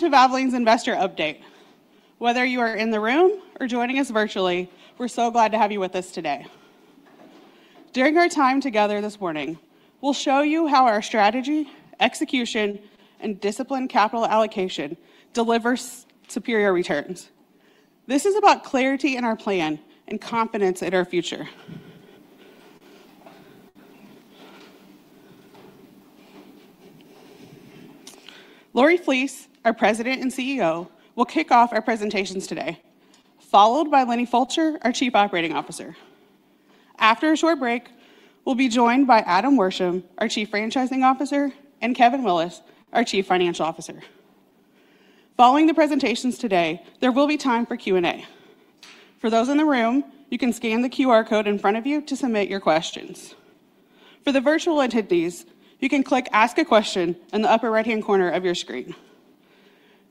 to Valvoline's investor update. Whether you are in the room or joining us virtually, we're so glad to have you with us today. During our time together this morning, we'll show you how our strategy, execution, and disciplined capital allocation deliver superior returns. This is about clarity in our plan and confidence in our future. Lori Flees, our President and Chief Executive Officer, will kick off our presentations today, followed by Linne Fulcher, our Chief Operating Officer. After a short break, we'll be joined by Adam Worsham, our Chief Franchising Officer, and Kevin Willis, our Chief Financial Officer. Following the presentations today, there will be time for Q&A. For those in the room, you can scan the QR code in front of you to submit your questions. For the virtual attendees, you can click "Ask a Question" in the upper right-hand corner of your screen.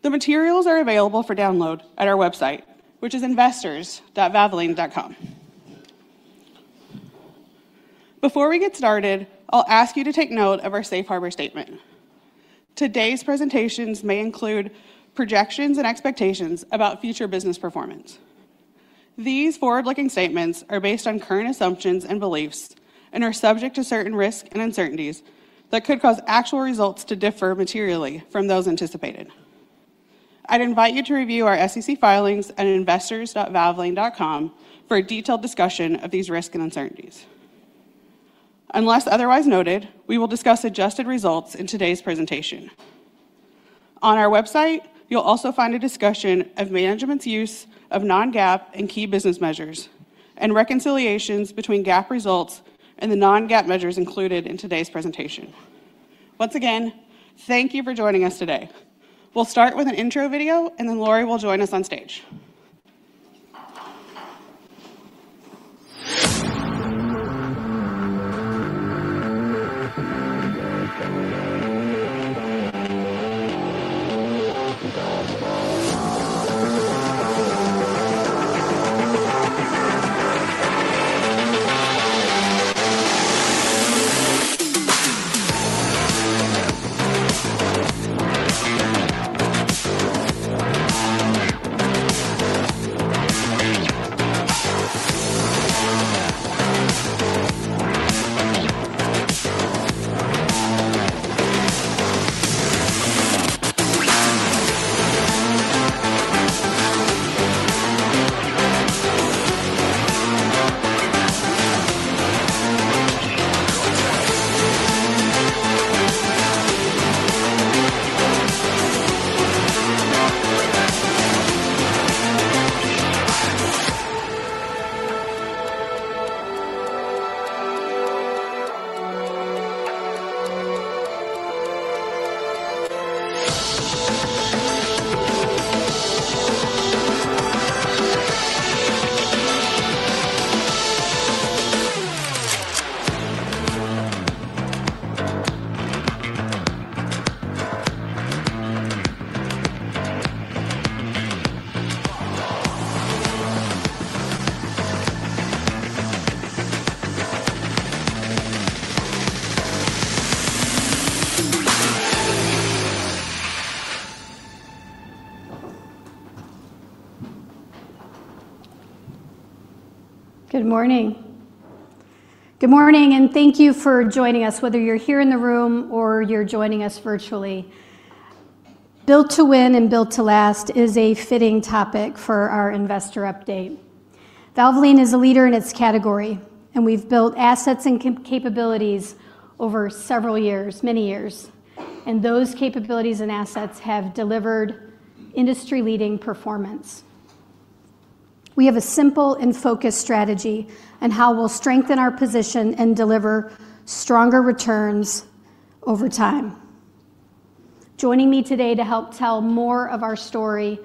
The materials are available for download at our website, which is investors.valvoline.com. Before we get started, I'll ask you to take note of our safe harbor statement. Today's presentations may include projections and expectations about future business performance. These forward-looking statements are based on current assumptions and beliefs and are subject to certain risks and uncertainties that could cause actual results to differ materially from those anticipated. I'd invite you to review our SEC filings at investors.valvoline.com for a detailed discussion of these risks and uncertainties. Unless otherwise noted, we will discuss adjusted results in today's presentation. On our website, you'll also find a discussion of management's use of non-GAAP and key business measures, and reconciliations between GAAP results and the non-GAAP measures included in today's presentation. Once again, thank you for joining us today. We'll start with an intro video, and then Lori will join us on stage. Good morning. Good morning, and thank you for joining us, whether you're here in the room or you're joining us virtually. Built to win and built to last is a fitting topic for our investor update. Valvoline is a leader in its category, and we've built assets and capabilities over several years, many years, and those capabilities and assets have delivered industry-leading performance. We have a simple and focused strategy on how we'll strengthen our position and deliver stronger returns over time. Joining me today to help tell more of our story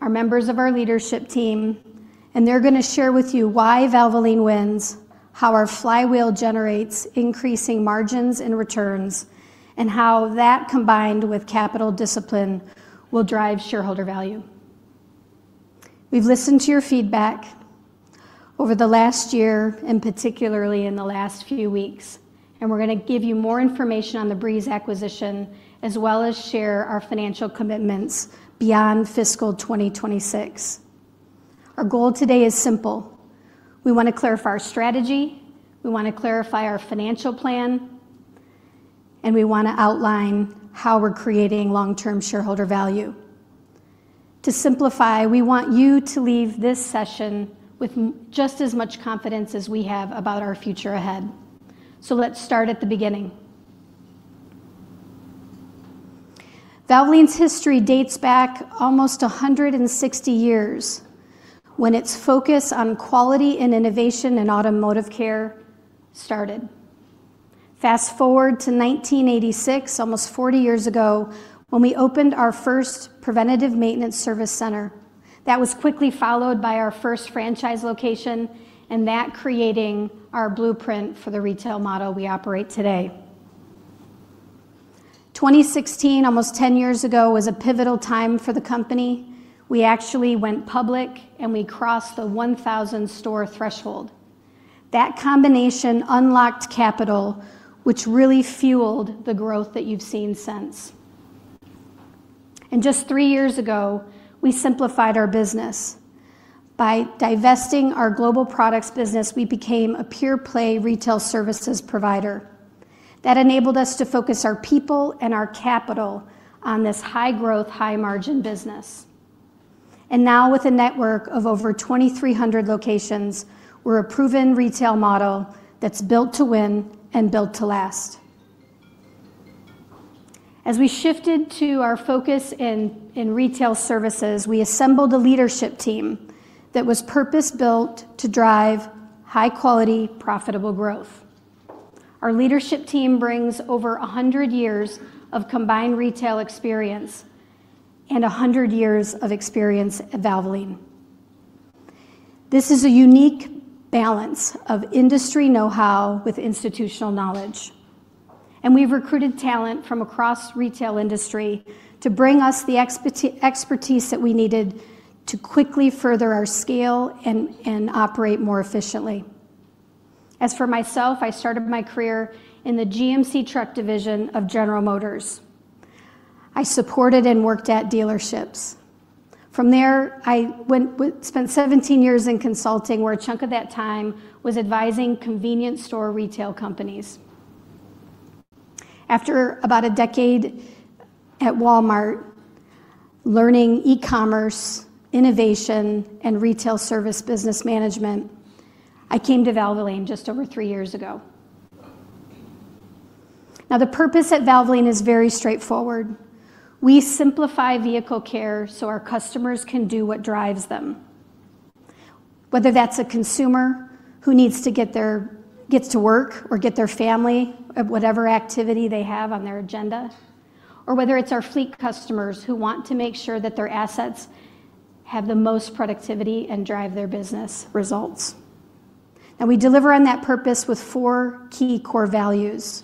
are members of our leadership team, and they're going to share with you why Valvoline wins, how our flywheel generates increasing margins and returns, and how that, combined with capital discipline, will drive shareholder value. We've listened to your feedback over the last year, and particularly in the last few weeks, and we're going to give you more information on The Breeze acquisition, as well as share our financial commitments beyond fiscal 2026. Our goal today is simple. We want to clarify our strategy, we want to clarify our financial plan, and we want to outline how we're creating long-term shareholder value. To simplify, we want you to leave this session with just as much confidence as we have about our future ahead. So let's start at the beginning. Valvoline's history dates back almost 160 years when its focus on quality and innovation in automotive care started. Fast forward to 1986, almost 40 years ago, when we opened our first preventative maintenance service center. That was quickly followed by our first franchise location, and that created our blueprint for the retail model we operate today. 2016, almost 10 years ago, was a pivotal time for the company. We actually went public, and we crossed the 1,000-store threshold. That combination unlocked capital, which really fueled the growth that you've seen since. And just three years ago, we simplified our business. By divesting our global products business, we became a pure-play retail services provider. That enabled us to focus our people and our capital on this high-growth, high-margin business. And now, with a network of over 2,300 locations, we're a proven retail model that's built to win and built to last. As we shifted to our focus in retail services, we assembled a leadership team that was purpose-built to drive high-quality, profitable growth. Our leadership team brings over 100 years of combined retail experience and 100 years of experience at Valvoline. This is a unique balance of industry know-how with institutional knowledge. And we've recruited talent from across the retail industry to bring us the expertise that we needed to quickly further our scale and operate more efficiently. As for myself, I started my career in the GMC truck division of General Motors. I supported and worked at dealerships. From there, I spent 17 years in consulting, where a chunk of that time was advising convenience store retail companies. After about a decade at Walmart, learning e-commerce, innovation, and retail service business management, I came to Valvoline just over three years ago. Now, the purpose at Valvoline is very straightforward. We simplify vehicle care so our customers can do what drives them. Whether that's a consumer who needs to get to work or get their family at whatever activity they have on their agenda, or whether it's our fleet customers who want to make sure that their assets have the most productivity and drive their business results. Now, we deliver on that purpose with four key core values: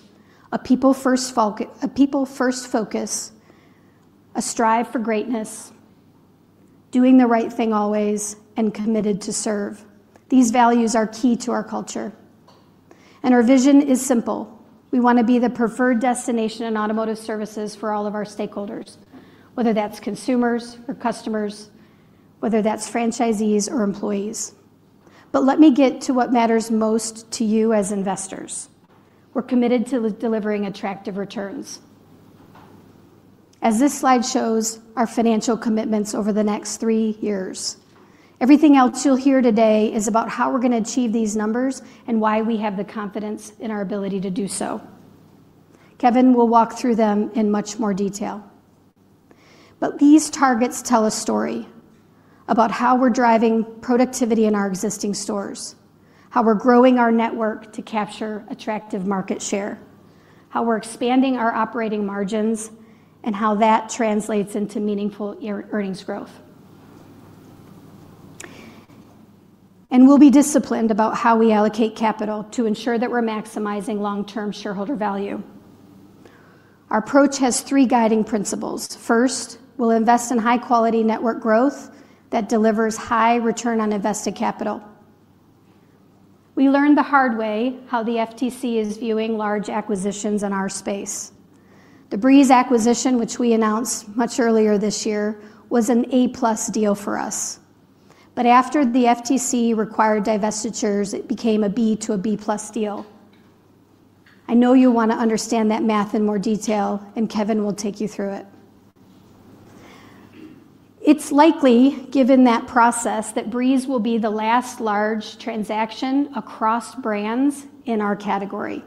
a people-first focus, a strive for greatness, doing the right thing always, and committed to serve. These values are key to our culture. And our vision is simple. We want to be the preferred destination in automotive services for all of our stakeholders, whether that's consumers or customers, whether that's franchisees or employees. But let me get to what matters most to you as investors. We're committed to delivering attractive returns. As this slide shows, our financial commitments over the next three years. Everything else you'll hear today is about how we're going to achieve these numbers and why we have the confidence in our ability to do so. Kevin will walk through them in much more detail, but these targets tell a story about how we're driving productivity in our existing stores, how we're growing our network to capture attractive market share, how we're expanding our operating margins, and how that translates into meaningful earnings growth, and we'll be disciplined about how we allocate capital to ensure that we're maximizing long-term shareholder value. Our approach has three guiding principles. First, we'll invest in high-quality network growth that delivers high return on invested capital. We learned the hard way how the FTC is viewing large acquisitions in our space. The Breeze acquisition, which we announced much earlier this year, was an A+ deal for us. But after the FTC required divestitures, it became a B-to-a-B+ deal. I know you want to understand that math in more detail, and Kevin will take you through it. It's likely, given that process, that Breeze will be the last large transaction across brands in our category.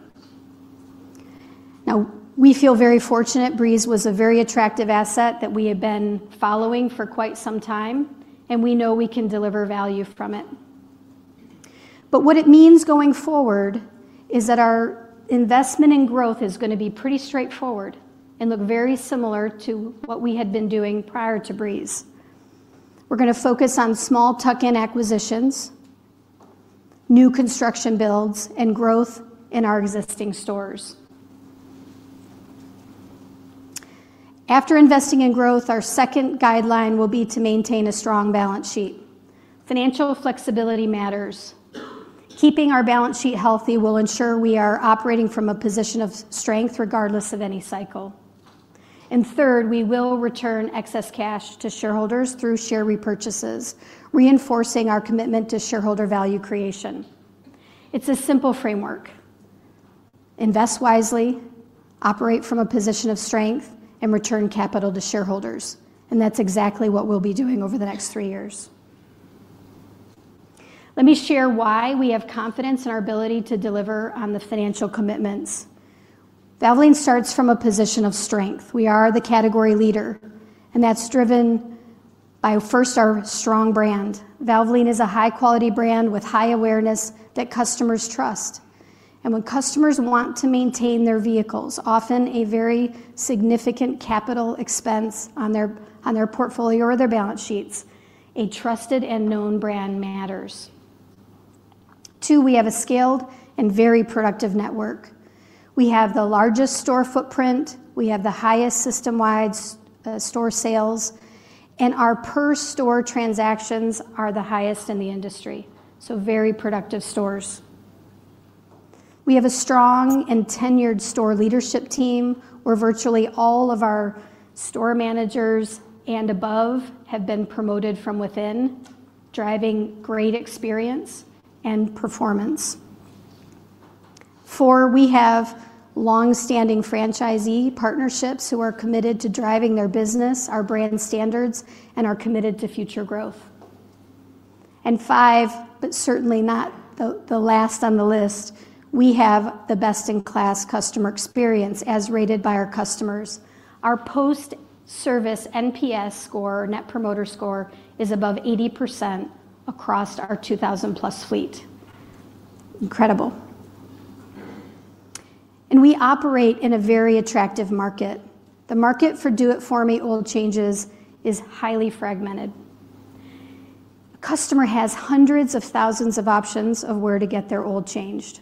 Now, we feel very fortunate Breeze was a very attractive asset that we have been following for quite some time, and we know we can deliver value from it. But what it means going forward is that our investment in growth is going to be pretty straightforward and look very similar to what we had been doing prior to Breeze. We're going to focus on small tuck-in acquisitions, new construction builds, and growth in our existing stores. After investing in growth, our second guideline will be to maintain a strong balance sheet. Financial flexibility matters. Keeping our balance sheet healthy will ensure we are operating from a position of strength regardless of any cycle, and third, we will return excess cash to shareholders through share repurchases, reinforcing our commitment to shareholder value creation. It's a simple framework. Invest wisely, operate from a position of strength, and return capital to shareholders, and that's exactly what we'll be doing over the next three years. Let me share why we have confidence in our ability to deliver on the financial commitments. Valvoline starts from a position of strength. We are the category leader, and that's driven by, first, our strong brand. Valvoline is a high-quality brand with high awareness that customers trust, and when customers want to maintain their vehicles, often a very significant capital expense on their portfolio or their balance sheets, a trusted and known brand matters. Two, we have a scaled and very productive network. We have the largest store footprint. We have the highest system-wide store sales, and our per-store transactions are the highest in the industry. So very productive stores. We have a strong and tenured store leadership team. We're virtually all of our store managers and above have been promoted from within, driving great experience and performance. Four, we have long-standing franchisee partnerships who are committed to driving their business, our brand standards, and are committed to future growth. And five, but certainly not the last on the list, we have the best-in-class customer experience as rated by our customers. Our post-service NPS score, Net Promoter Score, is above 80% across our 2,000+ fleet. Incredible. And we operate in a very attractive market. The market for Do It For Me oil changes is highly fragmented. A customer has hundreds of thousands of options of where to get their oil changed.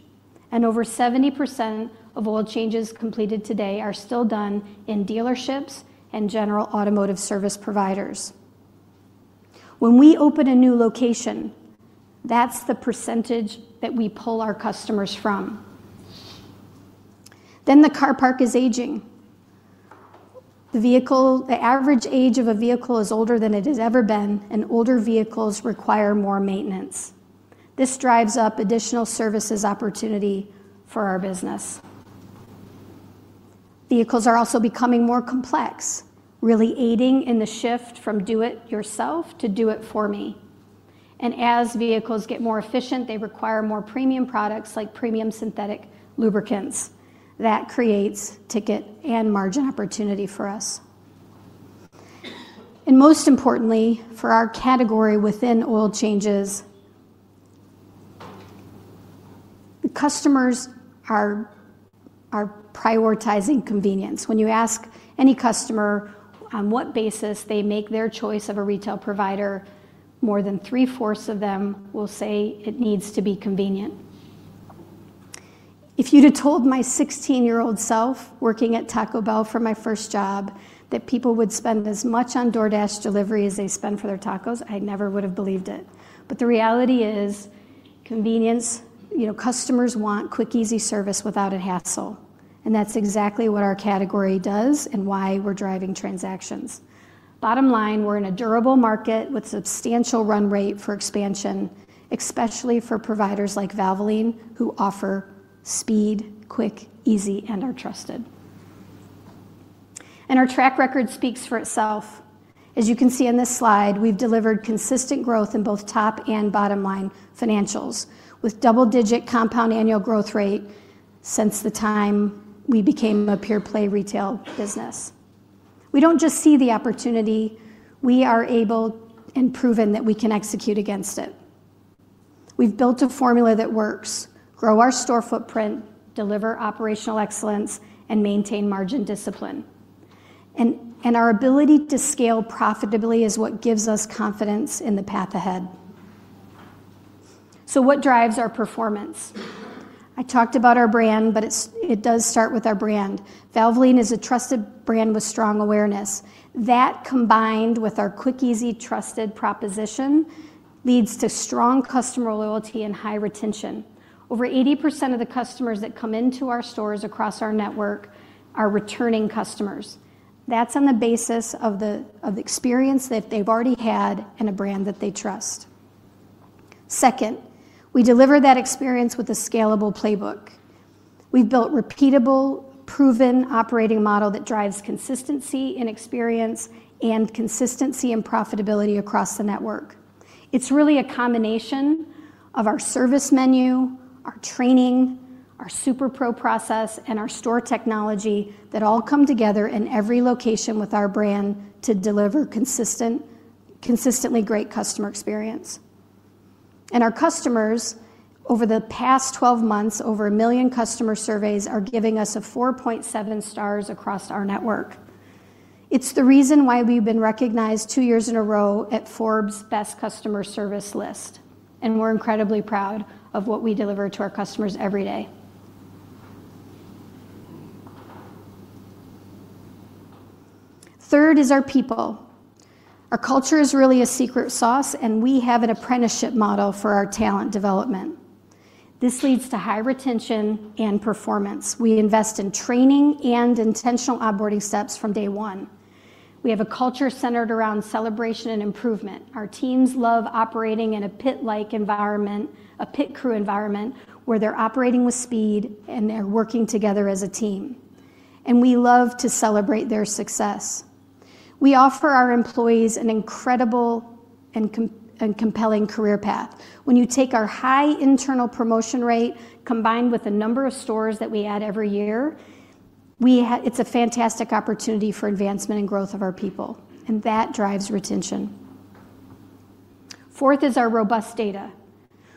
Over 70% of oil changes completed today are still done in dealerships and general automotive service providers. When we open a new location, that's the percentage that we pull our customers from. Then the car park is aging. The average age of a vehicle is older than it has ever been, and older vehicles require more maintenance. This drives up additional services opportunity for our business. Vehicles are also becoming more complex, really aiding in the shift from Do It Yourself to Do It For Me. As vehicles get more efficient, they require more premium products like premium synthetic lubricants. That creates ticket and margin opportunity for us. Most importantly, for our category within oil changes, the customers are prioritizing convenience. When you ask any customer on what basis they make their choice of a retail provider, more than three-fourths of them will say it needs to be convenient. If you'd have told my 16-year-old self working at Taco Bell for my first job that people would spend as much on DoorDash delivery as they spend for their tacos, I never would have believed it. But the reality is convenience. Customers want quick, easy service without a hassle. And that's exactly what our category does and why we're driving transactions. Bottom line, we're in a durable market with substantial run rate for expansion, especially for providers like Valvoline who offer speed, quick, easy, and are trusted. And our track record speaks for itself. As you can see on this slide, we've delivered consistent growth in both top and bottom-line financials with double-digit compound annual growth rate since the time we became a pure-play retail business. We don't just see the opportunity. We are able and proven that we can execute against it. We've built a formula that works: grow our store footprint, deliver operational excellence, and maintain margin discipline, and our ability to scale profitably is what gives us confidence in the path ahead, so what drives our performance? I talked about our brand, but it does start with our brand. Valvoline is a trusted brand with strong awareness. That, combined with our quick, easy, trusted proposition, leads to strong customer loyalty and high retention. Over 80% of the customers that come into our stores across our network are returning customers. That's on the basis of the experience that they've already had and a brand that they trust. Second, we deliver that experience with a scalable playbook. We've built a repeatable, proven operating model that drives consistency in experience and consistency in profitability across the network. It's really a combination of our service menu, our training, our SuperPro process, and our store technology that all come together in every location with our brand to deliver consistently great customer experience. And our customers, over the past 12 months, over a million customer surveys are giving us 4.7 stars across our network. It's the reason why we've been recognized two years in a row at Forbes' Best Customer Service List. And we're incredibly proud of what we deliver to our customers every day. Third is our people. Our culture is really a secret sauce, and we have an apprenticeship model for our talent development. This leads to high retention and performance. We invest in training and intentional onboarding steps from day one. We have a culture centered around celebration and improvement. Our teams love operating in a pit-like environment, a pit crew environment, where they're operating with speed and they're working together as a team. And we love to celebrate their success. We offer our employees an incredible and compelling career path. When you take our high internal promotion rate combined with the number of stores that we add every year, it's a fantastic opportunity for advancement and growth of our people. And that drives retention. Fourth is our robust data.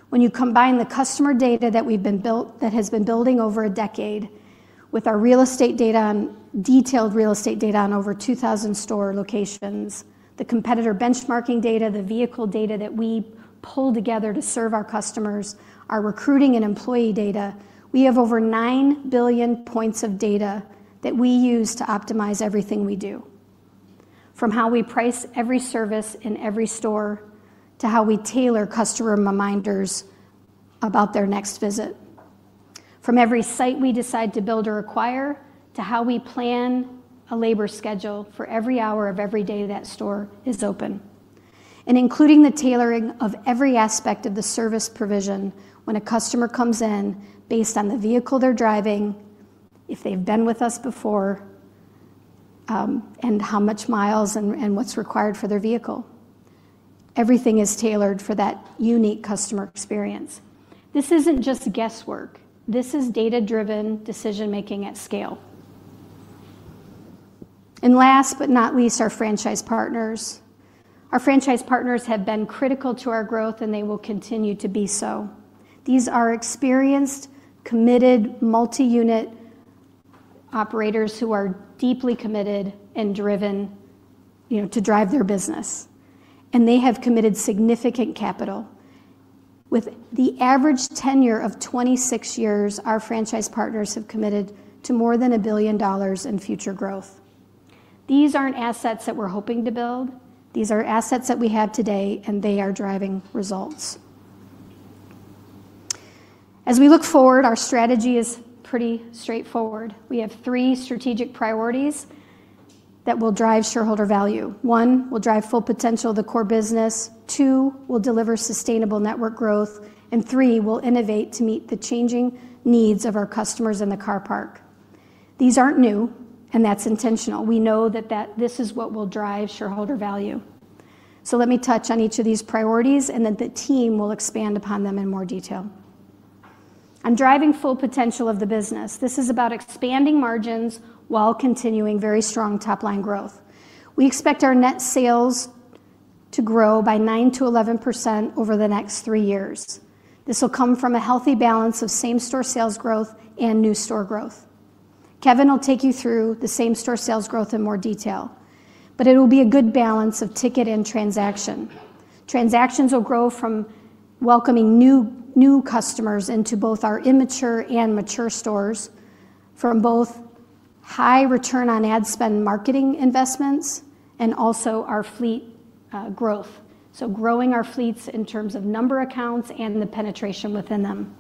When you combine the customer data that we've been building over a decade with our detailed real estate data on over 2,000 store locations, the competitor benchmarking data, the vehicle data that we pull together to serve our customers, our recruiting and employee data, we have over 9 billion points of data that we use to optimize everything we do. From how we price every service in every store to how we tailor customer reminders about their next visit. From every site we decide to build or acquire to how we plan a labor schedule for every hour of every day that store is open, and including the tailoring of every aspect of the service provision when a customer comes in based on the vehicle they're driving, if they've been with us before, and how much miles and what's required for their vehicle. Everything is tailored for that unique customer experience. This isn't just guesswork. This is data-driven decision-making at scale. And last but not least, our franchise partners. Our franchise partners have been critical to our growth, and they will continue to be so. These are experienced, committed, multi-unit operators who are deeply committed and driven to drive their business. And they have committed significant capital. With the average tenure of 26 years, our franchise partners have committed to more than $1 billion in future growth. These aren't assets that we're hoping to build. These are assets that we have today, and they are driving results. As we look forward, our strategy is pretty straightforward. We have three strategic priorities that will drive shareholder value. One will drive full potential of the core business. Two will deliver sustainable network growth. Three will innovate to meet the changing needs of our customers in the car park. These aren't new, and that's intentional. We know that this is what will drive shareholder value. Let me touch on each of these priorities, and then the team will expand upon them in more detail. I'm driving full potential of the business. This is about expanding margins while continuing very strong top-line growth. We expect our net sales to grow by 9%-11% over the next three years. This will come from a healthy balance of same-store sales growth and new store growth. Kevin will take you through the same-store sales growth in more detail. It will be a good balance of ticket and transaction. Transactions will grow from welcoming new customers into both our immature and mature stores, from both high return on ad spend marketing investments and also our fleet growth. So growing our fleets in terms of number accounts and the penetration within them.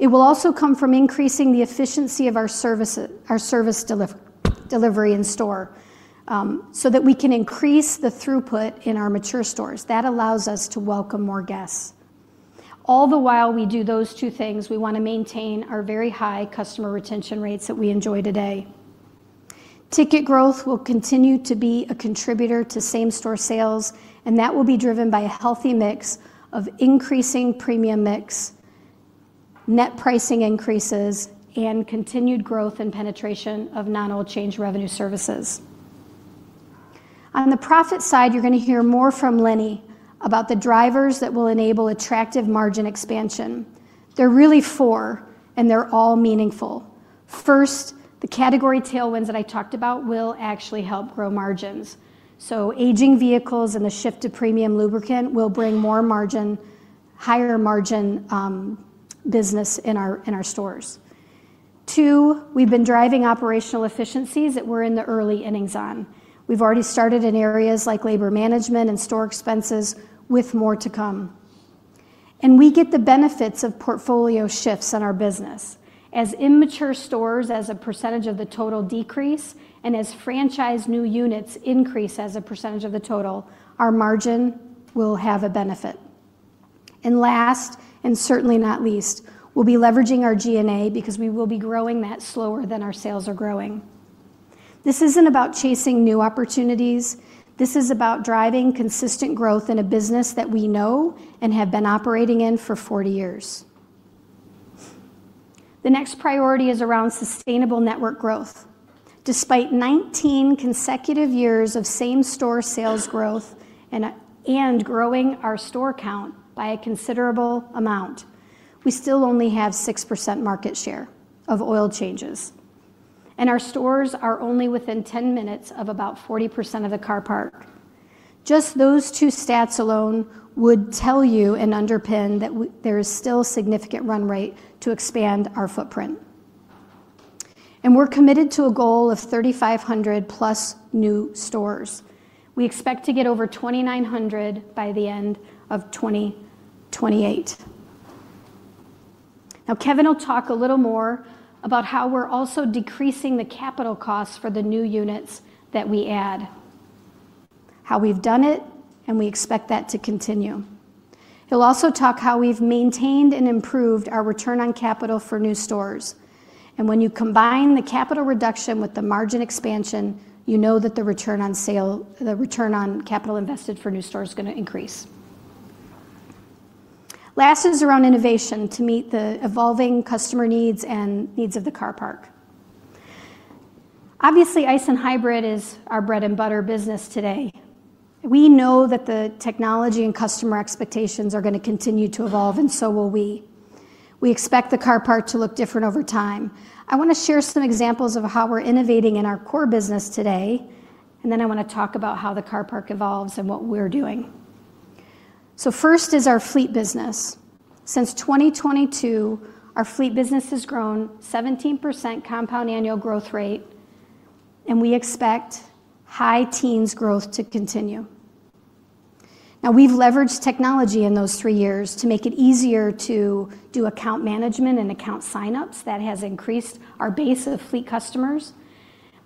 It will also come from increasing the efficiency of our service delivery in store so that we can increase the throughput in our mature stores. That allows us to welcome more guests. All the while we do those two things, we want to maintain our very high customer retention rates that we enjoy today. Ticket growth will continue to be a contributor to same-store sales, and that will be driven by a healthy mix of increasing premium mix, net pricing increases, and continued growth and penetration of non-oil change revenue services. On the profit side, you're going to hear more from Linne about the drivers that will enable attractive margin expansion. There are really four, and they're all meaningful. First, the category tailwinds that I talked about will actually help grow margins. So aging vehicles and the shift to premium lubricant will bring more margin, higher margin business in our stores. Two, we've been driving operational efficiencies that we're in the early innings on. We've already started in areas like labor management and store expenses with more to come. And we get the benefits of portfolio shifts in our business. As immature stores as a percentage of the total decrease and as franchise new units increase as a percentage of the total, our margin will have a benefit. And last, and certainly not least, we'll be leveraging our G&A because we will be growing that slower than our sales are growing. This isn't about chasing new opportunities. This is about driving consistent growth in a business that we know and have been operating in for 40 years. The next priority is around sustainable network growth. Despite 19 consecutive years of same-store sales growth and growing our store count by a considerable amount, we still only have 6% market share of oil changes. And our stores are only within 10 minutes of about 40% of the car park. Just those two stats alone would tell you and underpin that there is still significant run rate to expand our footprint. And we're committed to a goal of 3,500+ new stores. We expect to get over 2,900 by the end of 2028. Now, Kevin will talk a little more about how we're also decreasing the capital costs for the new units that we add, how we've done it, and we expect that to continue. He'll also talk about how we've maintained and improved our return on capital for new stores. And when you combine the capital reduction with the margin expansion, you know that the return on capital invested for new stores is going to increase. Last is around innovation to meet the evolving customer needs and needs of the car park. Obviously, ICE and hybrid is our bread and butter business today. We know that the technology and customer expectations are going to continue to evolve, and so will we. We expect the car park to look different over time. I want to share some examples of how we're innovating in our core business today. And then I want to talk about how the car park evolves and what we're doing. So first is our fleet business. Since 2022, our fleet business has grown 17% compound annual growth rate. And we expect high teens growth to continue. Now, we've leveraged technology in those three years to make it easier to do account management and account signups. That has increased our base of fleet customers.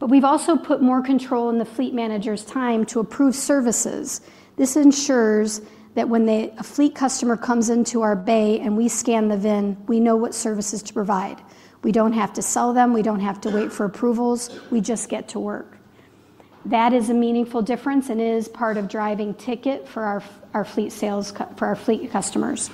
But we've also put more control in the fleet manager's time to approve services. This ensures that when a fleet customer comes into our bay and we scan the VIN, we know what services to provide. We don't have to sell them. We don't have to wait for approvals. We just get to work. That is a meaningful difference and is part of driving ticket for our fleet customers.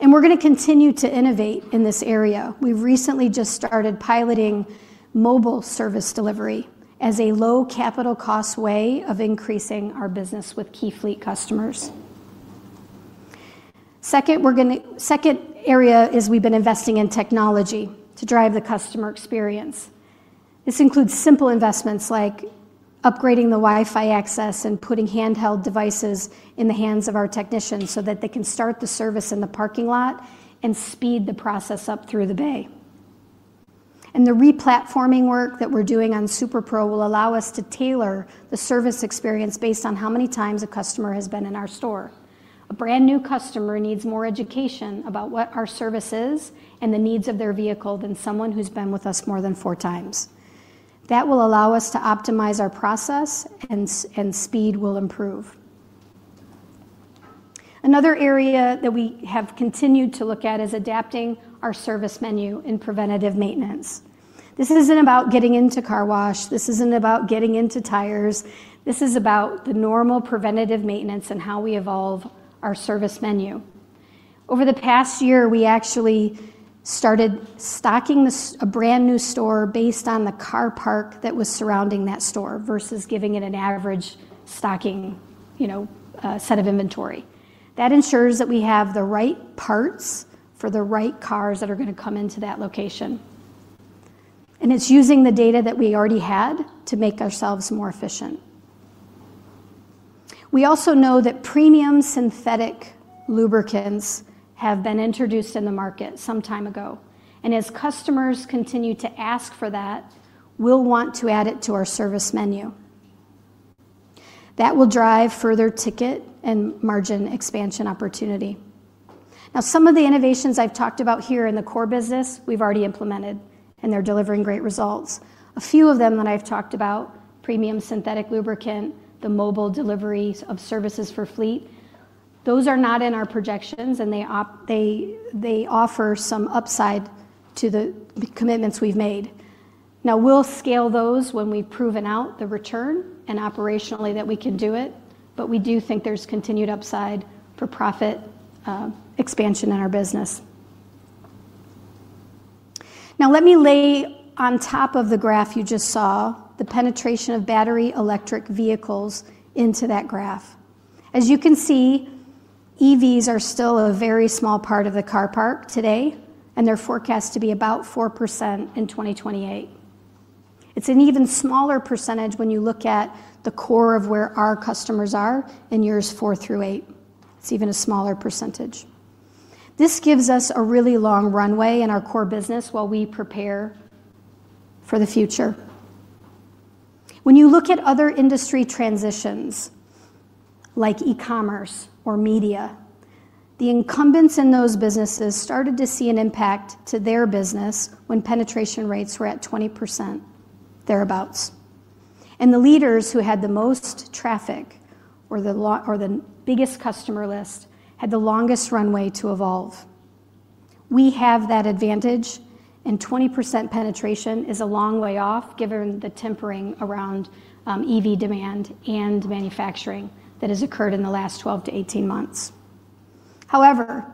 And we're going to continue to innovate in this area. We've recently just started piloting mobile service delivery as a low capital cost way of increasing our business with key fleet customers. Second area is we've been investing in technology to drive the customer experience. This includes simple investments like upgrading the Wi-Fi access and putting handheld devices in the hands of our technicians so that they can start the service in the parking lot and speed the process up through the bay. And the replatforming work that we're doing on SuperPro will allow us to tailor the service experience based on how many times a customer has been in our store. A brand new customer needs more education about what our service is and the needs of their vehicle than someone who's been with us more than four times. That will allow us to optimize our process, and speed will improve. Another area that we have continued to look at is adapting our service menu and preventative maintenance. This isn't about getting into car wash. This isn't about getting into tires. This is about the normal preventative maintenance and how we evolve our service menu. Over the past year, we actually started stocking a brand new store based on the car park that was surrounding that store versus giving it an average stocking set of inventory. That ensures that we have the right parts for the right cars that are going to come into that location. And it's using the data that we already had to make ourselves more efficient. We also know that premium synthetic lubricants have been introduced in the market some time ago. And as customers continue to ask for that, we'll want to add it to our service menu. That will drive further ticket and margin expansion opportunity. Now, some of the innovations I've talked about here in the core business, we've already implemented, and they're delivering great results. A few of them that I've talked about, premium synthetic lubricant, the mobile delivery of services for fleet, those are not in our projections, and they offer some upside to the commitments we've made. Now, we'll scale those when we've proven out the return and operationally that we can do it. But we do think there's continued upside for profit expansion in our business. Now, let me lay on top of the graph you just saw the penetration of battery electric vehicles into that graph. As you can see, EVs are still a very small part of the car park today, and they're forecast to be about 4% in 2028. It's an even smaller percentage when you look at the core of where our customers are and yours four through eight. It's even a smaller percentage. This gives us a really long runway in our core business while we prepare for the future. When you look at other industry transitions like e-commerce or media, the incumbents in those businesses started to see an impact to their business when penetration rates were at 20%, thereabouts, and the leaders who had the most traffic or the biggest customer list had the longest runway to evolve. We have that advantage, and 20% penetration is a long way off given the tempering around EV demand and manufacturing that has occurred in the last 12-18 months. However,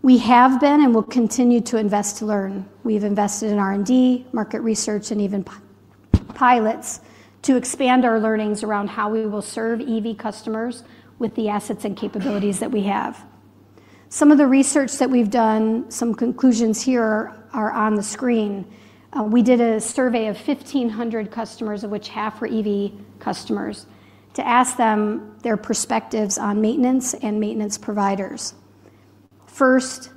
we have been and will continue to invest to learn. We've invested in R&D, market research, and even pilots to expand our learnings around how we will serve EV customers with the assets and capabilities that we have. Some of the research that we've done, some conclusions here are on the screen. We did a survey of 1,500 customers, of which half were EV customers, to ask them their perspectives on maintenance and maintenance providers. First,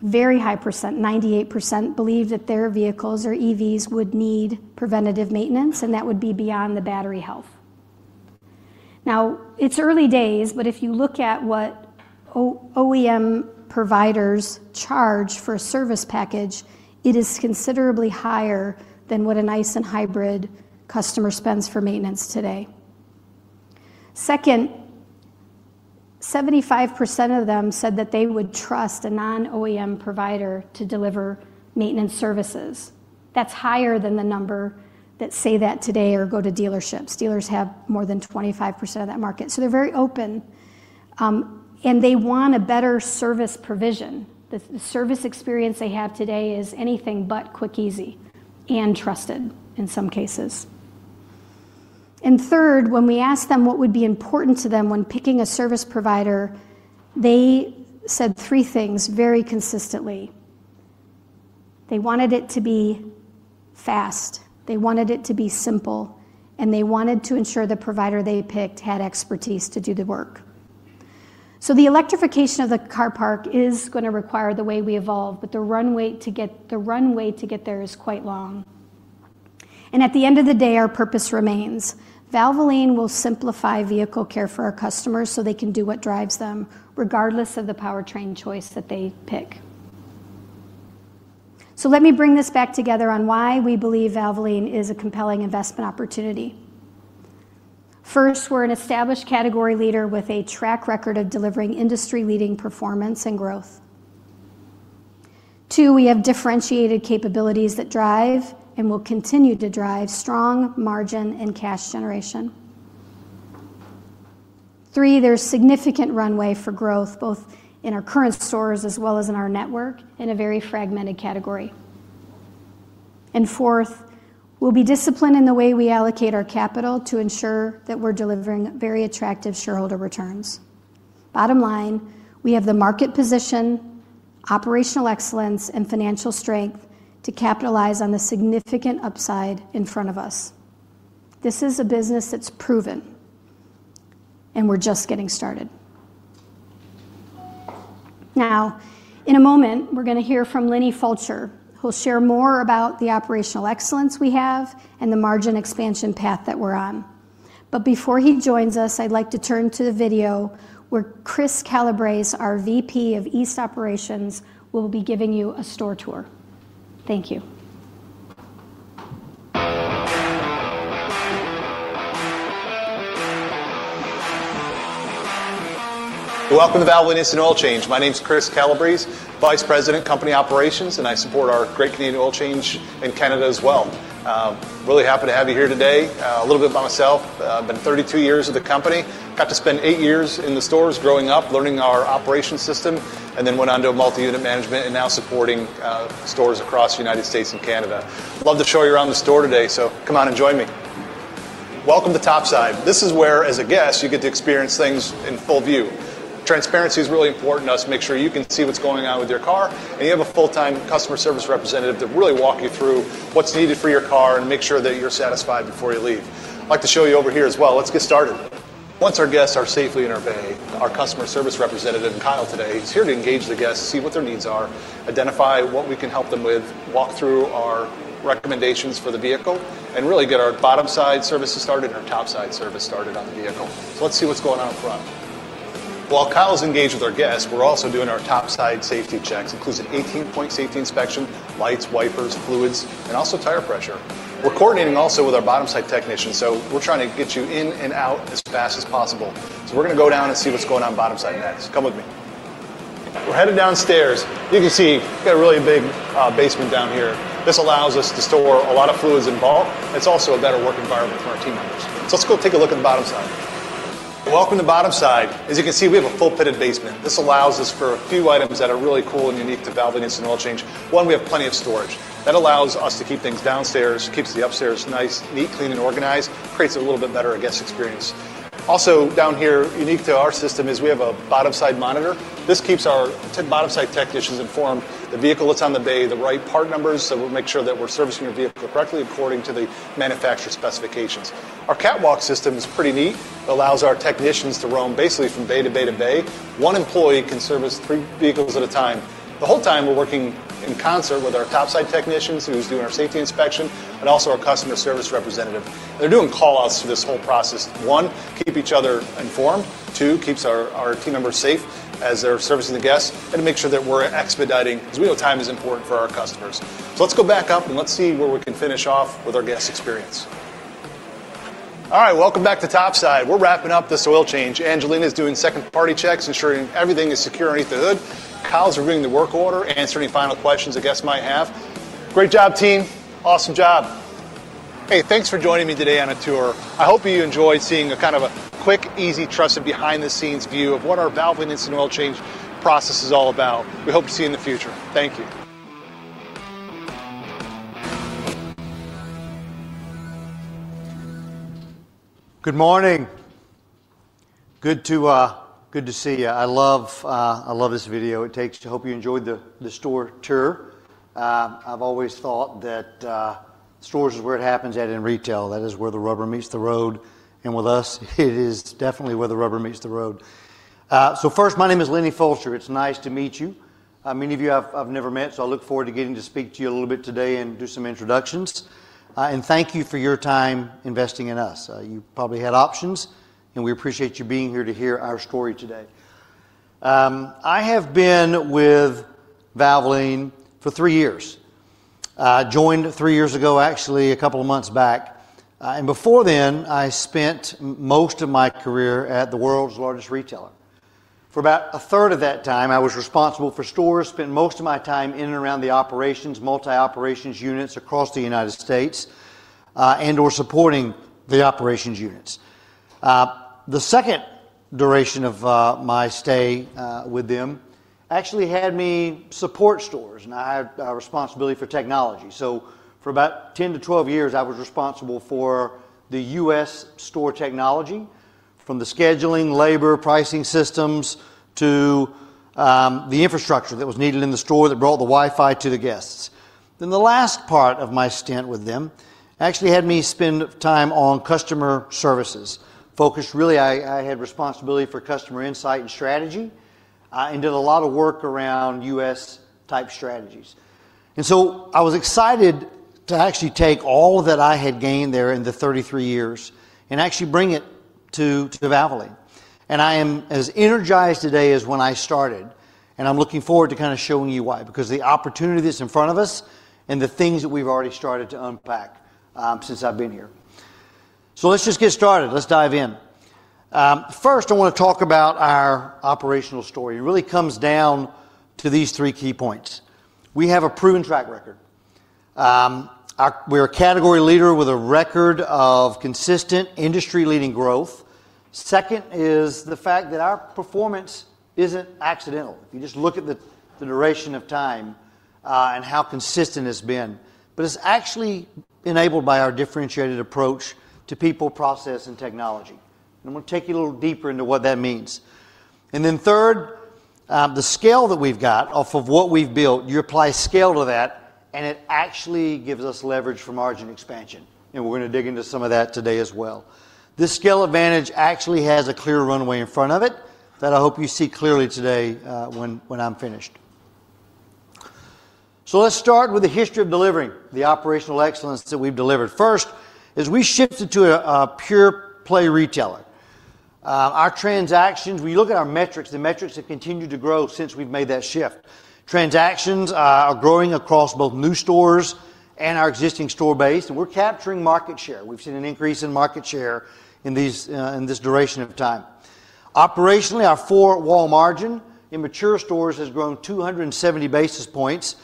very high percent, 98%, believe that their vehicles or EVs would need preventative maintenance, and that would be beyond the battery health. Now, it's early days, but if you look at what OEM providers charge for a service package, it is considerably higher than what an ICE and hybrid customer spends for maintenance today. Second, 75% of them said that they would trust a non-OEM provider to deliver maintenance services. That's higher than the number that say that today or go to dealerships. Dealers have more than 25% of that market. So they're very open, and they want a better service provision. The service experience they have today is anything but quick, easy, and trusted in some cases. And third, when we asked them what would be important to them when picking a service provider, they said three things very consistently. They wanted it to be fast. They wanted it to be simple, and they wanted to ensure the provider they picked had expertise to do the work. So the electrification of the car park is going to require the way we evolve, but the runway to get there is quite long. And at the end of the day, our purpose remains. Valvoline will simplify vehicle care for our customers so they can do what drives them regardless of the powertrain choice that they pick. So let me bring this back together on why we believe Valvoline is a compelling investment opportunity. First, we're an established category leader with a track record of delivering industry-leading performance and growth. Two, we have differentiated capabilities that drive and will continue to drive strong margin and cash generation. Three, there's significant runway for growth both in our current stores as well as in our network in a very fragmented category. And fourth, we'll be disciplined in the way we allocate our capital to ensure that we're delivering very attractive shareholder returns. Bottom line, we have the market position, operational excellence, and financial strength to capitalize on the significant upside in front of us. This is a business that's proven, and we're just getting started. Now, in a moment, we're going to hear from Linne Fulcher, who'll share more about the operational excellence we have and the margin expansion path that we're on. Before he joins us, I'd like to turn to the video where Chris Calabrese, our VP of East Operations, will be giving you a store tour. Thank you. Welcome to Valvoline Instant Oil Change. My name is Chris Calabrese, Vice President, Company Operations, and I support our great Canadian Oil Change in Canada as well. Really happy to have you here today. A little bit about myself. I've been 32 years with the company. Got to spend eight years in the stores growing up, learning our operating system, and then went on to multi-unit management and now supporting stores across the United States and Canada. Love to show you around the store today, so come on and join me. Welcome to top side. This is where, as a guest, you get to experience things in full view. Transparency is really important to us. Make sure you can see what's going on with your car, and you have a full-time customer service representative to really walk you through what's needed for your car and make sure that you're satisfied before you leave. I'd like to show you over here as well. Let's get started. Once our guests are safely in our bay, our customer service representative, Kyle, today is here to engage the guests, see what their needs are, identify what we can help them with, walk through our recommendations for the vehicle, and really get our bottom-side services started and our top-side service started on the vehicle. So let's see what's going on up front. While Kyle's engaged with our guests, we're also doing our top-side safety checks, including an 18-point safety inspection, lights, wipers, fluids, and also tire pressure. We're coordinating also with our bottom-side technicians, so we're trying to get you in and out as fast as possible. So we're going to go down and see what's going on bottom-side next. Come with me. We're headed downstairs. You can see we've got a really big basement down here. This allows us to store a lot of fluids and bulk. It's also a better work environment for our team members. So let's go take a look at the bottom side. Welcome to the bottom side. As you can see, we have a full-pitted basement. This allows us for a few items that are really cool and unique to Valvoline Instant Oil Change. One, we have plenty of storage. That allows us to keep things downstairs, keeps the upstairs nice, neat, clean, and organized, creates a little bit better guest experience. Also, down here, unique to our system is we have a bottom-side monitor. This keeps our bottom-side technicians informed the vehicle that's on the bay, the right part numbers, so we'll make sure that we're servicing your vehicle correctly according to the manufacturer specifications. Our catwalk system is pretty neat. It allows our technicians to roam basically from bay to bay to bay. One employee can service three vehicles at a time. The whole time, we're working in concert with our top-side technicians who's doing our safety inspection and also our customer service representative. They're doing call-outs to this whole process. One, keep each other informed. Two, keeps our team members safe as they're servicing the guests and to make sure that we're expediting because we know time is important for our customers. So let's go back up and let's see where we can finish off with our guest experience. All right, welcome back to top side. We're wrapping up this oil change. Angelina is doing second-party checks, ensuring everything is secure underneath the hood. Kyle's reviewing the work order, answering any final questions the guests might have. Great job, team. Awesome job. Hey, thanks for joining me today on a tour. I hope you enjoyed seeing a kind of a quick, easy, trusted behind-the-scenes view of what our Valvoline Instant Oil Change process is all about. We hope to see you in the future. Thank you. Good morning. Good to see you. I love this video. I hope you enjoyed the store tour. I've always thought that stores is where it happens at in retail. That is where the rubber meets the road, and with us, it is definitely where the rubber meets the road, so first, my name is Linne Fulcher. It's nice to meet you. Many of you, I've never met, so I look forward to getting to speak to you a little bit today and do some introductions, and thank you for your time investing in us. You probably had options, and we appreciate you being here to hear our story today. I have been with Valvoline for three years. I joined three years ago, actually a couple of months back, and before then, I spent most of my career at the world's largest retailer. For about a third of that time, I was responsible for stores, spent most of my time in and around the operations, multi-operations units across the United States, and or supporting the operations units. The second duration of my stay with them actually had me support stores, and I had responsibility for technology. So for about 10 to 12 years, I was responsible for the U.S. store technology from the scheduling, labor, pricing systems to the infrastructure that was needed in the store that brought the Wi-Fi to the guests. Then the last part of my stint with them actually had me spend time on customer services, focused, really, I had responsibility for customer insight and strategy and did a lot of work around U.S.-type strategies, and so I was excited to actually take all that I had gained there in the 33 years and actually bring it to Valvoline. And I am as energized today as when I started, and I'm looking forward to kind of showing you why, because of the opportunity that's in front of us and the things that we've already started to unpack since I've been here. So let's just get started. Let's dive in. First, I want to talk about our operational story. It really comes down to these three key points. We have a proven track record. We're a category leader with a record of consistent industry-leading growth. Second is the fact that our performance isn't accidental. If you just look at the duration of time and how consistent it's been, but it's actually enabled by our differentiated approach to people, process, and technology. And I'm going to take you a little deeper into what that means. And then third, the scale that we've got off of what we've built. You apply scale to that, and it actually gives us leverage for margin expansion. And we're going to dig into some of that today as well. This scale advantage actually has a clear runway in front of it that I hope you see clearly today when I'm finished. So let's start with the history of delivering the operational excellence that we've delivered. First is we shifted to a pure-play retailer. Our transactions, we look at our metrics, the metrics have continued to grow since we've made that shift. Transactions are growing across both new stores and our existing store base, and we're capturing market share. We've seen an increase in market share in this duration of time. Operationally, our four-wall margin in mature stores has grown 270 basis points.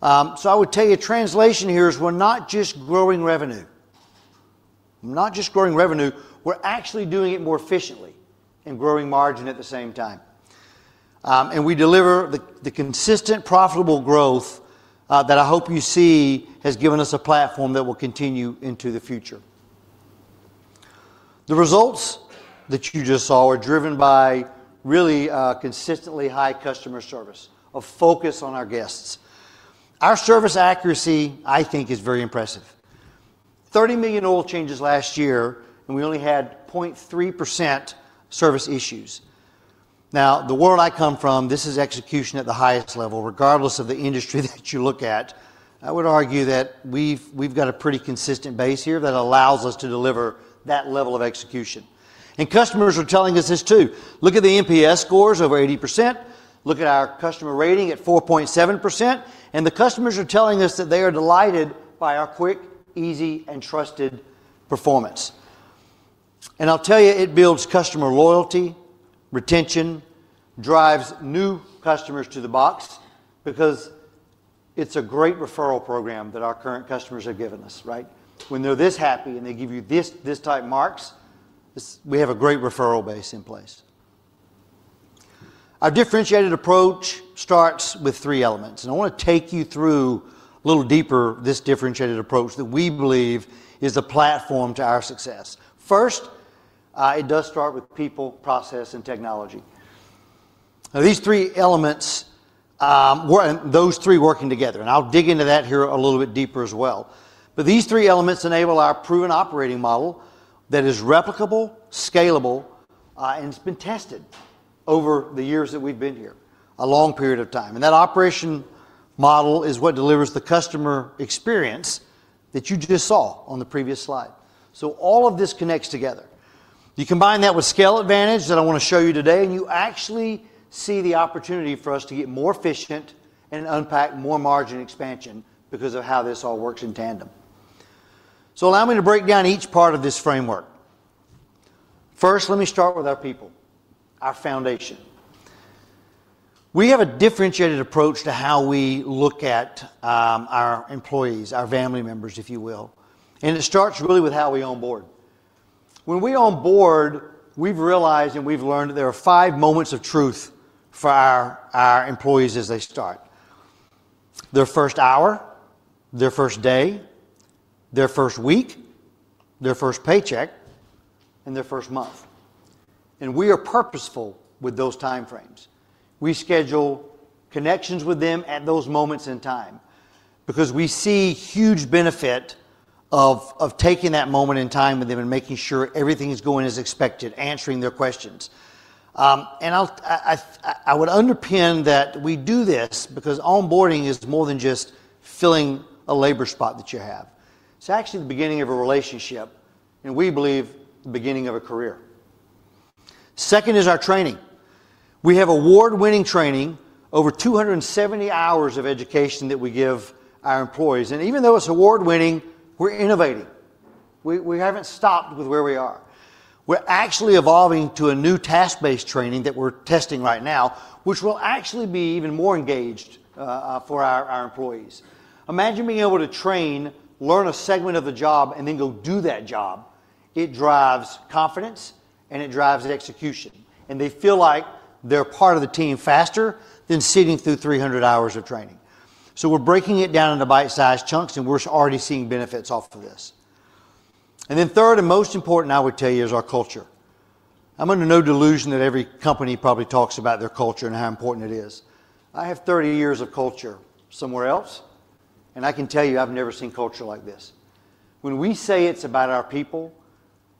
So I would tell you translation here is we're not just growing revenue. We're not just growing revenue. We're actually doing it more efficiently and growing margin at the same time. And we deliver the consistent, profitable growth that I hope you see has given us a platform that will continue into the future. The results that you just saw are driven by really consistently high customer service, a focus on our guests. Our service accuracy, I think, is very impressive. 30 million oil changes last year, and we only had 0.3% service issues. Now, the world I come from, this is execution at the highest level, regardless of the industry that you look at. I would argue that we've got a pretty consistent base here that allows us to deliver that level of execution. And customers are telling us this too. Look at the NPS scores over 80%. Look at our customer rating at 4.7%, and the customers are telling us that they are delighted by our quick, easy, and trusted performance, and I'll tell you, it builds customer loyalty, retention, drives new customers to the box because it's a great referral program that our current customers have given us, right? When they're this happy and they give you this type marks, we have a great referral base in place. Our differentiated approach starts with three elements, and I want to take you through a little deeper this differentiated approach that we believe is the platform to our success. First, it does start with people, process, and technology. Now, these three elements were those three working together, and I'll dig into that here a little bit deeper as well. But these three elements enable our proven operating model that is replicable, scalable, and it's been tested over the years that we've been here, a long period of time. And that operating model is what delivers the customer experience that you just saw on the previous slide. So all of this connects together. You combine that with scale advantage that I want to show you today, and you actually see the opportunity for us to get more efficient and unpack more margin expansion because of how this all works in tandem. So allow me to break down each part of this framework. First, let me start with our people, our foundation. We have a differentiated approach to how we look at our employees, our family members, if you will. And it starts really with how we onboard. When we onboard, we've realized and we've learned that there are five moments of truth for our employees as they start: their first hour, their first day, their first week, their first paycheck, and their first month, and we are purposeful with those time frames. We schedule connections with them at those moments in time because we see huge benefit of taking that moment in time with them and making sure everything is going as expected, answering their questions, and I would underpin that we do this because onboarding is more than just filling a labor spot that you have. It's actually the beginning of a relationship, and we believe the beginning of a career. Second is our training. We have award-winning training, over 270 hours of education that we give our employees, and even though it's award-winning, we're innovating. We haven't stopped with where we are. We're actually evolving to a new task-based training that we're testing right now, which will actually be even more engaged for our employees. Imagine being able to train, learn a segment of the job, and then go do that job. It drives confidence, and it drives execution. And they feel like they're part of the team faster than sitting through 300 hours of training. So we're breaking it down into bite-sized chunks, and we're already seeing benefits off of this. And then third, and most important, I would tell you, is our culture. I'm under no delusion that every company probably talks about their culture and how important it is. I have 30 years of culture somewhere else, and I can tell you I've never seen culture like this. When we say it's about our people,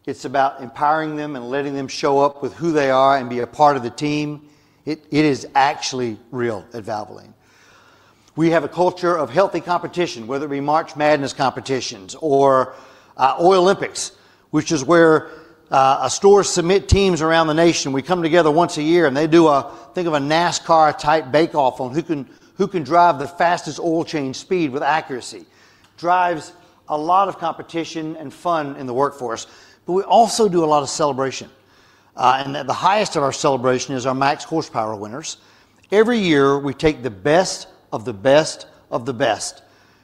it's about empowering them and letting them show up with who they are and be a part of the team. It is actually real at Valvoline. We have a culture of healthy competition, whether it be March Madness competitions or Oil Olympics, which is where stores submit teams around the nation. We come together once a year, and they do a thing of a NASCAR-type bake-off on who can drive the fastest oil change speed with accuracy. Drives a lot of competition and fun in the workforce. We also do a lot of celebration, and the highest of our celebration is our Max Horsepower winners. Every year, we take the best of the best of the best,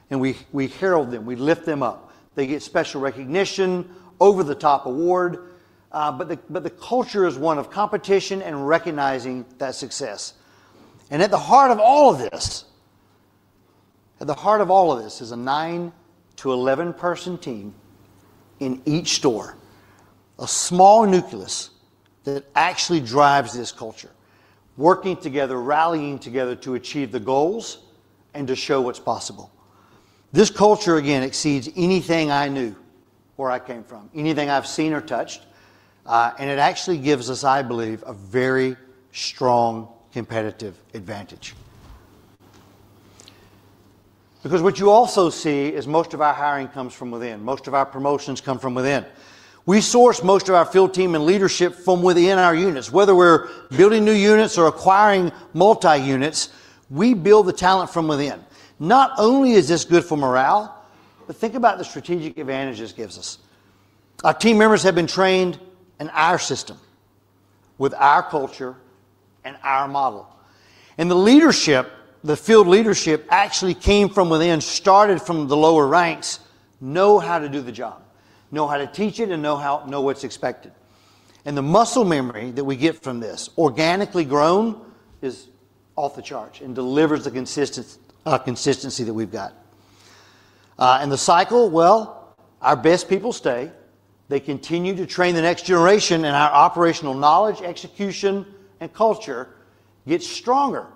and we herald them. We lift them up. They get special recognition, over-the-top award. The culture is one of competition and recognizing that success. And at the heart of all of this, at the heart of all of this is a nine to 11-person team in each store, a small nucleus that actually drives this culture, working together, rallying together to achieve the goals and to show what's possible. This culture, again, exceeds anything I knew where I came from, anything I've seen or touched. And it actually gives us, I believe, a very strong competitive advantage. Because what you also see is most of our hiring comes from within. Most of our promotions come from within. We source most of our field team and leadership from within our units. Whether we're building new units or acquiring multi-units, we build the talent from within. Not only is this good for morale, but think about the strategic advantages it gives us. Our team members have been trained in our system with our culture and our model, and the leadership, the field leadership, actually came from within, started from the lower ranks, know how to do the job, know how to teach it, and know what's expected, and the muscle memory that we get from this, organically grown, is off the charts and delivers the consistency that we've got, and the cycle, well, our best people stay. They continue to train the next generation, and our operational knowledge, execution, and culture get stronger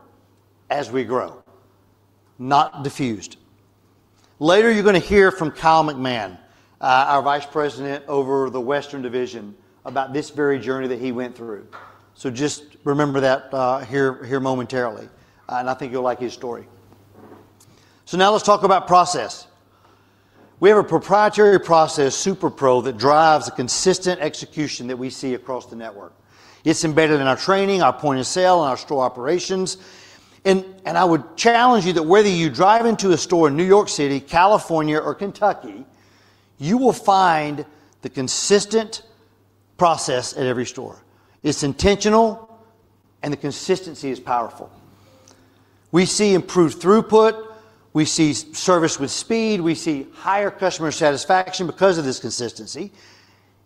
as we grow, not diffused. Later, you're going to hear from Kyle McMahon, our Vice President of the Western Division, about this very journey that he went through, so just remember that here momentarily, and I think you'll like his story, so now let's talk about process. We have a proprietary process, S uperPro, that drives the consistent execution that we see across the network. It's embedded in our training, our point of sale, and our store operations, and I would challenge you that whether you drive into a store in New York City, California, or Kentucky, you will find the consistent process at every store. It's intentional, and the consistency is powerful. We see improved throughput. We see service with speed. We see higher customer satisfaction because of this consistency,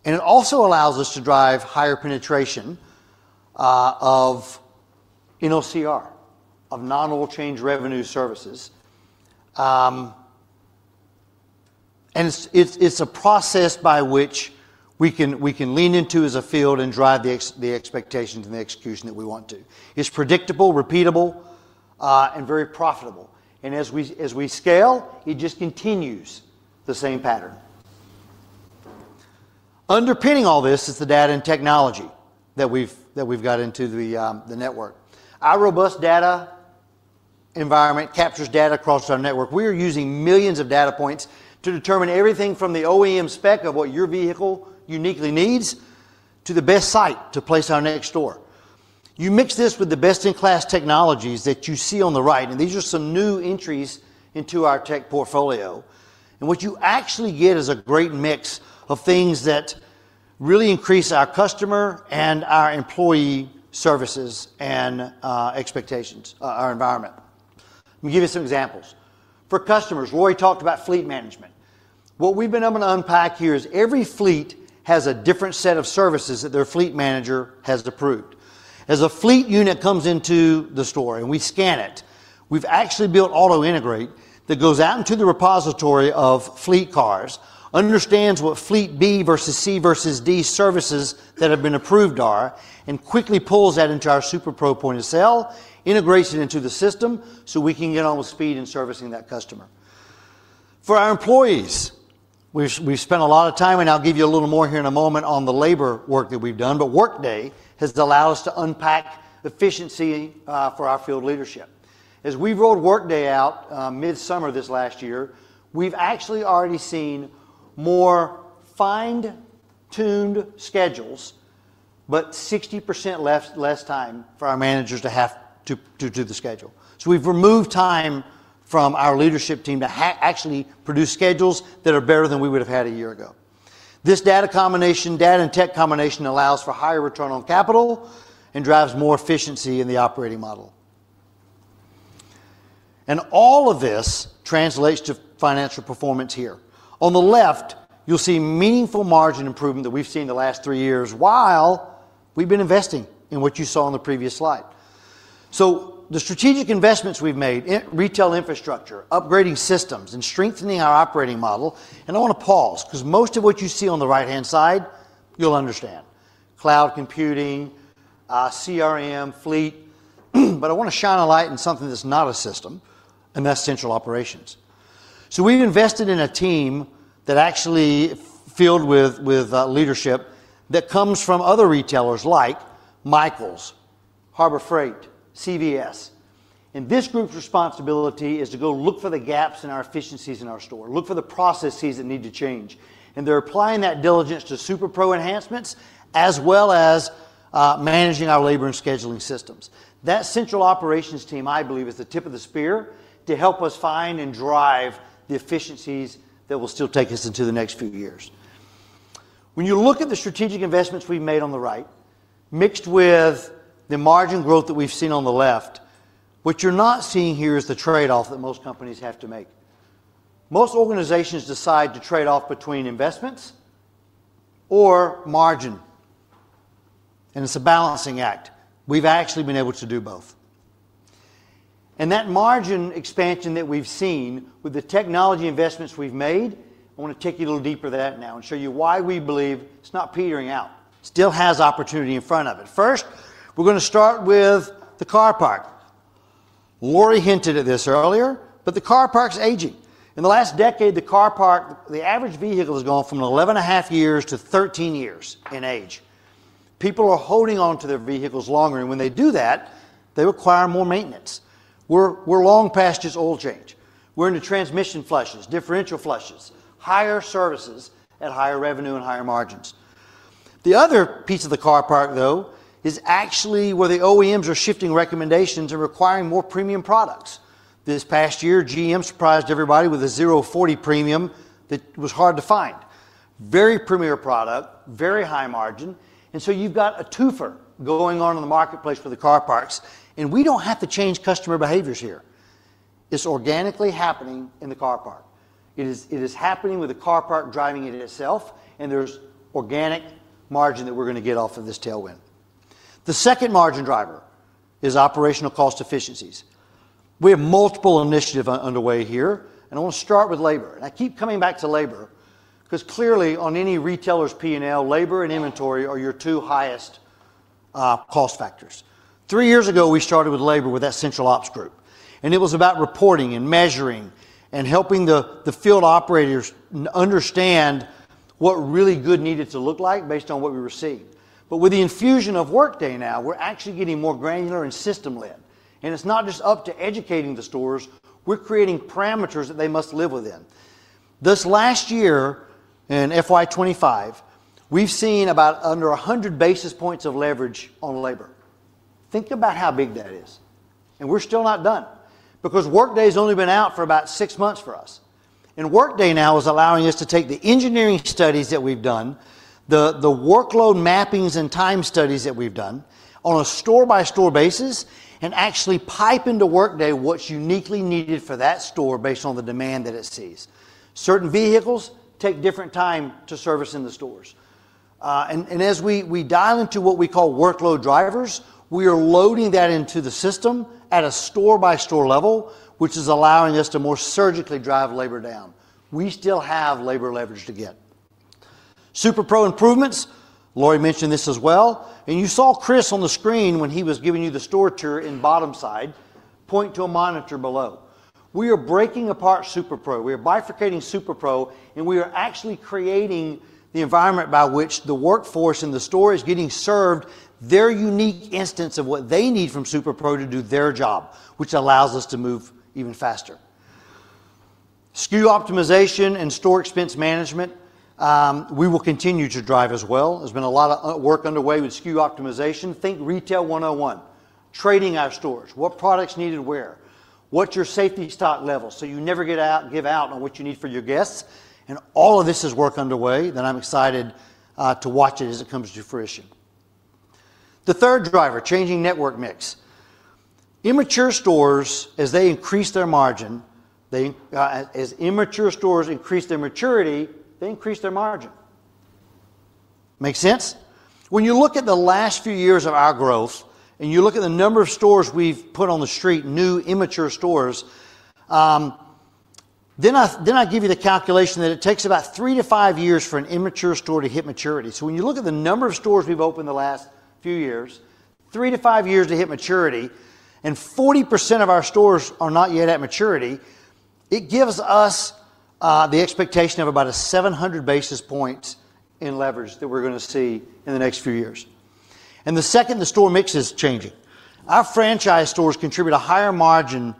and it also allows us to drive higher penetration of NOCR, of non-oil change revenue services, and it's a process by which we can lean into as a field and drive the expectations and the execution that we want to. It's predictable, repeatable, and very profitable, and as we scale, it just continues the same pattern. Underpinning all this is the data and technology that we've got into the network. Our robust data environment captures data across our network. We are using millions of data points to determine everything from the OEM spec of what your vehicle uniquely needs to the best site to place our next store. You mix this with the best-in-class technologies that you see on the right. And these are some new entries into our tech portfolio. And what you actually get is a great mix of things that really increase our customer and our employee services and expectations, our environment. Let me give you some examples. For customers, Roy talked about fleet management. What we've been able to unpack here is every fleet has a different set of services that their fleet manager has approved. As a fleet unit comes into the store and we scan it, we've actually built AutoIntegrate that goes out into the repository of fleet cars, understands what fleet B versus C versus D services that have been approved are, and quickly pulls that into our SuperPro point of sale, integrates it into the system so we can get on with speed in servicing that customer. For our employees, we've spent a lot of time, and I'll give you a little more here in a moment on the labor work that we've done, but Workday has allowed us to unpack efficiency for our field leadership. As we rolled Workday out mid-summer this last year, we've actually already seen more fine-tuned schedules, but 60% less time for our managers to have to do the schedule. So we've removed time from our leadership team to actually produce schedules that are better than we would have had a year ago. This data combination, data and tech combination, allows for higher return on capital and drives more efficiency in the operating model. And all of this translates to financial performance here. On the left, you'll see meaningful margin improvement that we've seen the last three years while we've been investing in what you saw on the previous slide. So the strategic investments we've made, retail infrastructure, upgrading systems, and strengthening our operating model. And I want to pause because most of what you see on the right-hand side, you'll understand: cloud computing, CRM, fleet. But I want to shine a light on something that's not a system, and that's central operations. So we've invested in a team that actually is filled with leadership that comes from other retailers like Michaels, Harbor Freight, CVS, and this group's responsibility is to go look for the gaps in our efficiencies in our store, look for the processes that need to change, and they're applying that diligence to SuperPro enhancements as well as managing our labor and scheduling systems. That central operations team, I believe, is the tip of the spear to help us find and drive the efficiencies that will still take us into the next few years. When you look at the strategic investments we've made on the right, mixed with the margin growth that we've seen on the left, what you're not seeing here is the trade-off that most companies have to make. Most organizations decide to trade off between investments or margin, and it's a balancing act. We've actually been able to do both. And that margin expansion that we've seen with the technology investments we've made, I want to take you a little deeper than that now and show you why we believe it's not petering out. Still has opportunity in front of it. First, we're going to start with the car park. Lori hinted at this earlier, but the car park's aging. In the last decade, the car park, the average vehicle has gone from 11 and a half years to 13 years in age. People are holding on to their vehicles longer. And when they do that, they require more maintenance. We're long past just oil change. We're into transmission flushes, differential flushes, higher services at higher revenue and higher margins. The other piece of the car park, though, is actually where the OEMs are shifting recommendations and requiring more premium products. This past year, GM surprised everybody with a 0W-40 premium that was hard to find. Very premium product, very high margin. And so you've got a twofer going on in the marketplace for the car parc. And we don't have to change customer behaviors here. It's organically happening in the car parc. It is happening with the car park driving it itself. And there's organic margin that we're going to get off of this tailwind. The second margin driver is operational cost efficiencies. We have multiple initiatives underway here. And I want to start with labor. And I keep coming back to labor because clearly, on any retailer's P&L, labor and inventory are your two highest cost factors. Three years ago, we started with labor with that central ops group. It was about reporting and measuring and helping the field operators understand what really good needed to look like based on what we received. With the infusion of Workday now, we're actually getting more granular and system-led. It's not just up to educating the stores. We're creating parameters that they must live within. This last year in FY25, we've seen about under 100 basis points of leverage on labor. Think about how big that is. We're still not done because Workday has only been out for about six months for us. Workday now is allowing us to take the engineering studies that we've done, the workload mappings and time studies that we've done on a store-by-store basis, and actually pipe into Workday what's uniquely needed for that store based on the demand that it sees. Certain vehicles take different time to service in the stores. And as we dial into what we call workload drivers, we are loading that into the system at a store-by-store level, which is allowing us to more surgically drive labor down. We still have labor leverage to get. SuperPro improvements, Lori mentioned this as well. And you saw Chris on the screen when he was giving you the store tour in Boston, I'd point to a monitor below. We are breaking apart SuperPro. We are bifurcating SuperPro, and we are actually creating the environment by which the workforce in the store is getting served their unique instance of what they need from SuperPro to do their job, which allows us to move even faster. SKU optimization and store expense management, we will continue to drive as well. There's been a lot of work underway with SKU optimization. Think retail 101, trading our stores, what products needed where, what's your safety stock level so you never give out on what you need for your guests, and all of this is work underway that I'm excited to watch as it comes to fruition. The third driver, changing network mix. Immature stores, as they increase their margin, as immature stores increase their maturity, they increase their margin. Makes sense? When you look at the last few years of our growth and you look at the number of stores we've put on the street, new immature stores, then I give you the calculation that it takes about three to five years for an immature store to hit maturity. So when you look at the number of stores we've opened the last few years, three to five years to hit maturity, and 40% of our stores are not yet at maturity, it gives us the expectation of about a 700 basis point in leverage that we're going to see in the next few years. And the second, the store mix is changing. Our franchise stores contribute a higher margin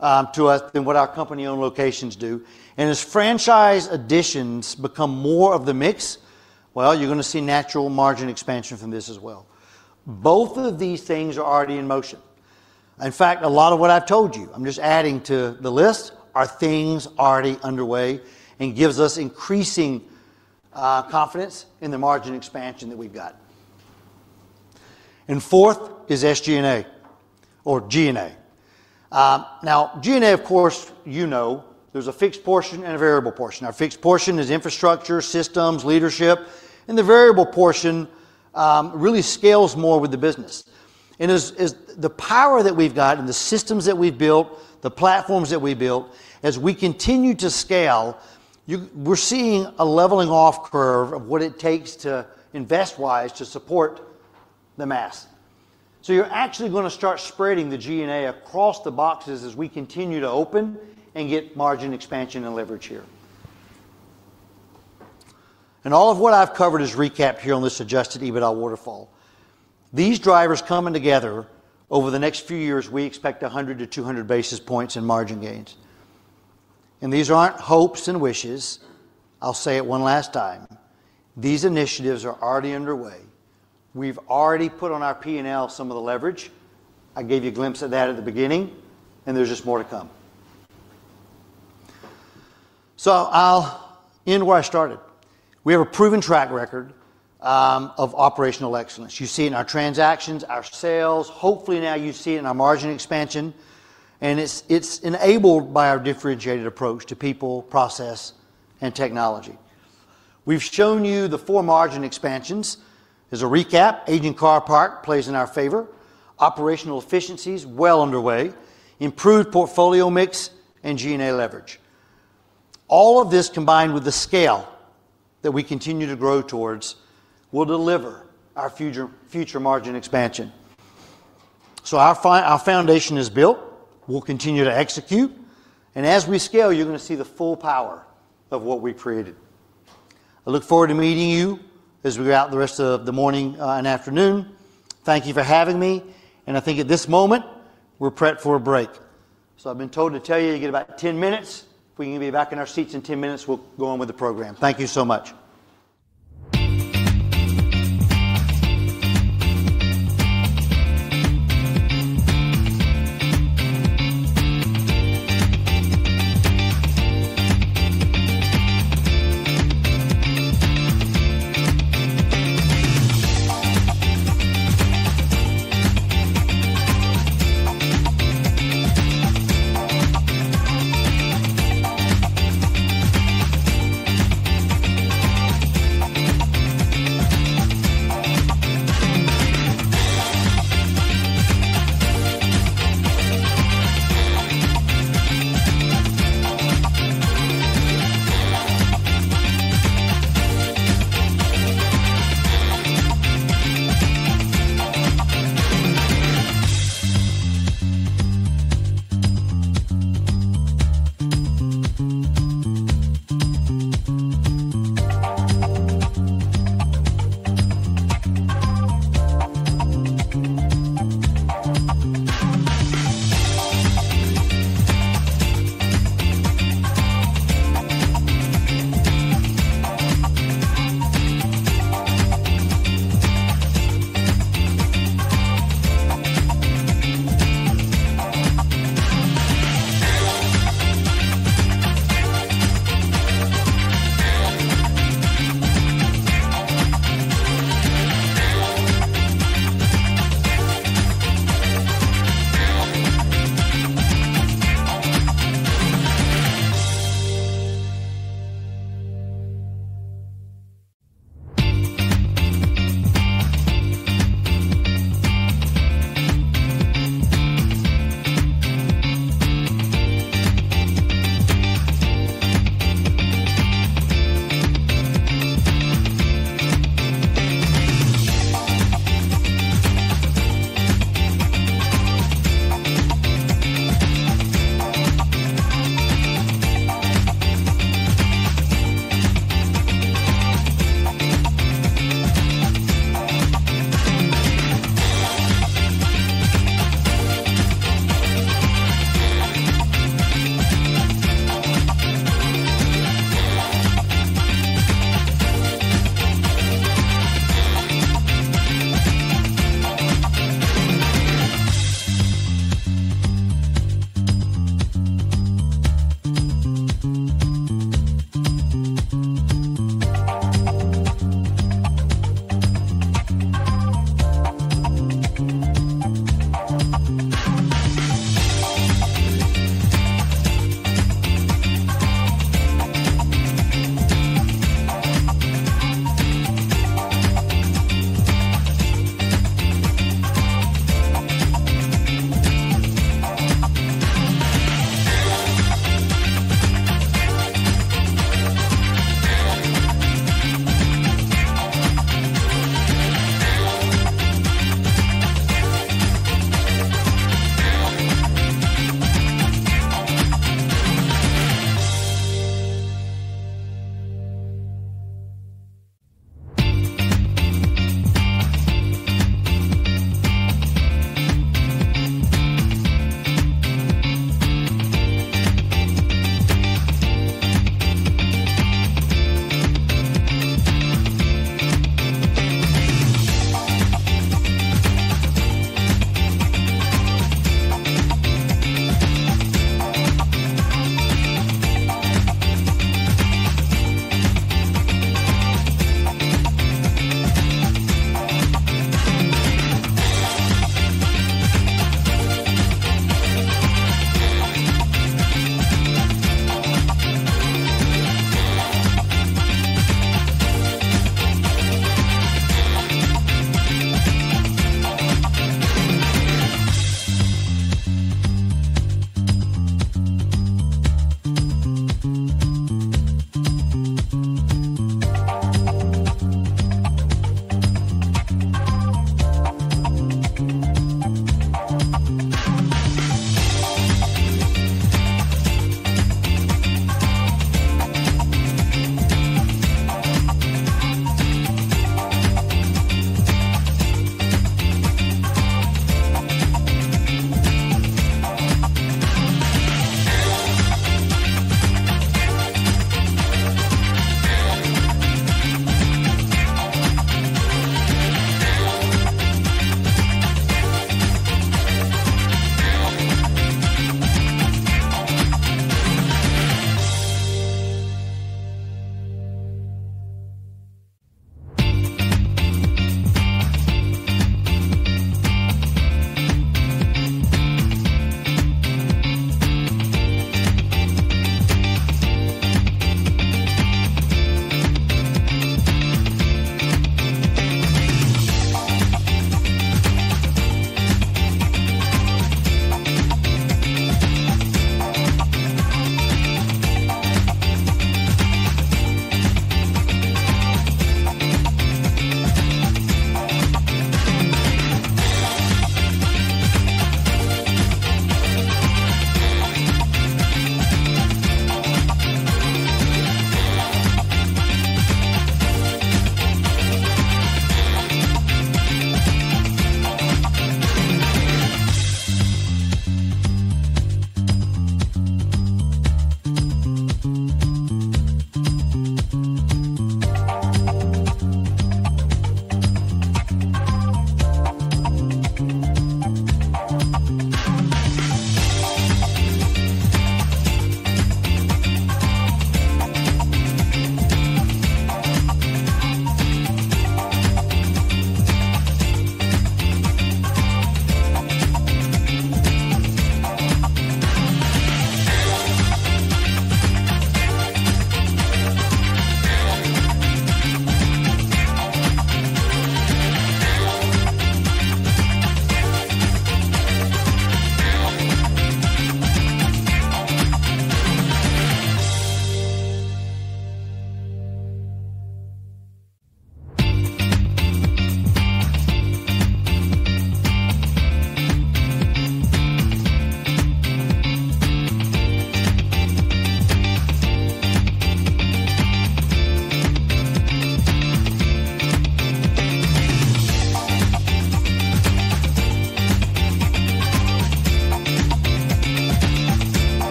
to us than what our company-owned locations do. And as franchise additions become more of the mix, well, you're going to see natural margin expansion from this as well. Both of these things are already in motion. In fact, a lot of what I've told you, I'm just adding to the list, are things already underway and gives us increasing confidence in the margin expansion that we've got. And fourth is SG&A or G&A. Now, G&A, of course, you know there's a fixed portion and a variable portion. Our fixed portion is infrastructure, systems, leadership. And the variable portion really scales more with the business. And the power that we've got and the systems that we've built, the platforms that we've built, as we continue to scale, we're seeing a leveling off curve of what it takes to invest-wise to support the mass. So you're actually going to start spreading the G&A across the boxes as we continue to open and get margin expansion and leverage here. And all of what I've covered is recapped here on this Adjusted EBITDA waterfall. These drivers coming together over the next few years, we expect 100 to 200 basis points in margin gains. And these aren't hopes and wishes. I'll say it one last time. These initiatives are already underway. We've already put on our P&L some of the leverage. I gave you a glimpse of that at the beginning, and there's just more to come. So I'll end where I started. We have a proven track record of operational excellence. You see it in our transactions, our sales. Hopefully now you see it in our margin expansion. And it's enabled by our differentiated approach to people, process, and technology. We've shown you the four margin expansions. There's a recap. Aging car park plays in our favor. Operational efficiencies well underway. Improved portfolio mix and G&A leverage. All of this combined with the scale that we continue to grow towards will deliver our future margin expansion. So our foundation is built. We'll continue to execute. And as we scale, you're going to see the full power of what we created. I look forward to meeting you as we go out the rest of the morning and afternoon. Thank you for having me. I think at this moment, we're prepped for a break. So I've been told to tell you you get about 10 minutes. If we can be back in our seats in 10 minutes, we'll go on with the program. Thank you so much.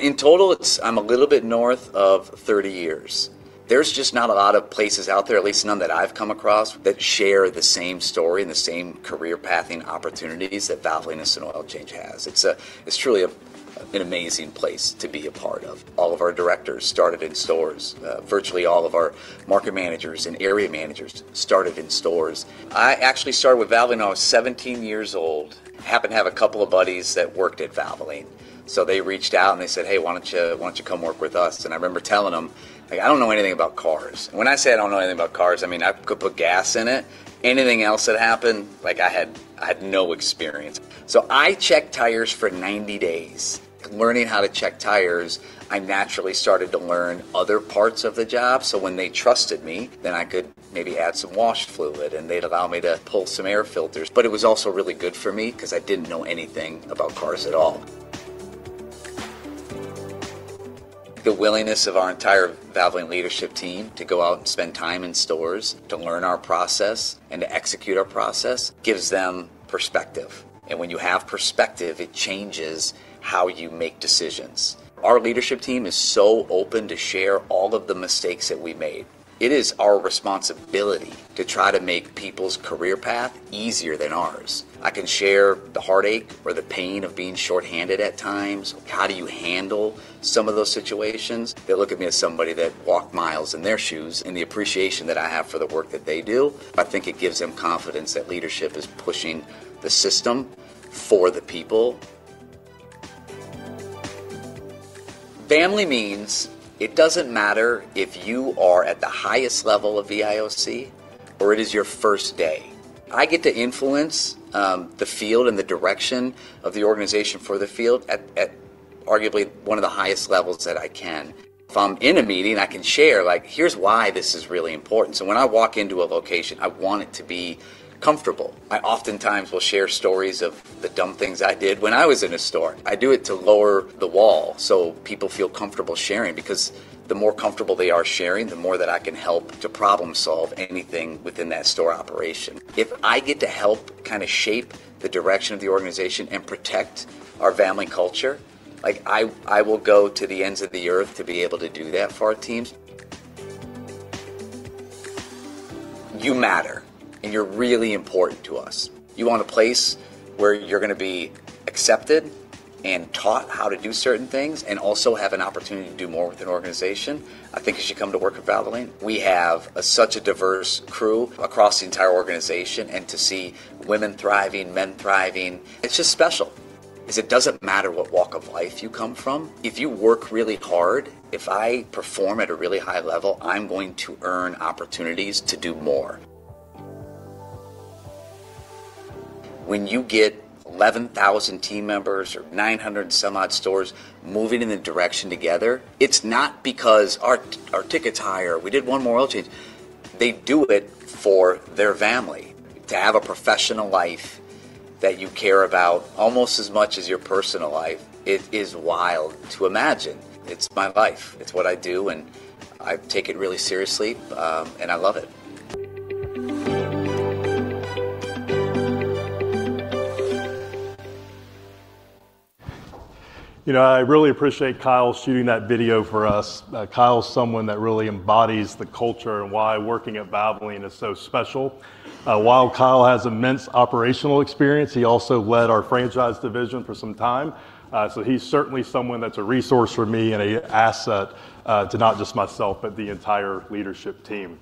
In total, I'm a little bit north of 30 years. There's just not a lot of places out there, at least none that I've come across, that share the same story and the same career path and opportunities that Valvoline Instant Oil Change has. It's truly an amazing place to be a part of. All of our directors started in stores. Virtually all of our market managers and area managers started in stores. I actually started with Valvoline when I was 17 years old. happened to have a couple of buddies that worked at Valvoline. So they reached out and they said, "Hey, why don't you come work with us?" And I remember telling them, "I don't know anything about cars." And when I say I don't know anything about cars, I mean, I could put gas in it. Anything else that happened, like I had no experience. So I checked tires for 90 days. Learning how to check tires, I naturally started to learn other parts of the job. So when they trusted me, then I could maybe add some wash fluid, and they'd allow me to pull some air filters. But it was also really good for me because I didn't know anything about cars at all. The willingness of our entire Valvoline leadership team to go out and spend time in stores to learn our process and to execute our process gives them perspective. And when you have perspective, it changes how you make decisions. Our leadership team is so open to share all of the mistakes that we made. It is our responsibility to try to make people's career path easier than ours. I can share the heartache or the pain of being shorthanded at times. How do you handle some of those situations? They look at me as somebody that walked miles in their shoes, and the appreciation that I have for the work that they do, I think it gives them confidence that leadership is pushing the system for the people. Family means it doesn't matter if you are at the highest level of or it is your first day. I get to influence the field and the direction of the organization for the field at arguably one of the highest levels that I can. If I'm in a meeting, I can share, like, "Here's why this is really important." So when I walk into a location, I want it to be comfortable. I oftentimes will share stories of the dumb things I did when I was in a store. I do it to lower the wall so people feel comfortable sharing. Because the more comfortable they are sharing, the more that I can help to problem-solve anything within that store operation. If I get to help kind of shape the direction of the organization and protect our family culture, I will go to the ends of the earth to be able to do that for our teams. You matter, and you're really important to us. You want a place where you're going to be accepted and taught how to do certain things and also have an opportunity to do more with an organization. I think as you come to work at Valvoline, we have such a diverse crew across the entire organization, and to see women thriving, men thriving, it's just special. Because it doesn't matter what walk of life you come from. If you work really hard, if I perform at a really high level, I'm going to earn opportunities to do more. When you get 11,000 team members or 900 and some odd stores moving in the direction together, it's not because our tickets are higher or we did one more oil change. They do it for their family. To have a professional life that you care about almost as much as your personal life, it is wild to imagine. It's my life. It's what I do, and I take it really seriously, and I love it. You know, I really appreciate Kyle shooting that video for us. Kyle's someone that really embodies the culture and why working at Valvoline is so special. While Kyle has immense operational experience, he also led our franchise division for some time. So he's certainly someone that's a resource for me and an asset to not just myself, but the entire leadership team.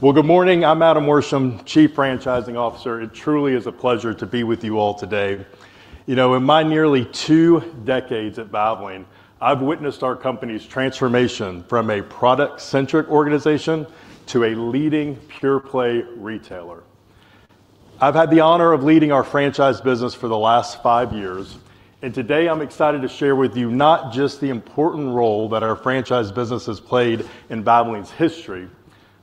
Well, good morning. I'm Adam Worsham, Chief Franchising Officer. It truly is a pleasure to be with you all today. You know, in my nearly two decades at Valvoline, I've witnessed our company's transformation from a product-centric organization to a leading pure-play retailer. I've had the honor of leading our franchise business for the last five years. And today, I'm excited to share with you not just the important role that our franchise business has played in Valvoline's history,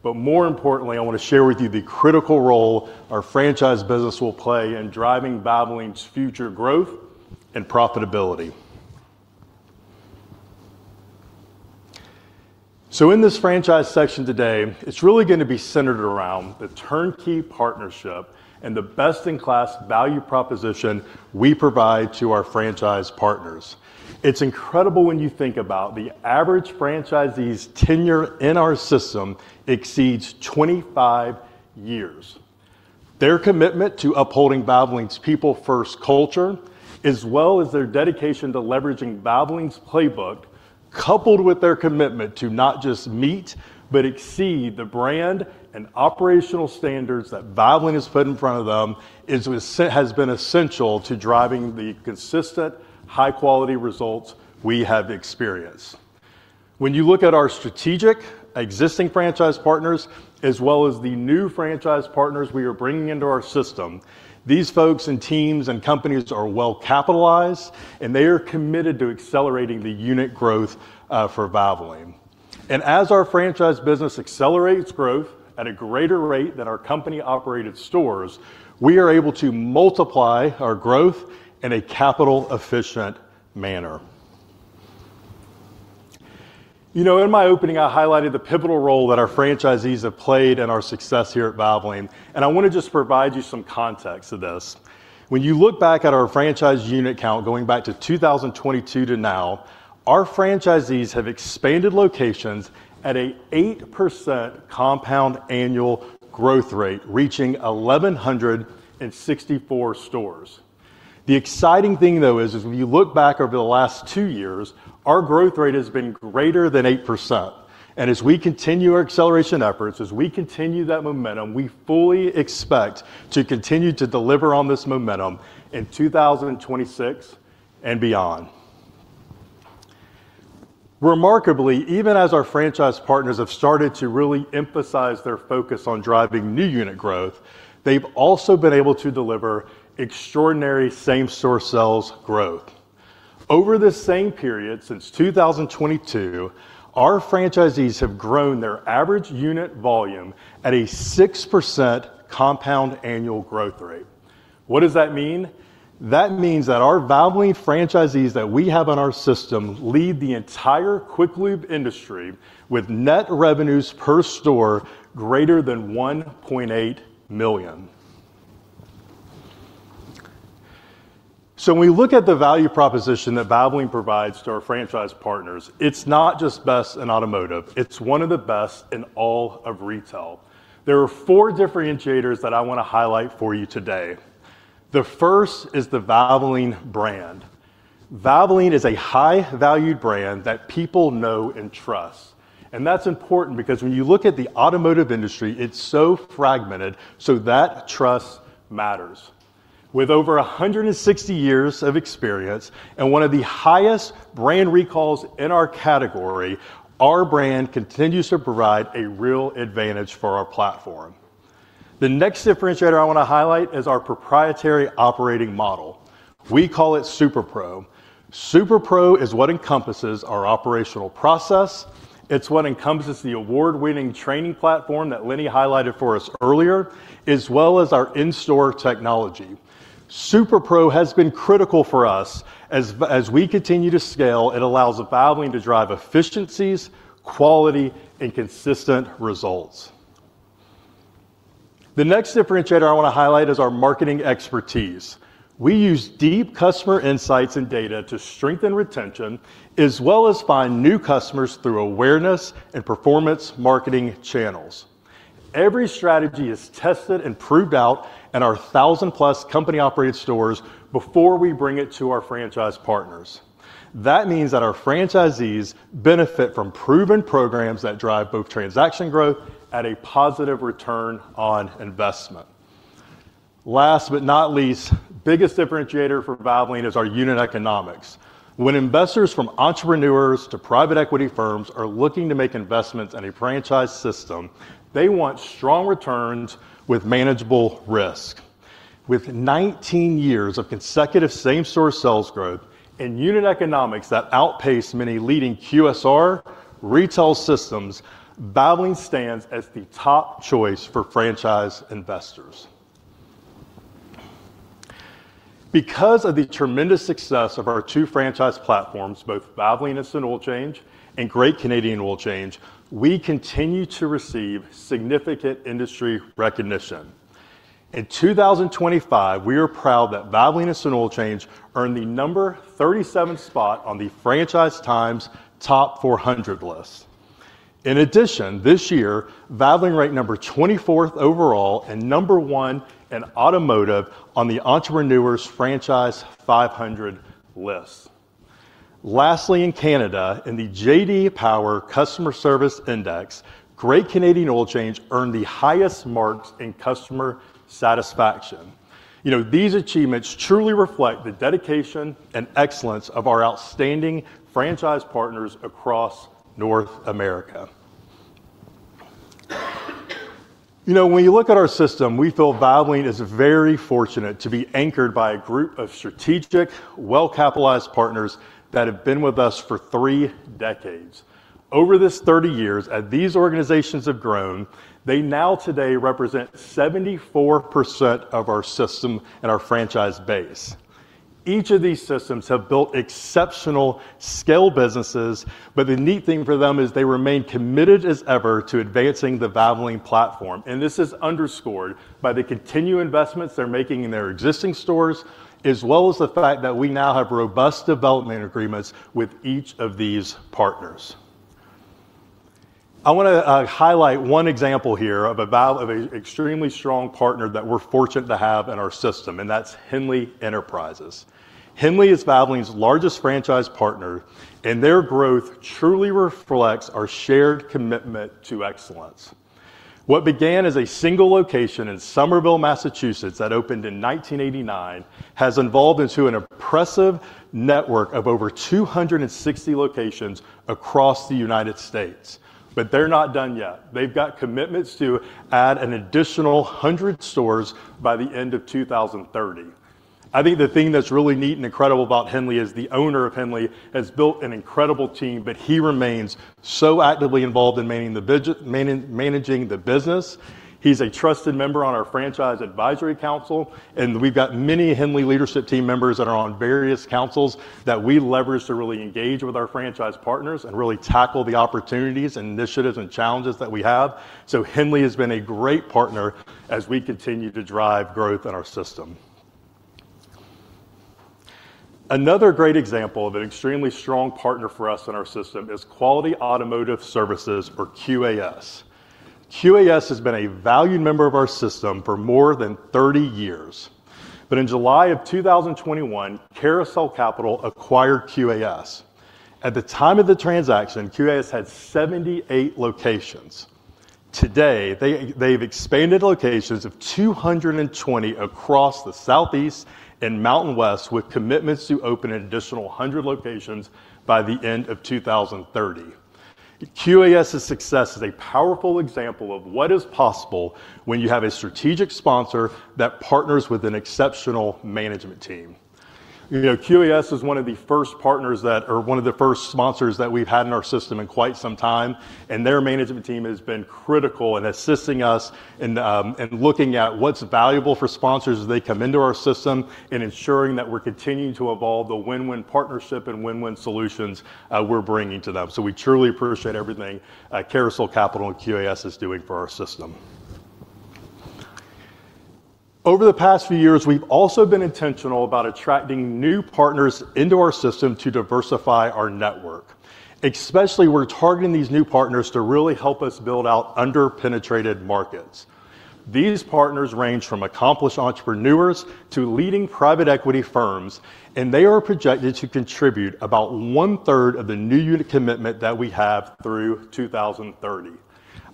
but more importantly, I want to share with you the critical role our franchise business will play in driving Valvoline's future growth and profitability. So in this franchise section today, it's really going to be centered around the turnkey partnership and the best-in-class value proposition we provide to our franchise partners. It's incredible when you think about the average franchisee's tenure in our system, exceeds 25 years. Their commitment to upholding Valvoline's people-first culture, as well as their dedication to leveraging Valvoline's playbook, coupled with their commitment to not just meet, but exceed the brand and operational standards that Valvoline has put in front of them, has been essential to driving the consistent, high-quality results we have experienced. When you look at our strategic existing franchise partners, as well as the new franchise partners we are bringing into our system, these folks and teams and companies are well capitalized, and they are committed to accelerating the unit growth for Valvoline. And as our franchise business accelerates growth at a greater rate than our company operated stores, we are able to multiply our growth in a capital-efficient manner. You know, in my opening, I highlighted the pivotal role that our franchisees have played in our success here at Valvoline. And I want to just provide you some context to this. When you look back at our franchise unit count going back to 2022 to now, our franchisees have expanded locations at an 8% compound annual growth rate, reaching 1,164 stores. The exciting thing, though, is when you look back over the last two years, our growth rate has been greater than 8%, and as we continue our acceleration efforts, as we continue that momentum, we fully expect to continue to deliver on this momentum in 2026 and beyond. Remarkably, even as our franchise partners have started to really emphasize their focus on driving new unit growth, they've also been able to deliver extraordinary same-store sales growth. Over this same period since 2022, our franchisees have grown their average unit volume at a 6% compound annual growth rate. What does that mean? That means that our Valvoline franchisees that we have on our system lead the entire Quick Lube industry with net revenues per store greater than $1.8 million. So when we look at the value proposition that Valvoline provides to our franchise partners, it's not just best in automotive. It's one of the best in all of retail. There are four differentiators that I want to highlight for you today. The first is the Valvoline brand. Valvoline is a high-valued brand that people know and trust. And that's important because when you look at the automotive industry, it's so fragmented, so that trust matters. With over 160 years of experience and one of the highest brand recalls in our category, our brand continues to provide a real advantage for our platform. The next differentiator I want to highlight is our proprietary operating model. We call it SuperPro. SuperPro is what encompasses our operational process. It's what encompasses the award-winning training platform that Linne highlighted for us earlier, as well as our in-store technology. SuperPro has been critical for us as we continue to scale. It allows Valvoline to drive efficiencies, quality, and consistent results. The next differentiator I want to highlight is our marketing expertise. We use deep customer insights and data to strengthen retention, as well as find new customers through awareness and performance marketing channels. Every strategy is tested and proved out in our 1,000-plus company-operated stores before we bring it to our franchise partners. That means that our franchisees benefit from proven programs that drive both transaction growth and a positive return on investment. Last but not least, the biggest differentiator for Valvoline is our unit economics. When investors from entrepreneurs to private equity firms are looking to make investments in a franchise system, they want strong returns with manageable risk. With 19 years of consecutive same-store sales growth and unit economics that outpace many leading QSR retail systems, Valvoline stands as the top choice for franchise investors. Because of the tremendous success of our two franchise platforms, both Valvoline Instant Oil Change and Great Canadian Oil Change, we continue to receive significant industry recognition. In 2025, we are proud that Valvoline Instant Oil Change earned the number 37 spot on the Franchise Times Top 400 list. In addition, this year, Valvoline ranked number 24th overall and number one in automotive on the Entrepreneur's Franchise 500 list. Lastly, in Canada, in the J.D. Power Customer Service Index, Great Canadian Oil Change earned the highest marks in customer satisfaction. You know, these achievements truly reflect the dedication and excellence of our outstanding franchise partners across North America. You know, when you look at our system, we feel Valvoline is very fortunate to be anchored by a group of strategic, well-capitalized partners that have been with us for three decades. Over this 30 years as these organizations have grown, they now today represent 74% of our system and our franchise base. Each of these systems has built exceptional scale businesses, but the neat thing for them is they remain committed as ever to advancing the Valvoline platform, and this is underscored by the continued investments they're making in their existing stores, as well as the fact that we now have robust development agreements with each of these partners. I want to highlight one example here of an extremely strong partner that we're fortunate to have in our system, and that's Henley Enterprises. Henley is Valvoline's largest franchise partner, and their growth truly reflects our shared commitment to excellence. What began as a single location in Somerville, Massachusetts, that opened in 1989 has evolved into an impressive network of over 260 locations across the United States, but they're not done yet. They've got commitments to add an additional 100 stores by the end of 2030. I think the thing that's really neat and incredible about Henley is the owner of Henley has built an incredible team, but he remains so actively involved in managing the business. He's a trusted member on our franchise advisory council, and we've got many Henley leadership team members that are on various councils that we leverage to really engage with our franchise partners and really tackle the opportunities and initiatives and challenges that we have. So Henley has been a great partner as we continue to drive growth in our system. Another great example of an extremely strong partner for us in our system is Quality Automotive Services, or QAS. QAS has been a valued member of our system for more than 30 years. But in July of 2021, Carousel Capital acquired QAS. At the time of the transaction, QAS had 78 locations. Today, they've expanded locations of 220 across the southeast and mountain west with commitments to open an additional 100 locations by the end of 2030. QAS's success is a powerful example of what is possible when you have a strategic sponsor that partners with an exceptional management team. You know, QAS is one of the first partners that, or one of the first sponsors that we've had in our system in quite some time. And their management team has been critical in assisting us in looking at what's valuable for sponsors as they come into our system and ensuring that we're continuing to evolve the win-win partnership and win-win solutions we're bringing to them. So we truly appreciate everything Carousel Capital and QAS is doing for our system. Over the past few years, we've also been intentional about attracting new partners into our system to diversify our network. Especially, we're targeting these new partners to really help us build out under-penetrated markets. These partners range from accomplished entrepreneurs to leading private equity firms, and they are projected to contribute about one-third of the new unit commitment that we have through 2030.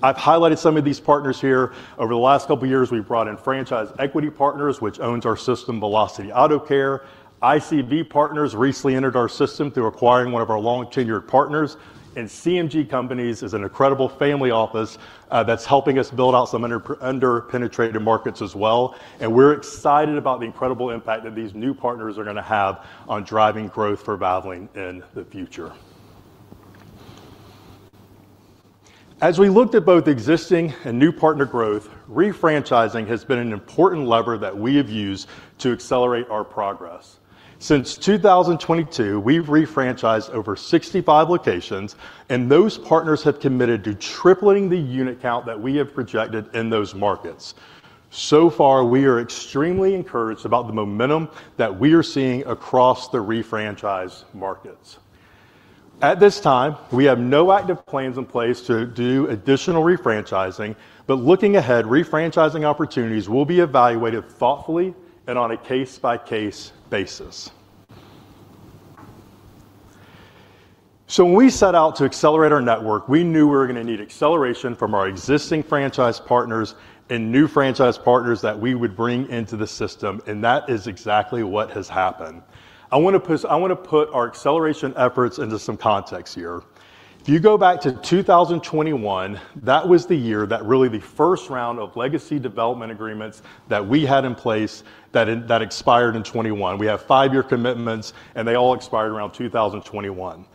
I've highlighted some of these partners here. Over the last couple of years, we've brought in Franchise Equity Partners, which owns our system, Velocity Auto Care. ICV Partners recently entered our system through acquiring one of our long-tenured partners, and CMG Companies is an incredible family office that's helping us build out some under-penetrated markets as well, and we're excited about the incredible impact that these new partners are going to have on driving growth for Valvoline in the future. As we looked at both existing and new partner growth, refranchising has been an important lever that we have used to accelerate our progress. Since 2022, we've refranchised over 65 locations, and those partners have committed to tripling the unit count that we have projected in those markets. So far, we are extremely encouraged about the momentum that we are seeing across the refranchised markets. At this time, we have no active plans in place to do additional refranchising, but looking ahead, refranchising opportunities will be evaluated thoughtfully and on a case-by-case basis. So when we set out to accelerate our network, we knew we were going to need acceleration from our existing franchise partners and new franchise partners that we would bring into the system, and that is exactly what has happened. I want to put our acceleration efforts into some context here. If you go back to 2021, that was the year that really the first round of legacy development agreements that we had in place that expired in 2021. We have five-year commitments, and they all expired around 2021.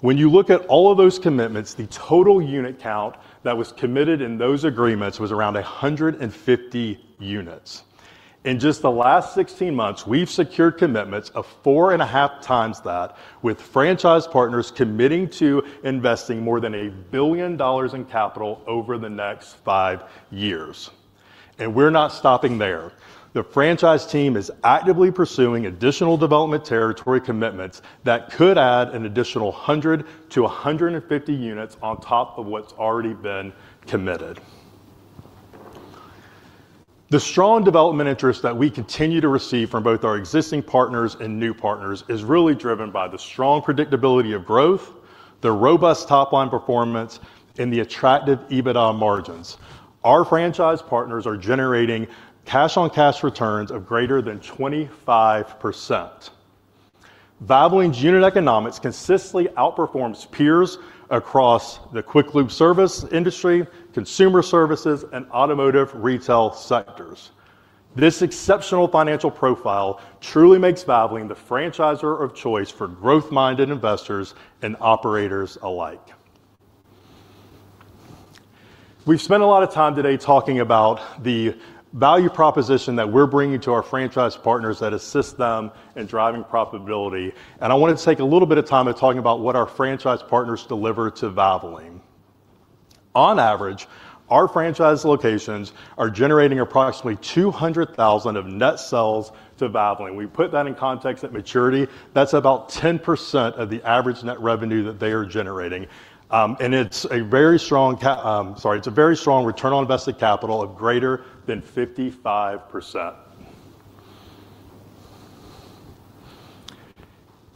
When you look at all of those commitments, the total unit count that was committed in those agreements was around 150 units. In just the last 16 months, we've secured commitments of four and a half times that, with franchise partners committing to investing more than $1 billion in capital over the next five years. And we're not stopping there. The franchise team is actively pursuing additional development territory commitments that could add an additional 100-150 units on top of what's already been committed. The strong development interest that we continue to receive from both our existing partners and new partners is really driven by the strong predictability of growth, the robust top-line performance, and the attractive EBITDA margins. Our franchise partners are generating cash-on-cash returns of greater than 25%. Valvoline's unit economics consistently outperforms peers across the Quick Lube service industry, consumer services, and automotive retail sectors. This exceptional financial profile truly makes Valvoline the franchisor of choice for growth-minded investors and operators alike. We've spent a lot of time today talking about the value proposition that we're bringing to our franchise partners that assists them in driving profitability. And I want to take a little bit of time to talk about what our franchise partners deliver to Valvoline. On average, our franchise locations are generating approximately $200,000 of net sales to Valvoline. We put that in context at maturity. That's about 10% of the average net revenue that they are generating, and it's a very strong return on invested capital of greater than 55%.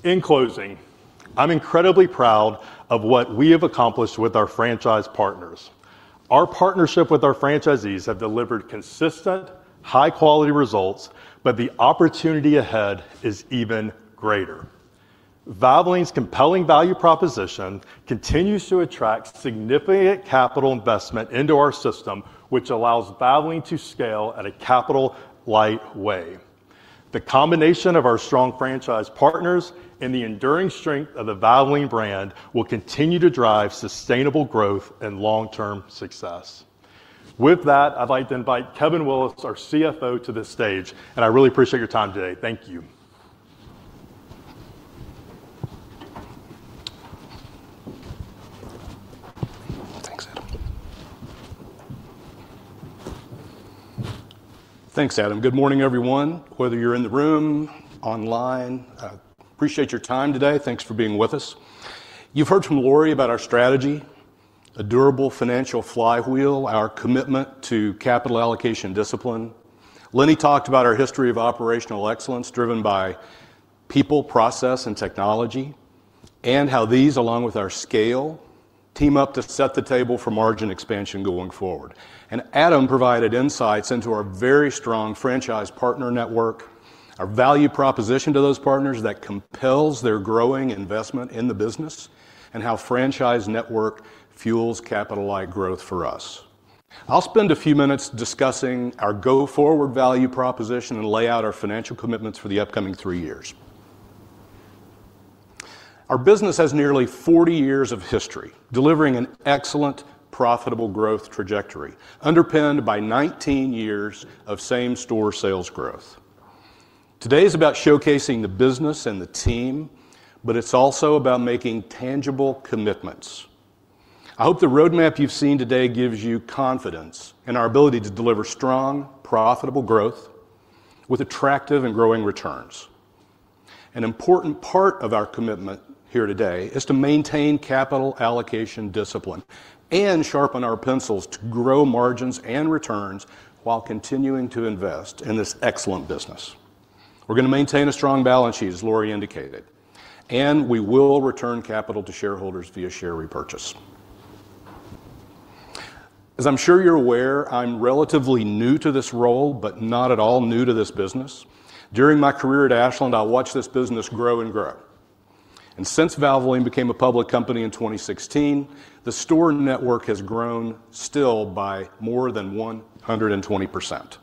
In closing, I'm incredibly proud of what we have accomplished with our franchise partners. Our partnership with our franchisees has delivered consistent, high-quality results, but the opportunity ahead is even greater. Valvoline's compelling value proposition continues to attract significant capital investment into our system, which allows Valvoline to scale in a capital-light way. The combination of our strong franchise partners and the enduring strength of the Valvoline brand will continue to drive sustainable growth and long-term success. With that, I'd like to invite Kevin Willis, our CFO, to the stage, and I really appreciate your time today. Thank you. Thanks, Adam. Good morning, everyone. Whether you're in the room, online, I appreciate your time today. Thanks for being with us. You've heard from Lori about our strategy, a durable financial flywheel, our commitment to capital allocation discipline. Linne talked about our history of operational excellence driven by people, process, and technology, and how these, along with our scale, team up to set the table for margin expansion going forward. And Adam provided insights into our very strong franchise partner network, our value proposition to those partners that compels their growing investment in the business, and how franchise network fuels capital-light growth for us. I'll spend a few minutes discussing our go-forward value proposition and lay out our financial commitments for the upcoming three years. Our business has nearly 40 years of history, delivering an excellent profitable growth trajectory, underpinned by 19 years of same-store sales growth. Today is about showcasing the business and the team, but it's also about making tangible commitments. I hope the roadmap you've seen today gives you confidence in our ability to deliver strong, profitable growth with attractive and growing returns. An important part of our commitment here today is to maintain capital allocation discipline and sharpen our pencils to grow margins and returns while continuing to invest in this excellent business. We're going to maintain a strong balance sheet, as Lori indicated, and we will return capital to shareholders via share repurchase. As I'm sure you're aware, I'm relatively new to this role, but not at all new to this business. During my career at Ashland, I watched this business grow and grow, and since Valvoline became a public company in 2016, the store network has grown still by more than 120%.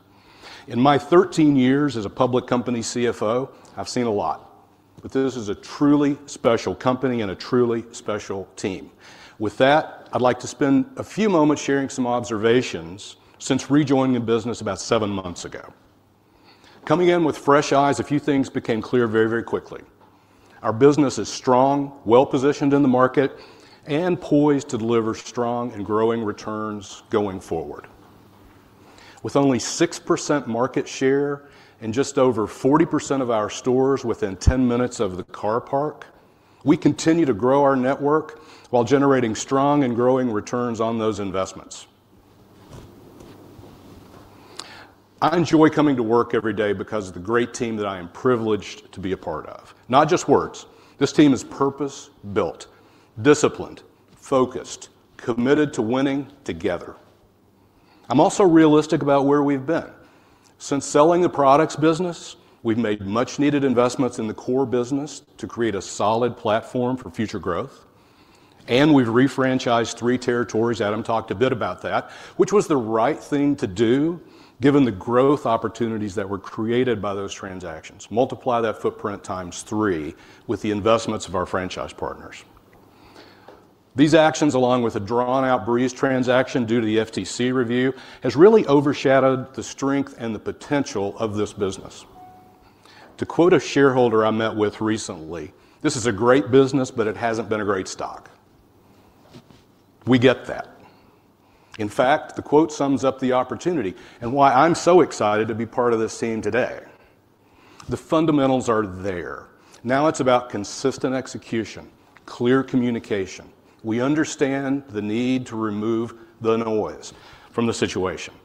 In my 13 years as a public company CFO, I've seen a lot, but this is a truly special company and a truly special team. With that, I'd like to spend a few moments sharing some observations since rejoining the business about seven months ago. Coming in with fresh eyes, a few things became clear very, very quickly. Our business is strong, well-positioned in the market, and poised to deliver strong and growing returns going forward. With only 6% market share and just over 40% of our stores within 10 minutes of the car park, we continue to grow our network while generating strong and growing returns on those investments. I enjoy coming to work every day because of the great team that I am privileged to be a part of. Not just words. This team is purpose-built, disciplined, focused, committed to winning together. I'm also realistic about where we've been. Since selling the products business, we've made much-needed investments in the core business to create a solid platform for future growth. And we've refranchised three territories. Adam talked a bit about that, which was the right thing to do given the growth opportunities that were created by those transactions. Multiply that footprint times three with the investments of our franchise partners. These actions, along with a drawn-out Breeze transaction due to the FTC review, have really overshadowed the strength and the potential of this business. To quote a shareholder I met with recently, "This is a great business, but it hasn't been a great stock." We get that. In fact, the quote sums up the opportunity and why I'm so excited to be part of this team today. The fundamentals are there. Now it's about consistent execution, clear communication. We understand the need to remove the noise from the situation,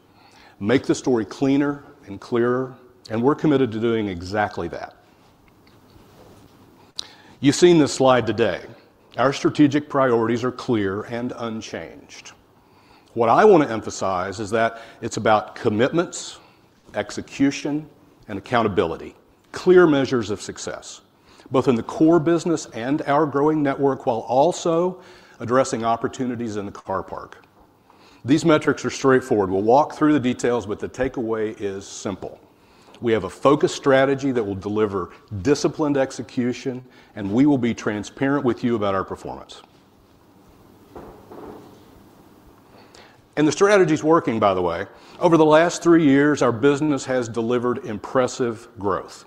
make the story cleaner and clearer, and we're committed to doing exactly that. You've seen this slide today. Our strategic priorities are clear and unchanged. What I want to emphasize is that it's about commitments, execution, and accountability, clear measures of success, both in the core business and our growing network, while also addressing opportunities in the car park. These metrics are straightforward. We'll walk through the details, but the takeaway is simple. We have a focused strategy that will deliver disciplined execution, and we will be transparent with you about our performance, and the strategy is working, by the way. Over the last three years, our business has delivered impressive growth,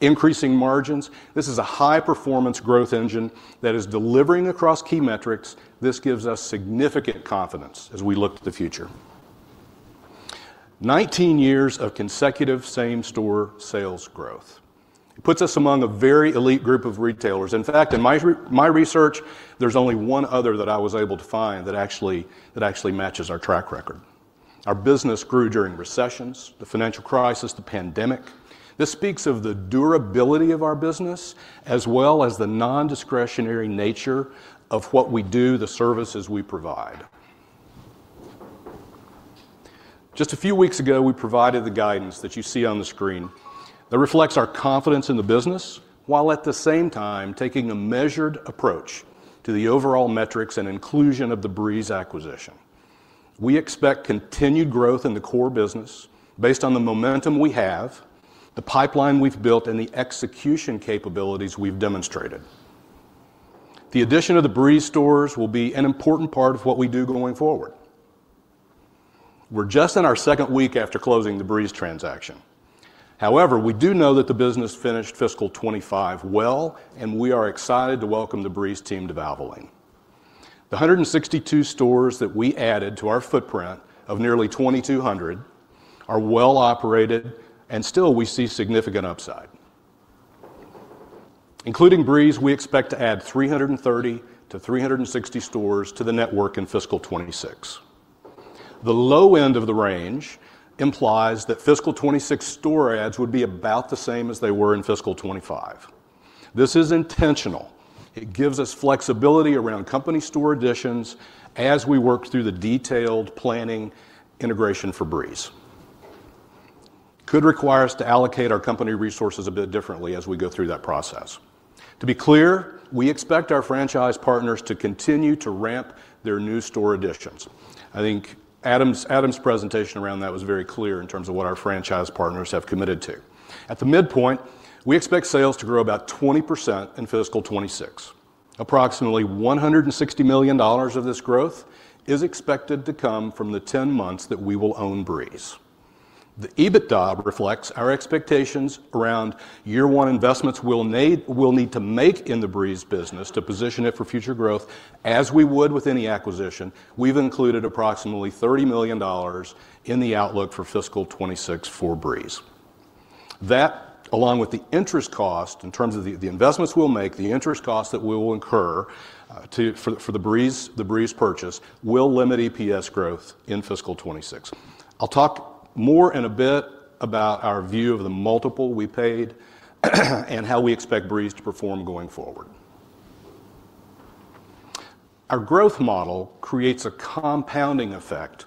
increasing margins. This is a high-performance growth engine that is delivering across key metrics. This gives us significant confidence as we look to the future. 19 years of consecutive same-store sales growth. It puts us among a very elite group of retailers. In fact, in my research, there's only one other that I was able to find that actually matches our track record. Our business grew during recessions, the financial crisis, the pandemic. This speaks of the durability of our business as well as the non-discretionary nature of what we do, the services we provide. Just a few weeks ago, we provided the guidance that you see on the screen. That reflects our confidence in the business while at the same time taking a measured approach to the overall metrics and inclusion of The Breeze acquisition. We expect continued growth in the core business based on the momentum we have, the pipeline we've built, and the execution capabilities we've demonstrated. The addition of The Breeze stores will be an important part of what we do going forward. We're just in our second week after closing The Breeze transaction. However, we do know that the business finished fiscal 2025 well, and we are excited to welcome The Breeze team to Valvoline. The 162 stores that we added to our footprint of nearly 2,200 are well operated, and still we see significant upside. Including Breeze, we expect to add 330-360 stores to the network in fiscal 2026. The low end of the range implies that fiscal 2026 store adds would be about the same as they were in fiscal 2025. This is intentional. It gives us flexibility around company store additions as we work through the detailed planning integration for Breeze. Could require us to allocate our company resources a bit differently as we go through that process. To be clear, we expect our franchise partners to continue to ramp their new store additions. I think Adam's presentation around that was very clear in terms of what our franchise partners have committed to. At the midpoint, we expect sales to grow about 20% in fiscal 26. Approximately $160 million of this growth is expected to come from the 10 months that we will own Breeze. The EBITDA reflects our expectations around year-one investments we'll need to make in The Breeze business to position it for future growth as we would with any acquisition. We've included approximately $30 million in the outlook for fiscal 2026 for Breeze. That, along with the interest cost in terms of the investments we'll make, the interest cost that we will incur for The Breeze purchase will limit EPS growth in fiscal20 26. I'll talk more in a bit about our view of the multiple we paid and how we expect Breeze to perform going forward. Our growth model creates a compounding effect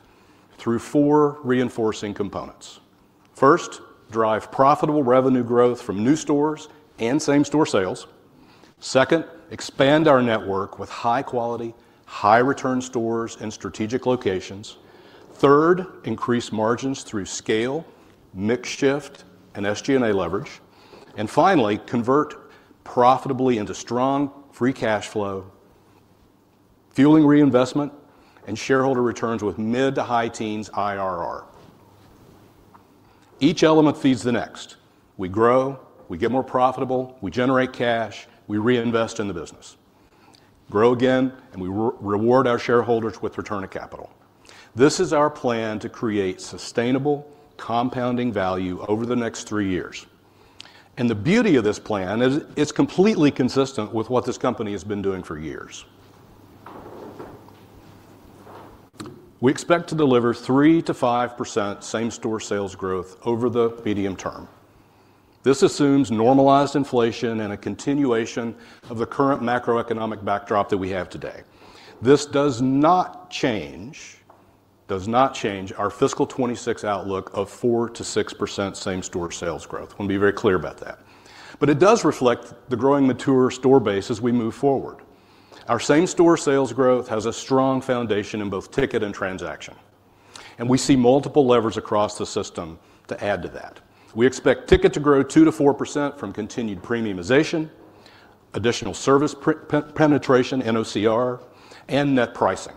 through four reinforcing components. First, drive profitable revenue growth from new stores and same-store sales. Second, expand our network with high-quality, high-return stores in strategic locations. Third, increase margins through scale, mixed shift, and SG&A leverage. And finally, convert profitably into strong free cash flow, fueling reinvestment and shareholder returns with mid to high teens IRR. Each element feeds the next. We grow, we get more profitable, we generate cash, we reinvest in the business, grow again, and we reward our shareholders with return of capital. This is our plan to create sustainable compounding value over the next three years. And the beauty of this plan is it's completely consistent with what this company has been doing for years. We expect to deliver 3%-5% same-store sales growth over the medium term. This assumes normalized inflation and a continuation of the current macroeconomic backdrop that we have today. This does not change, does not change our fiscal 2026 outlook of 4%-6% same-store sales growth. I want to be very clear about that. But it does reflect the growing mature store base as we move forward. Our same-store sales growth has a strong foundation in both ticket and transaction. And we see multiple levers across the system to add to that. We expect ticket to grow 2%-4% from continued premiumization, additional service penetration, NOCR, and net pricing.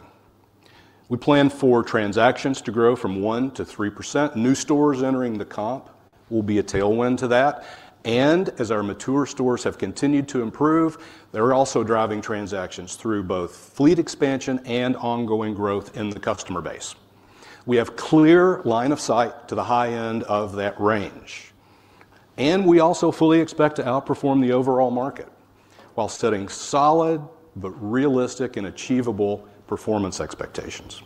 We plan for transactions to grow from 1%-3%. New stores entering the comp will be a tailwind to that. And as our mature stores have continued to improve, they're also driving transactions through both fleet expansion and ongoing growth in the customer base. We have clear line of sight to the high end of that range. And we also fully expect to outperform the overall market while setting solid but realistic and achievable performance expectations.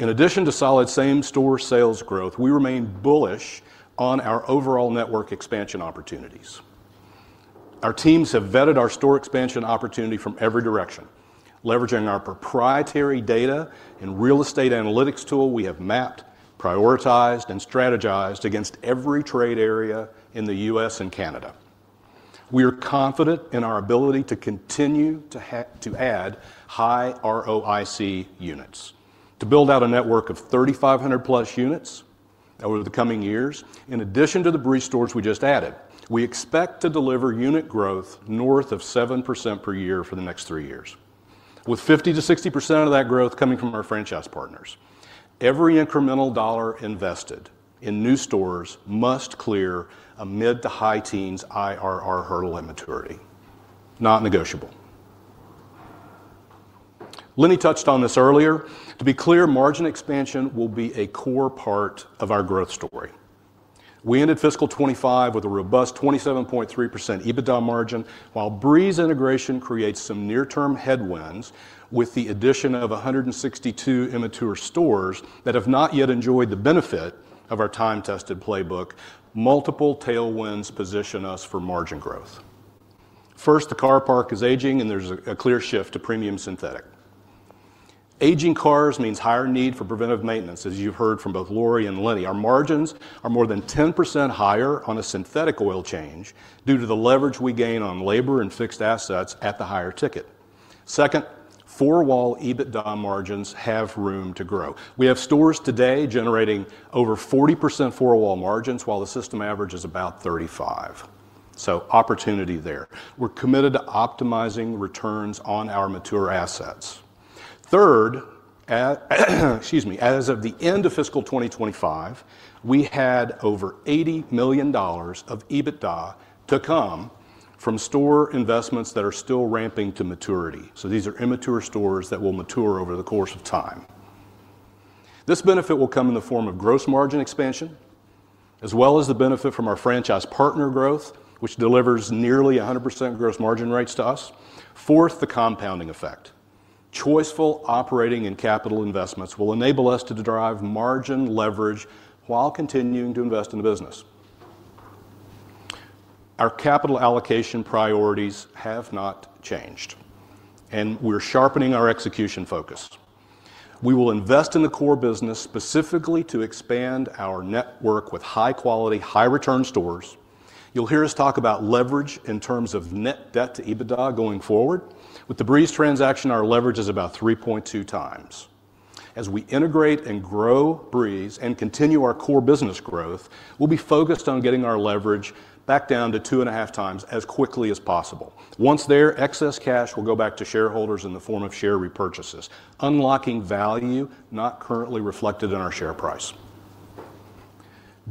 In addition to solid same-store sales growth, we remain bullish on our overall network expansion opportunities. Our teams have vetted our store expansion opportunity from every direction, leveraging our proprietary data and real estate analytics tool we have mapped, prioritized, and strategized against every trade area in the U.S. and Canada. We are confident in our ability to continue to add high ROIC units. To build out a network of 3,500-plus units over the coming years, in addition to The Breeze stores we just added, we expect to deliver unit growth north of 7% per year for the next three years, with 50%-60% of that growth coming from our franchise partners. Every incremental dollar invested in new stores must clear a mid- to high-teens IRR hurdle and maturity. Not negotiable. Linne touched on this earlier. To be clear, margin expansion will be a core part of our growth story. We ended fiscal 2205 with a robust 27.3% EBITDA margin, while Breeze integration creates some near-term headwinds with the addition of 162 immature stores that have not yet enjoyed the benefit of our time-tested playbook. Multiple tailwinds position us for margin growth. First, the car park is aging, and there's a clear shift to premium synthetic. Aging cars means higher need for preventive maintenance, as you've heard from both Lori and Linne. Our margins are more than 10% higher on a synthetic oil change due to the leverage we gain on labor and fixed assets at the higher ticket. Second, four-wall EBITDA margins have room to grow. We have stores today generating over 40% four-wall margins while the system average is about 35%. So opportunity there. We're committed to optimizing returns on our mature assets. Third, excuse me, as of the end of fiscal 2025, we had over $80 million of EBITDA to come from store investments that are still ramping to maturity. So these are immature stores that will mature over the course of time. This benefit will come in the form of gross margin expansion, as well as the benefit from our franchise partner growth, which delivers nearly 100% gross margin rates to us. Fourth, the compounding effect. Choiceful operating and capital investments will enable us to derive margin leverage while continuing to invest in the business. Our capital allocation priorities have not changed, and we're sharpening our execution focus. We will invest in the core business specifically to expand our network with high-quality, high-return stores. You'll hear us talk about leverage in terms of net debt to EBITDA going forward. With The Breeze transaction, our leverage is about 3.2 times. As we integrate and grow Breeze and continue our core business growth, we'll be focused on getting our leverage back down to two and a half times as quickly as possible. Once there, excess cash will go back to shareholders in the form of share repurchases, unlocking value not currently reflected in our share price.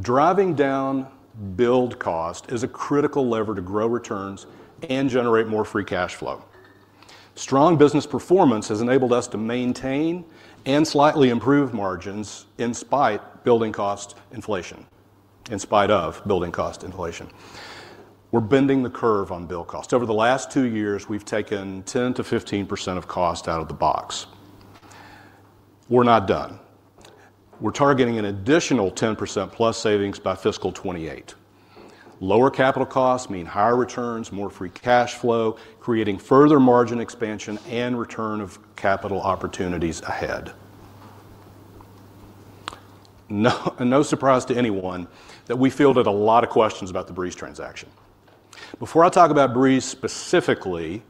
Driving down build cost is a critical lever to grow returns and generate more free cash flow. Strong business performance has enabled us to maintain and slightly improve margins in spite of building cost inflation. We're bending the curve on build cost. Over the last two years, we've taken 10%-15% of cost out of the box. We're not done. We're targeting an additional 10% plus savings by fiscal 2028. Lower capital costs mean higher returns, more free cash flow, creating further margin expansion and return of capital opportunities ahead. No surprise to anyone that we fielded a lot of questions about The Breeze transaction. Before I talk about Breeze specifically,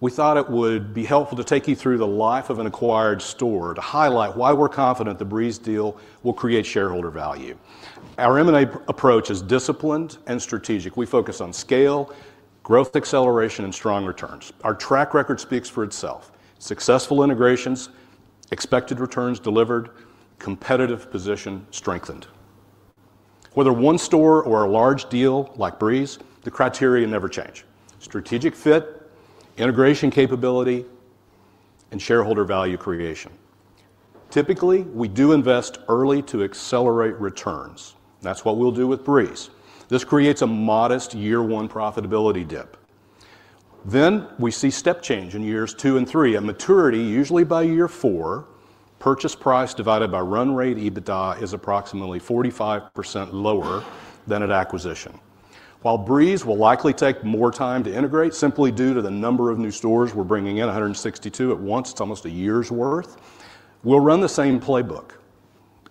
we thought it would be helpful to take you through the life of an acquired store to highlight why we're confident The Breeze deal will create shareholder value. Our M&A approach is disciplined and strategic. We focus on scale, growth acceleration, and strong returns. Our track record speaks for itself. Successful integrations, expected returns delivered, competitive position strengthened. Whether one store or a large deal like Breeze, the criteria never change: strategic fit, integration capability, and shareholder value creation. Typically, we do invest early to accelerate returns. That's what we'll do with Breeze. This creates a modest year-one profitability dip. Then we see step change in years two and three. At maturity, usually by year four, purchase price divided by run rate EBITDA is approximately 45% lower than at acquisition. While Breeze will likely take more time to integrate simply due to the number of new stores we're bringing in, 162 at once, it's almost a year's worth. We'll run the same playbook,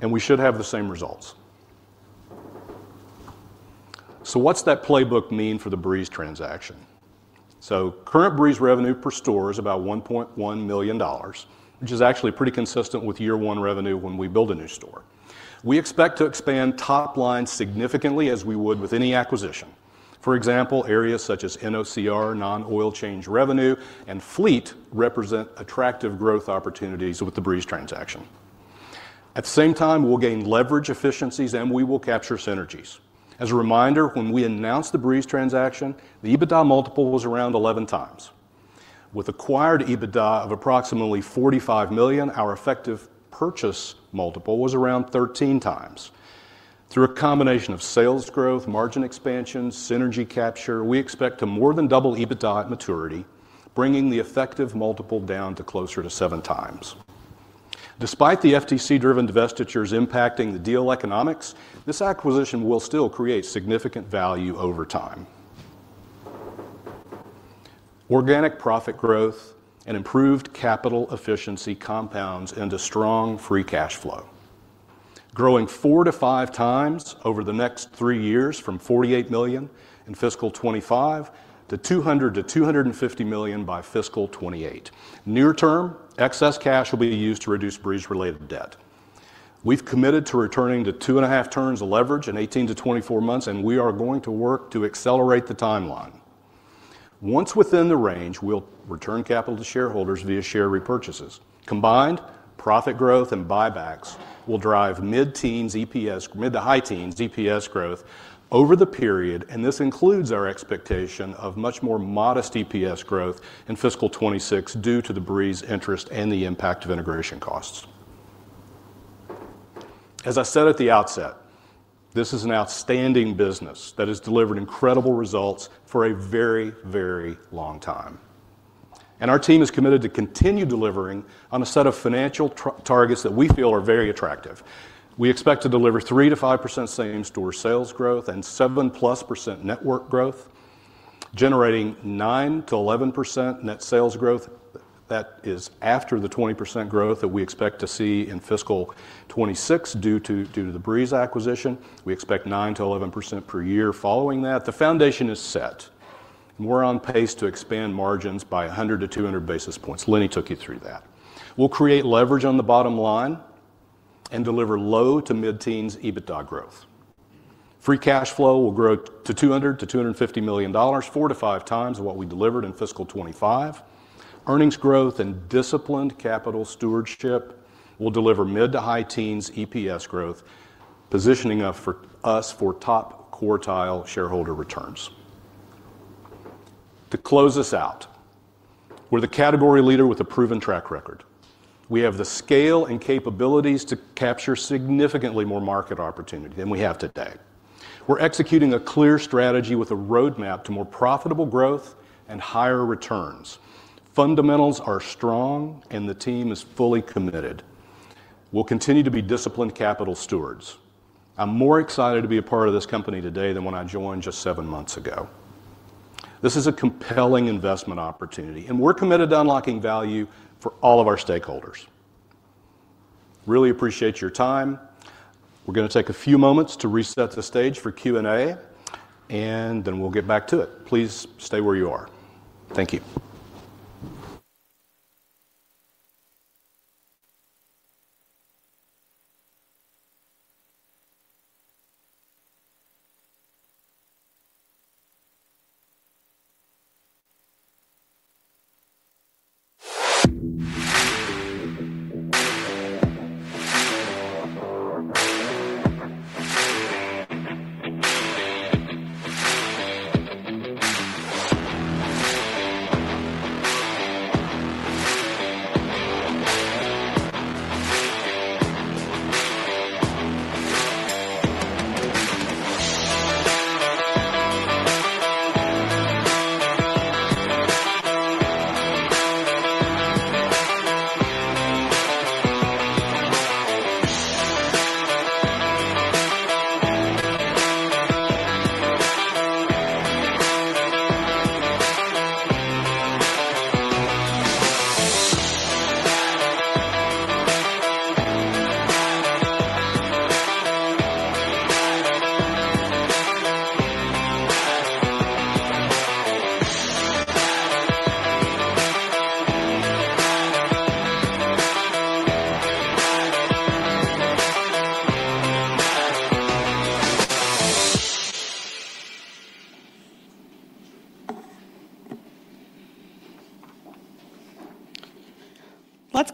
and we should have the same results. So what's that playbook mean for The Breeze transaction? So current Breeze revenue per store is about $1.1 million, which is actually pretty consistent with year-one revenue when we build a new store. We expect to expand top line significantly as we would with any acquisition. For example, areas such as NOCR, non-oil change revenue, and fleet represent attractive growth opportunities with The Breeze transaction. At the same time, we'll gain leverage efficiencies and we will capture synergies. As a reminder, when we announced The Breeze transaction, the EBITDA multiple was around 11 times. With acquired EBITDA of approximately $45 million, our effective purchase multiple was around 13 times. Through a combination of sales growth, margin expansion, synergy capture, we expect to more than double EBITDA at maturity, bringing the effective multiple down to closer to seven times. Despite the FTC-driven divestitures impacting the deal economics, this acquisition will still create significant value over time. Organic profit growth and improved capital efficiency compounds into strong free cash flow. Growing four to five times over the next three years from $48 million in fiscal 2025 to $200 million-$250 million by fiscal 2028. Near-term, excess cash will be used to reduce Breeze-related debt. We've committed to returning to two and a half turns of leverage in 18-24 months, and we are going to work to accelerate the timeline. Once within the range, we'll return capital to shareholders via share repurchases. Combined, profit growth and buybacks will drive mid-teens EPS, mid- to high-teens EPS growth over the period, and this includes our expectation of much more modest EPS growth in fiscal 2026 due to The Breeze interest and the impact of integration costs. As I said at the outset, this is an outstanding business that has delivered incredible results for a very, very long time, and our team is committed to continue delivering on a set of financial targets that we feel are very attractive. We expect to deliver 3%-5% same-store sales growth and 7+% network growth, generating 9%-11% net sales growth. That is after the 20% growth that we expect to see in fiscal 2026 due to The Breeze acquisition. We expect 9%-11% per year following that. The foundation is set. We're on pace to expand margins by 100-200 basis points. Linne took you through that. We'll create leverage on the bottom line and deliver low- to mid-teens EBITDA growth. Free cash flow will grow to $200 million-$250 million, 4-5 times what we delivered in fiscal 2025. Earnings growth and disciplined capital stewardship will deliver mid- to high-teens EPS growth, positioning us for top quartile shareholder returns. To close this out, we're the category leader with a proven track record. We have the scale and capabilities to capture significantly more market opportunity than we have today. We're executing a clear strategy with a roadmap to more profitable growth and higher returns. Fundamentals are strong, and the team is fully committed. We'll continue to be disciplined capital stewards. I'm more excited to be a part of this company today than when I joined just seven months ago. This is a compelling investment opportunity, and we're committed to unlocking value for all of our stakeholders. Really appreciate your time. We're going to take a few moments to reset the stage for Q&A, and then we'll get back to it. Please stay where you are. Thank you.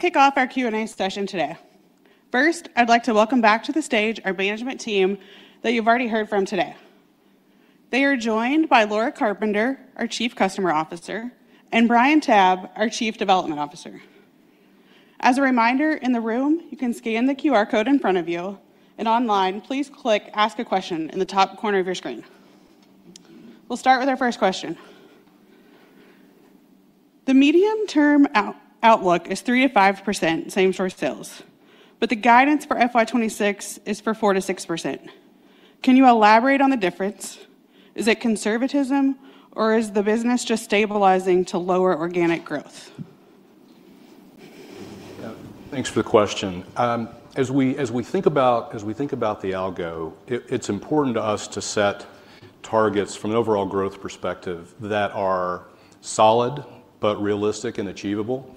Let's kick off our Q&A session today. First, I'd like to welcome back to the stage our management team that you've already heard from today. They are joined by Laura Carpenter, our Chief Customer Officer, and Brian Tabb, our Chief Development Officer. As a reminder, in the room, you can scan the QR code in front of you, and online, please click "Ask a Question" in the top corner of your screen. We'll start with our first question. The medium-term outlook is 3%-5% same-store sales, but the guidance for FY2026 is for 4%-6%. Can you elaborate on the difference? Is it conservatism, or is the business just stabilizing to lower organic growth? Thanks for the question. As we think about the algo, it's important to us to set targets from an overall growth perspective that are solid but realistic and achievable.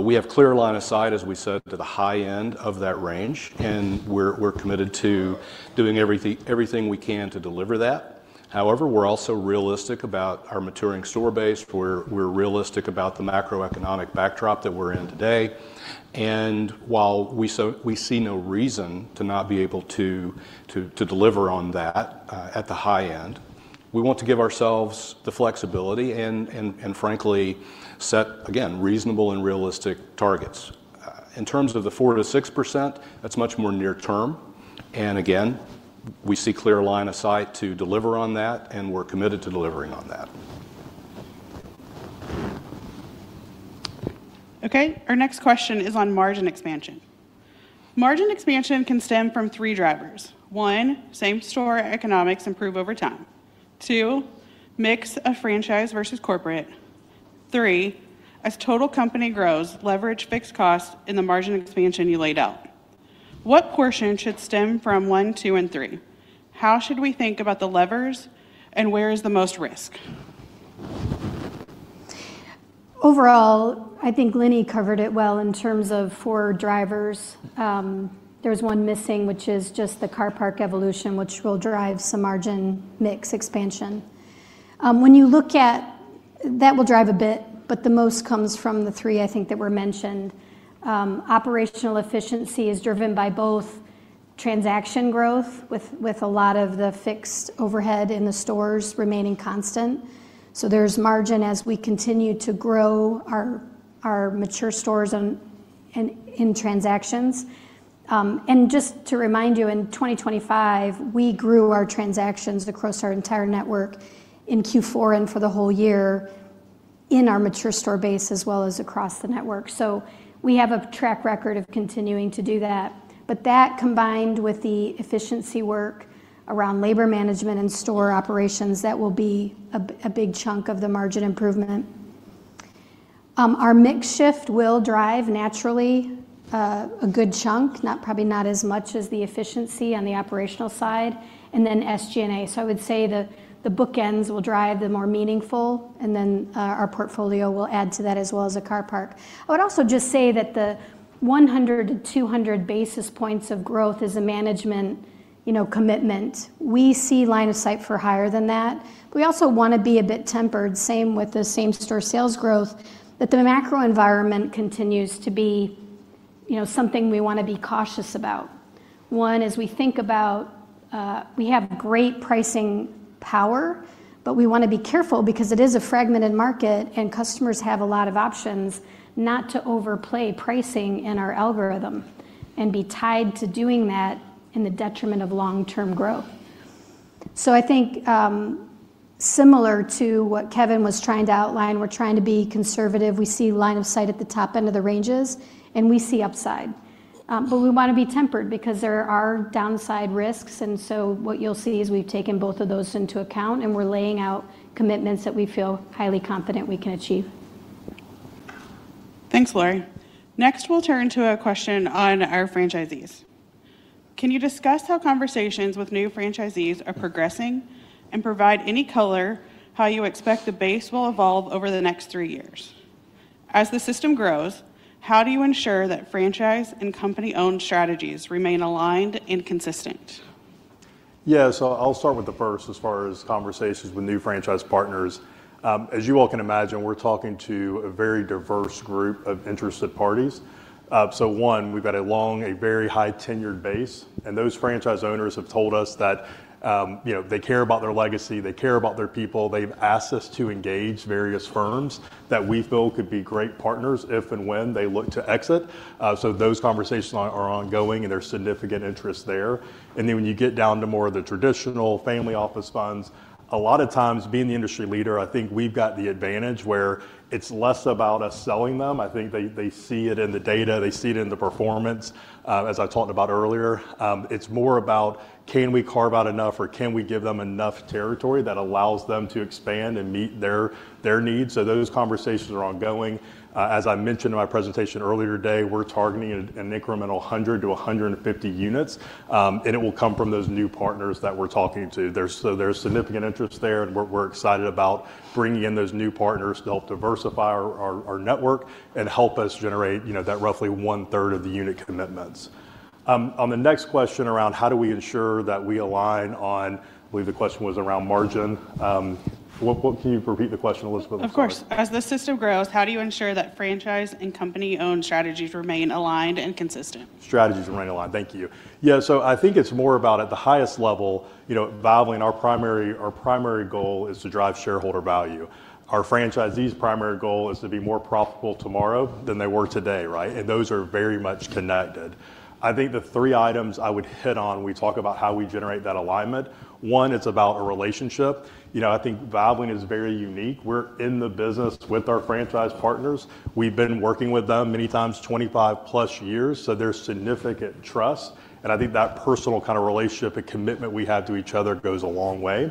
We have clear line of sight, as we said, to the high end of that range, and we're committed to doing everything we can to deliver that. However, we're also realistic about our maturing store base. We're realistic about the macroeconomic backdrop that we're in today. And while we see no reason to not be able to deliver on that at the high end, we want to give ourselves the flexibility and, frankly, set, again, reasonable and realistic targets. In terms of the 4%-6%, that's much more near-term. And again, we see clear line of sight to deliver on that, and we're committed to delivering on that. Okay, our next question is on margin expansion. Margin expansion can stem from three drivers. One, same-store economics improve over time. Two, mix of franchise versus corporate. Three, as total company grows, leverage fixed costs in the margin expansion you laid out. What portion should stem from one, two, and three? How should we think about the levers, and where is the most risk? Overall, I think Lenni covered it well in terms of four drivers. There's one missing, which is just the car park evolution, which will drive some margin mix expansion. When you look at that, that will drive a bit, but the most comes from the three, I think, that were mentioned. Operational efficiency is driven by both transaction growth with a lot of the fixed overhead in the stores remaining constant. So there's margin as we continue to grow our mature stores in transactions. And just to remind you, in 2025, we grew our transactions across our entire network in Q4 and for the whole year in our mature store base as well as across the network. So we have a track record of continuing to do that. But that, combined with the efficiency work around labor management and store operations, that will be a big chunk of the margin improvement. Our mix shift will drive naturally a good chunk, probably not as much as the efficiency on the operational side, and then SG&A. So I would say the bookends will drive the more meaningful, and then our portfolio will add to that as well as the car park. I would also just say that the 100-200 basis points of growth is a management commitment. We see line of sight for higher than that. We also want to be a bit tempered, same with the same-store sales growth, that the macro environment continues to be something we want to be cautious about. One, as we think about, we have great pricing power, but we want to be careful because it is a fragmented market and customers have a lot of options not to overplay pricing in our algorithm and be tied to doing that in the detriment of long-term growth. So I think similar to what Kevin was trying to outline, we're trying to be conservative. We see line of sight at the top end of the ranges, and we see upside. But we want to be tempered because there are downside risks. And so what you'll see is we've taken both of those into account, and we're laying out commitments that we feel highly confident we can achieve. Thanks, Lori. Next, we'll turn to a question on our franchisees. Can you discuss how conversations with new franchisees are progressing and provide any color how you expect the base will evolve over the next three years? As the system grows, how do you ensure that franchise and company-owned strategies remain aligned and consistent? Yeah, so I'll start with the first as far as conversations with new franchise partners. As you all can imagine, we're talking to a very diverse group of interested parties. So one, we've got a very high-tenured base, and those franchise owners have told us that they care about their legacy, they care about their people. They've asked us to engage various firms that we feel could be great partners if and when they look to exit. So those conversations are ongoing, and there's significant interest there. And then when you get down to more of the traditional family office funds, a lot of times, being the industry leader, I think we've got the advantage where it's less about us selling them. I think they see it in the data, they see it in the performance. As I talked about earlier, it's more about can we carve out enough or can we give them enough territory that allows them to expand and meet their needs. So those conversations are ongoing. As I mentioned in my presentation earlier today, we're targeting an incremental 100-150 units, and it will come from those new partners that we're talking to. So there's significant interest there, and we're excited about bringing in those new partners to help diversify our network and help us generate that roughly one-third of the unit commitments. On the next question around how do we ensure that we align on, I believe the question was around margin, what can you repeat the question, Elizabeth? Of course. As the system grows, how do you ensure that franchise and company-owned strategies remain aligned and consistent? Strategies remain aligned. Thank you. Yeah, so I think it's more about at the highest level, our primary goal is to drive shareholder value. Our franchisee's primary goal is to be more profitable tomorrow than they were today, right? And those are very much connected. I think the three items I would hit on when we talk about how we generate that alignment, one, it's about a relationship. I think Valvoline is very unique. We're in the business with our franchise partners. We've been working with them many times, 25+ years, so there's significant trust. I think that personal kind of relationship and commitment we have to each other goes a long way.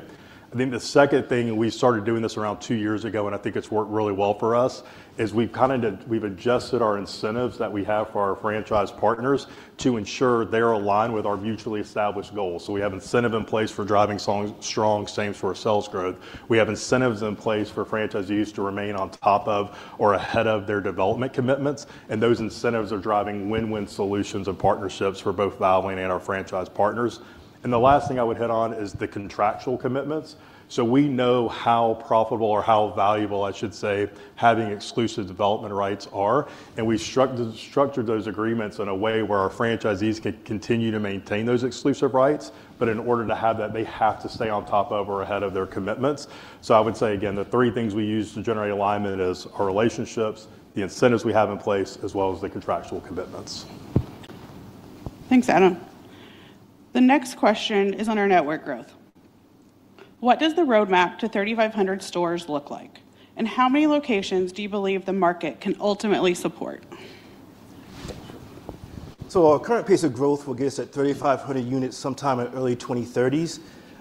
I think the second thing, we started doing this around two years ago, and I think it's worked really well for us, is we've adjusted our incentives that we have for our franchise partners to ensure they're aligned with our mutually established goals. So we have incentive in place for driving strong same-store sales growth. We have incentives in place for franchisees to remain on top of or ahead of their development commitments. And those incentives are driving win-win solutions and partnerships for both Valvoline and our franchise partners. And the last thing I would hit on is the contractual commitments. So we know how profitable or how valuable, I should say, having exclusive development rights are. And we structured those agreements in a way where our franchisees can continue to maintain those exclusive rights. But in order to have that, they have to stay on top of or ahead of their commitments. So I would say, again, the three things we use to generate alignment are our relationships, the incentives we have in place, as well as the contractual commitments. Thanks, Adam. The next question is on our network growth. What does the roadmap to 3,500 stores look like, and how many locations do you believe the market can ultimately support? So our current pace of growth will get us at 3,500 units sometime in the early 2030s.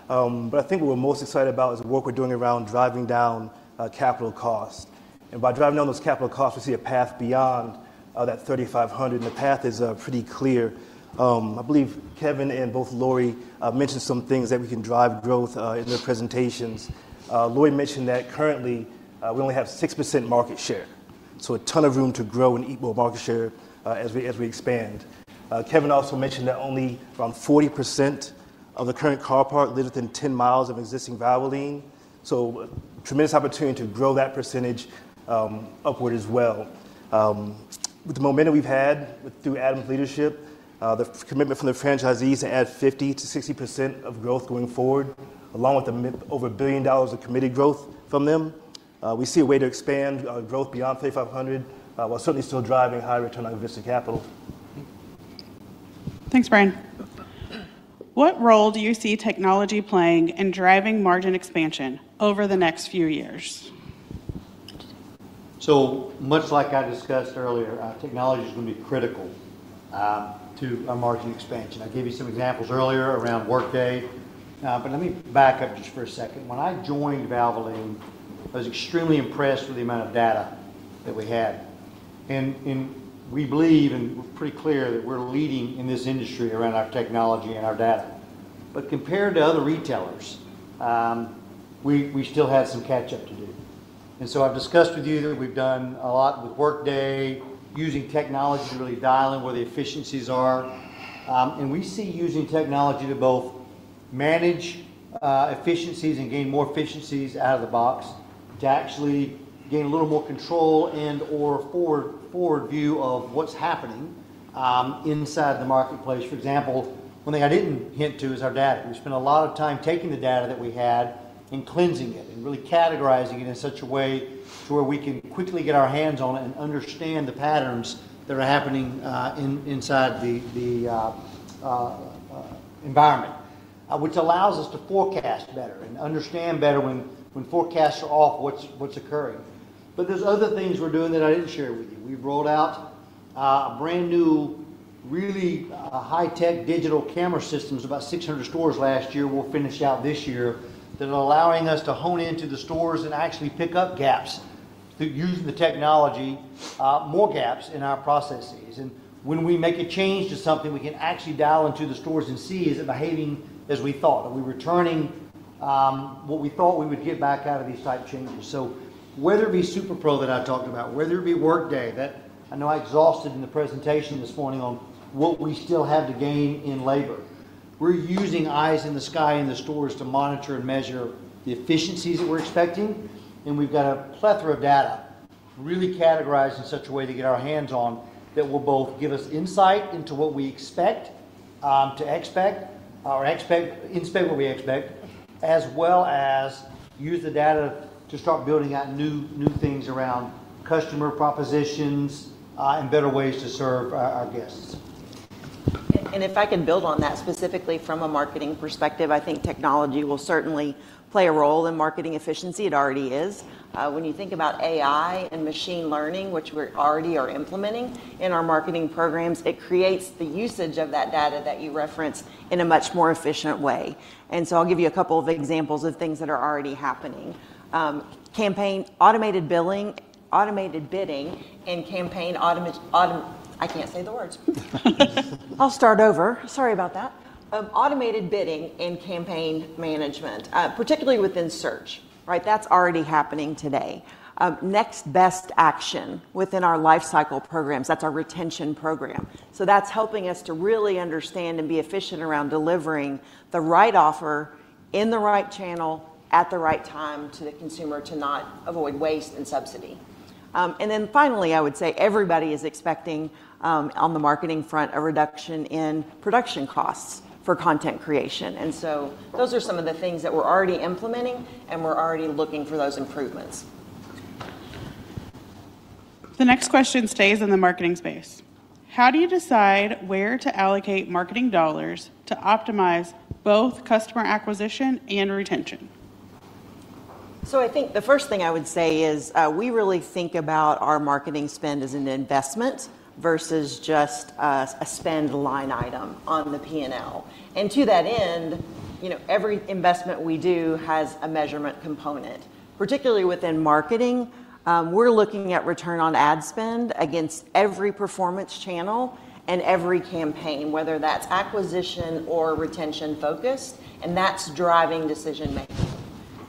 But I think what we're most excited about is the work we're doing around driving down capital costs. And by driving down those capital costs, we see a path beyond that 3,500. And the path is pretty clear. I believe Kevin and Lori both mentioned some things that we can drive growth in their presentations. Lori mentioned that currently we only have 6% market share. So a ton of room to grow and equal market share as we expand. Kevin also mentioned that only around 40% of the current car park lives within 10 miles of existing Valvoline. So tremendous opportunity to grow that percentage upward as well. With the momentum we've had through Adam's leadership, the commitment from the franchisees to add 50%-60% of growth going forward, along with over a billion dollars of committed growth from them, we see a way to expand growth beyond 3,500 while certainly still driving high return on invested capital. Thanks, Brian. What role do you see technology playing in driving margin expansion over the next few years? So much like I discussed earlier, technology is going to be critical to our margin expansion. I gave you some examples earlier around Workday. But let me back up just for a second. When I joined Valvoline, I was extremely impressed with the amount of data that we had. And we believe, and we're pretty clear that we're leading in this industry around our technology and our data. But compared to other retailers, we still have some catch-up to do. And so I've discussed with you that we've done a lot with Workday, using technology to really dial in where the efficiencies are. And we see using technology to both manage efficiencies and gain more efficiencies out of the box to actually gain a little more control and or forward view of what's happening inside the marketplace. For example, one thing I didn't hint to is our data. We spent a lot of time taking the data that we had and cleansing it and really categorizing it in such a way to where we can quickly get our hands on it and understand the patterns that are happening inside the environment, which allows us to forecast better and understand better when forecasts are off what's occurring. But there's other things we're doing that I didn't share with you. We've rolled out a brand new, really high-tech digital camera systems in about 600 stores last year. We'll finish out this year that are allowing us to hone into the stores and actually pick up gaps using the technology, more gaps in our processes. And when we make a change to something, we can actually dial into the stores and see, is it behaving as we thought? Are we returning what we thought we would get back out of these type changes, so whether it be SuperPro that I talked about, whether it be Workday, I know I exhausted in the presentation this morning on what we still have to gain in labor. We're using eyes in the sky in the stores to monitor and measure the efficiencies that we're expecting, and we've got a plethora of data really categorized in such a way to get our hands on that will both give us insight into what we expect or inspect what we expect, as well as use the data to start building out new things around customer propositions and better ways to serve our guests, and if I can build on that specifically from a marketing perspective, I think technology will certainly play a role in marketing efficiency. It already is. When you think about AI and machine learning, which we already are implementing in our marketing programs, it creates the usage of that data that you referenced in a much more efficient way. And so I'll give you a couple of examples of things that are already happening. Automated bidding and campaign management, particularly within search, right? That's already happening today. Next best action within our lifecycle programs, that's our retention program. So that's helping us to really understand and be efficient around delivering the right offer in the right channel at the right time to the consumer to not avoid waste and subsidy. And then finally, I would say everybody is expecting on the marketing front a reduction in production costs for content creation. Those are some of the things that we're already implementing, and we're already looking for those improvements. The next question stays in the marketing space. How do you decide where to allocate marketing dollars to optimize both customer acquisition and retention? I think the first thing I would say is we really think about our marketing spend as an investment versus just a spend line item on the P&L. And to that end, every investment we do has a measurement component. Particularly within marketing, we're looking at return on ad spend against every performance channel and every campaign, whether that's acquisition or retention-focused. And that's driving decision-making.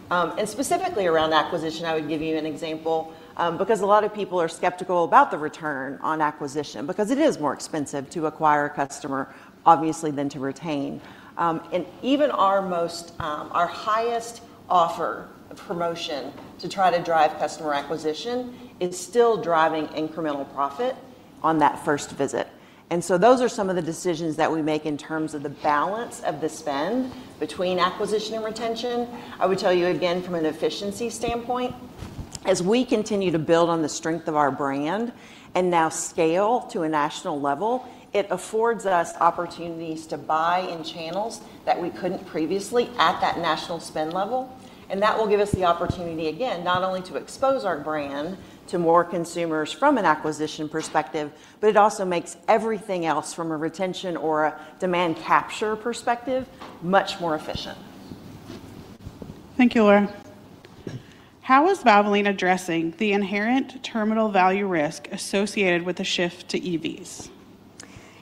And specifically around acquisition, I would give you an example because a lot of people are skeptical about the return on acquisition because it is more expensive to acquire a customer, obviously, than to retain. And even our highest offer promotion to try to drive customer acquisition is still driving incremental profit on that first visit. And so those are some of the decisions that we make in terms of the balance of the spend between acquisition and retention. I would tell you again, from an efficiency standpoint, as we continue to build on the strength of our brand and now scale to a national level, it affords us opportunities to buy in channels that we couldn't previously at that national spend level. And that will give us the opportunity, again, not only to expose our brand to more consumers from an acquisition perspective, but it also makes everything else from a retention or a demand capture perspective much more efficient. Thank you, Laura How is Valvoline addressing the inherent terminal value risk associated with the shift to EVs?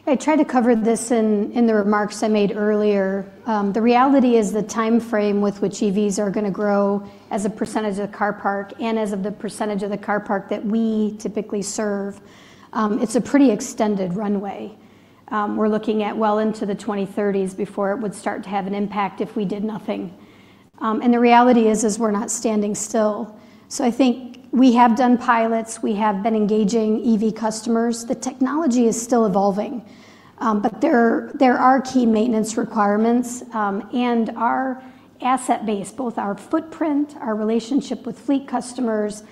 I tried to cover this in the remarks I made earlier. The reality is the time frame with which EVs are going to grow as a percentage of the car park and as of the percentage of the car park that we typically serve, it's a pretty extended runway. We're looking at well into the 2030s before it would start to have an impact if we did nothing. And the reality is we're not standing still. So I think we have done pilots. We have been engaging EV customers. The technology is still evolving. But there are key maintenance requirements. And our asset base, both our footprint, our relationship with fleet customers,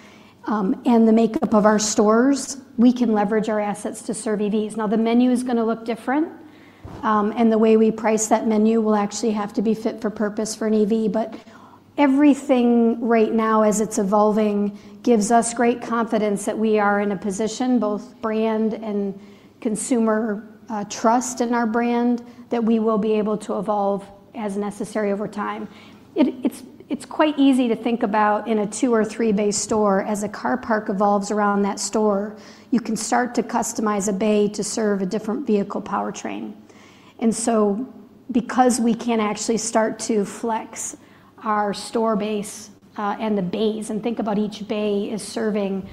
and the makeup of our stores, we can leverage our assets to serve EVs. Now, the menu is going to look different. And the way we price that menu will actually have to be fit for purpose for an EV. But everything right now, as it's evolving, gives us great confidence that we are in a position, both brand and consumer trust in our brand, that we will be able to evolve as necessary over time. It's quite easy to think about in a two or three-bay store as a car park evolves around that store. You can start to customize a bay to serve a different vehicle powertrain. And so because we can actually start to flex our store base and the bays, and think about each bay serving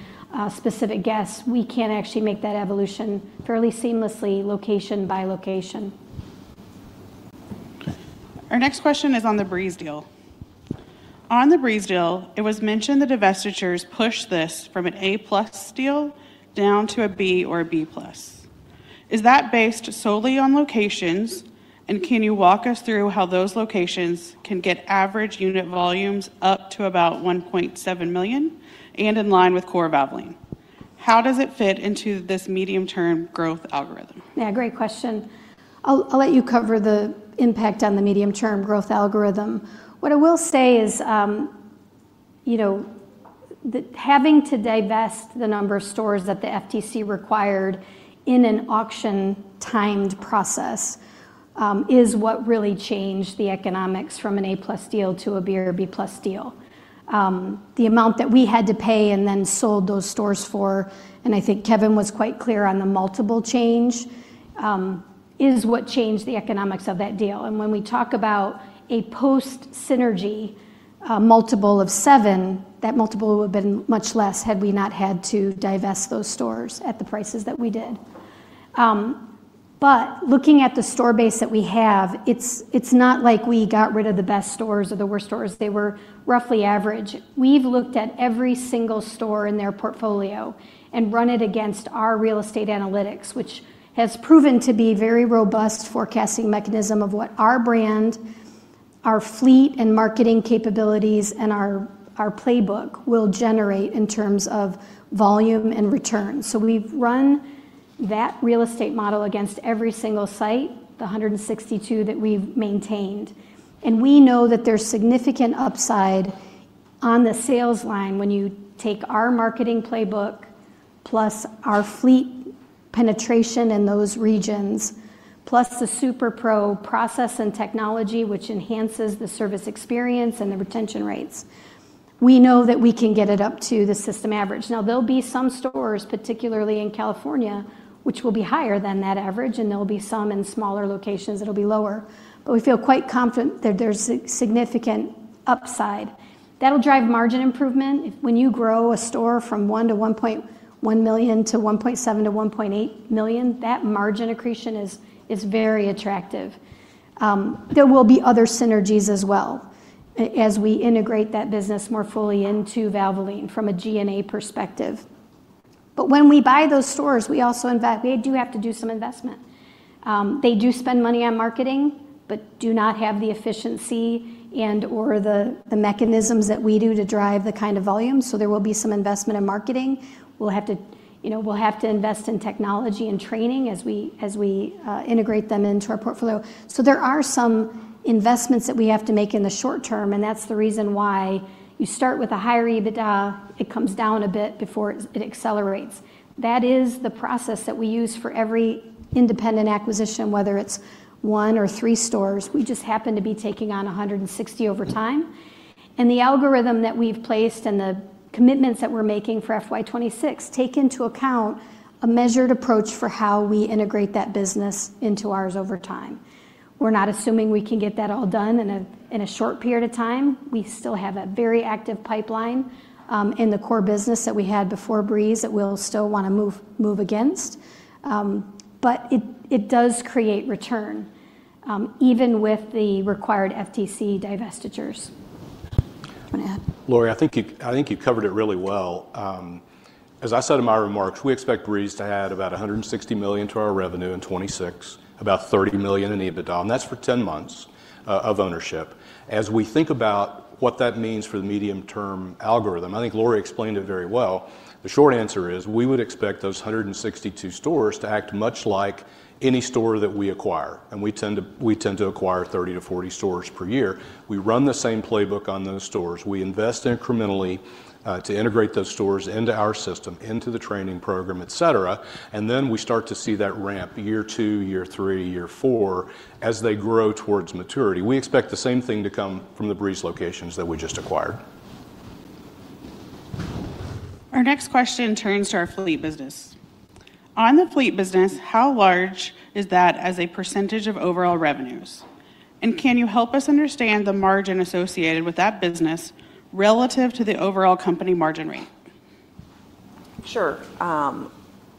specific guests, we can actually make that evolution fairly seamlessly, location by location. Our next question is on The Breeze deal. On The Breeze deal, it was mentioned that investors pushed this from an A-plus deal down to a B or a B-plus. Is that based solely on locations? And can you walk us through how those locations can get average unit volumes up to about 1.7 million and in line with core Valvoline? How does it fit into this medium-term growth algorithm? Yeah, great question. I'll let you cover the impact on the medium-term growth algorithm. What I will say is having to divest the number of stores that the FTC required in an auction-timed process is what really changed the economics from an A+ deal to a B or a B+ deal. The amount that we had to pay and then sold those stores for, and I think Kevin was quite clear on the multiple change, is what changed the economics of that deal. When we talk about a post-synergy multiple of seven, that multiple would have been much less had we not had to divest those stores at the prices that we did, but looking at the store base that we have, it's not like we got rid of the best stores or the worst stores. They were roughly average. We've looked at every single store in their portfolio and run it against our real estate analytics, which has proven to be a very robust forecasting mechanism of what our brand, our fleet, and marketing capabilities and our playbook will generate in terms of volume and return, so we've run that real estate model against every single site, the 162 that we've maintained. We know that there's significant upside on the sales line when you take our marketing playbook plus our fleet penetration in those regions, plus the SuperPro process and technology, which enhances the service experience and the retention rates. We know that we can get it up to the system average. Now, there'll be some stores, particularly in California, which will be higher than that average, and there'll be some in smaller locations that'll be lower. We feel quite confident that there's significant upside. That'll drive margin improvement. When you grow a store from $1 million-$1.1 million to $1.7 million-$1.8 million, that margin accretion is very attractive. There will be other synergies as well as we integrate that business more fully into Valvoline from a G&A perspective. When we buy those stores, we also do have to do some investment. They do spend money on marketing but do not have the efficiency and/or the mechanisms that we do to drive the kind of volume, so there will be some investment in marketing. We'll have to invest in technology and training as we integrate them into our portfolio, so there are some investments that we have to make in the short term, and that's the reason why you start with a higher EBITDA. It comes down a bit before it accelerates. That is the process that we use for every independent acquisition, whether it's one or three stores. We just happen to be taking on 160 over time, and the algorithm that we've placed and the commitments that we're making for FY2026 take into account a measured approach for how we integrate that business into ours over time. We're not assuming we can get that all done in a short period of time. We still have a very active pipeline in the core business that we had before Breeze that we'll still want to move against. But it does create return even with the required FTC divestitures. Lori, I think you covered it really well. As I said in my remarks, we expect Breeze to add about $160 million to our revenue in 2026, about $30 million in EBITDA, and that's for 10 months of ownership. As we think about what that means for the medium-term algorithm, I think Lori explained it very well. The short answer is we would expect those 162 stores to act much like any store that we acquire, and we tend to acquire 30-40 stores per year. We run the same playbook on those stores. We invest incrementally to integrate those stores into our system, into the training program, etc. And then we start to see that ramp year two, year three, year four as they grow towards maturity. We expect the same thing to come from The Breeze locations that we just acquired. Our next question turns to our fleet business. On the fleet business, how large is that as a percentage of overall revenues? And can you help us understand the margin associated with that business relative to the overall company margin rate? Sure.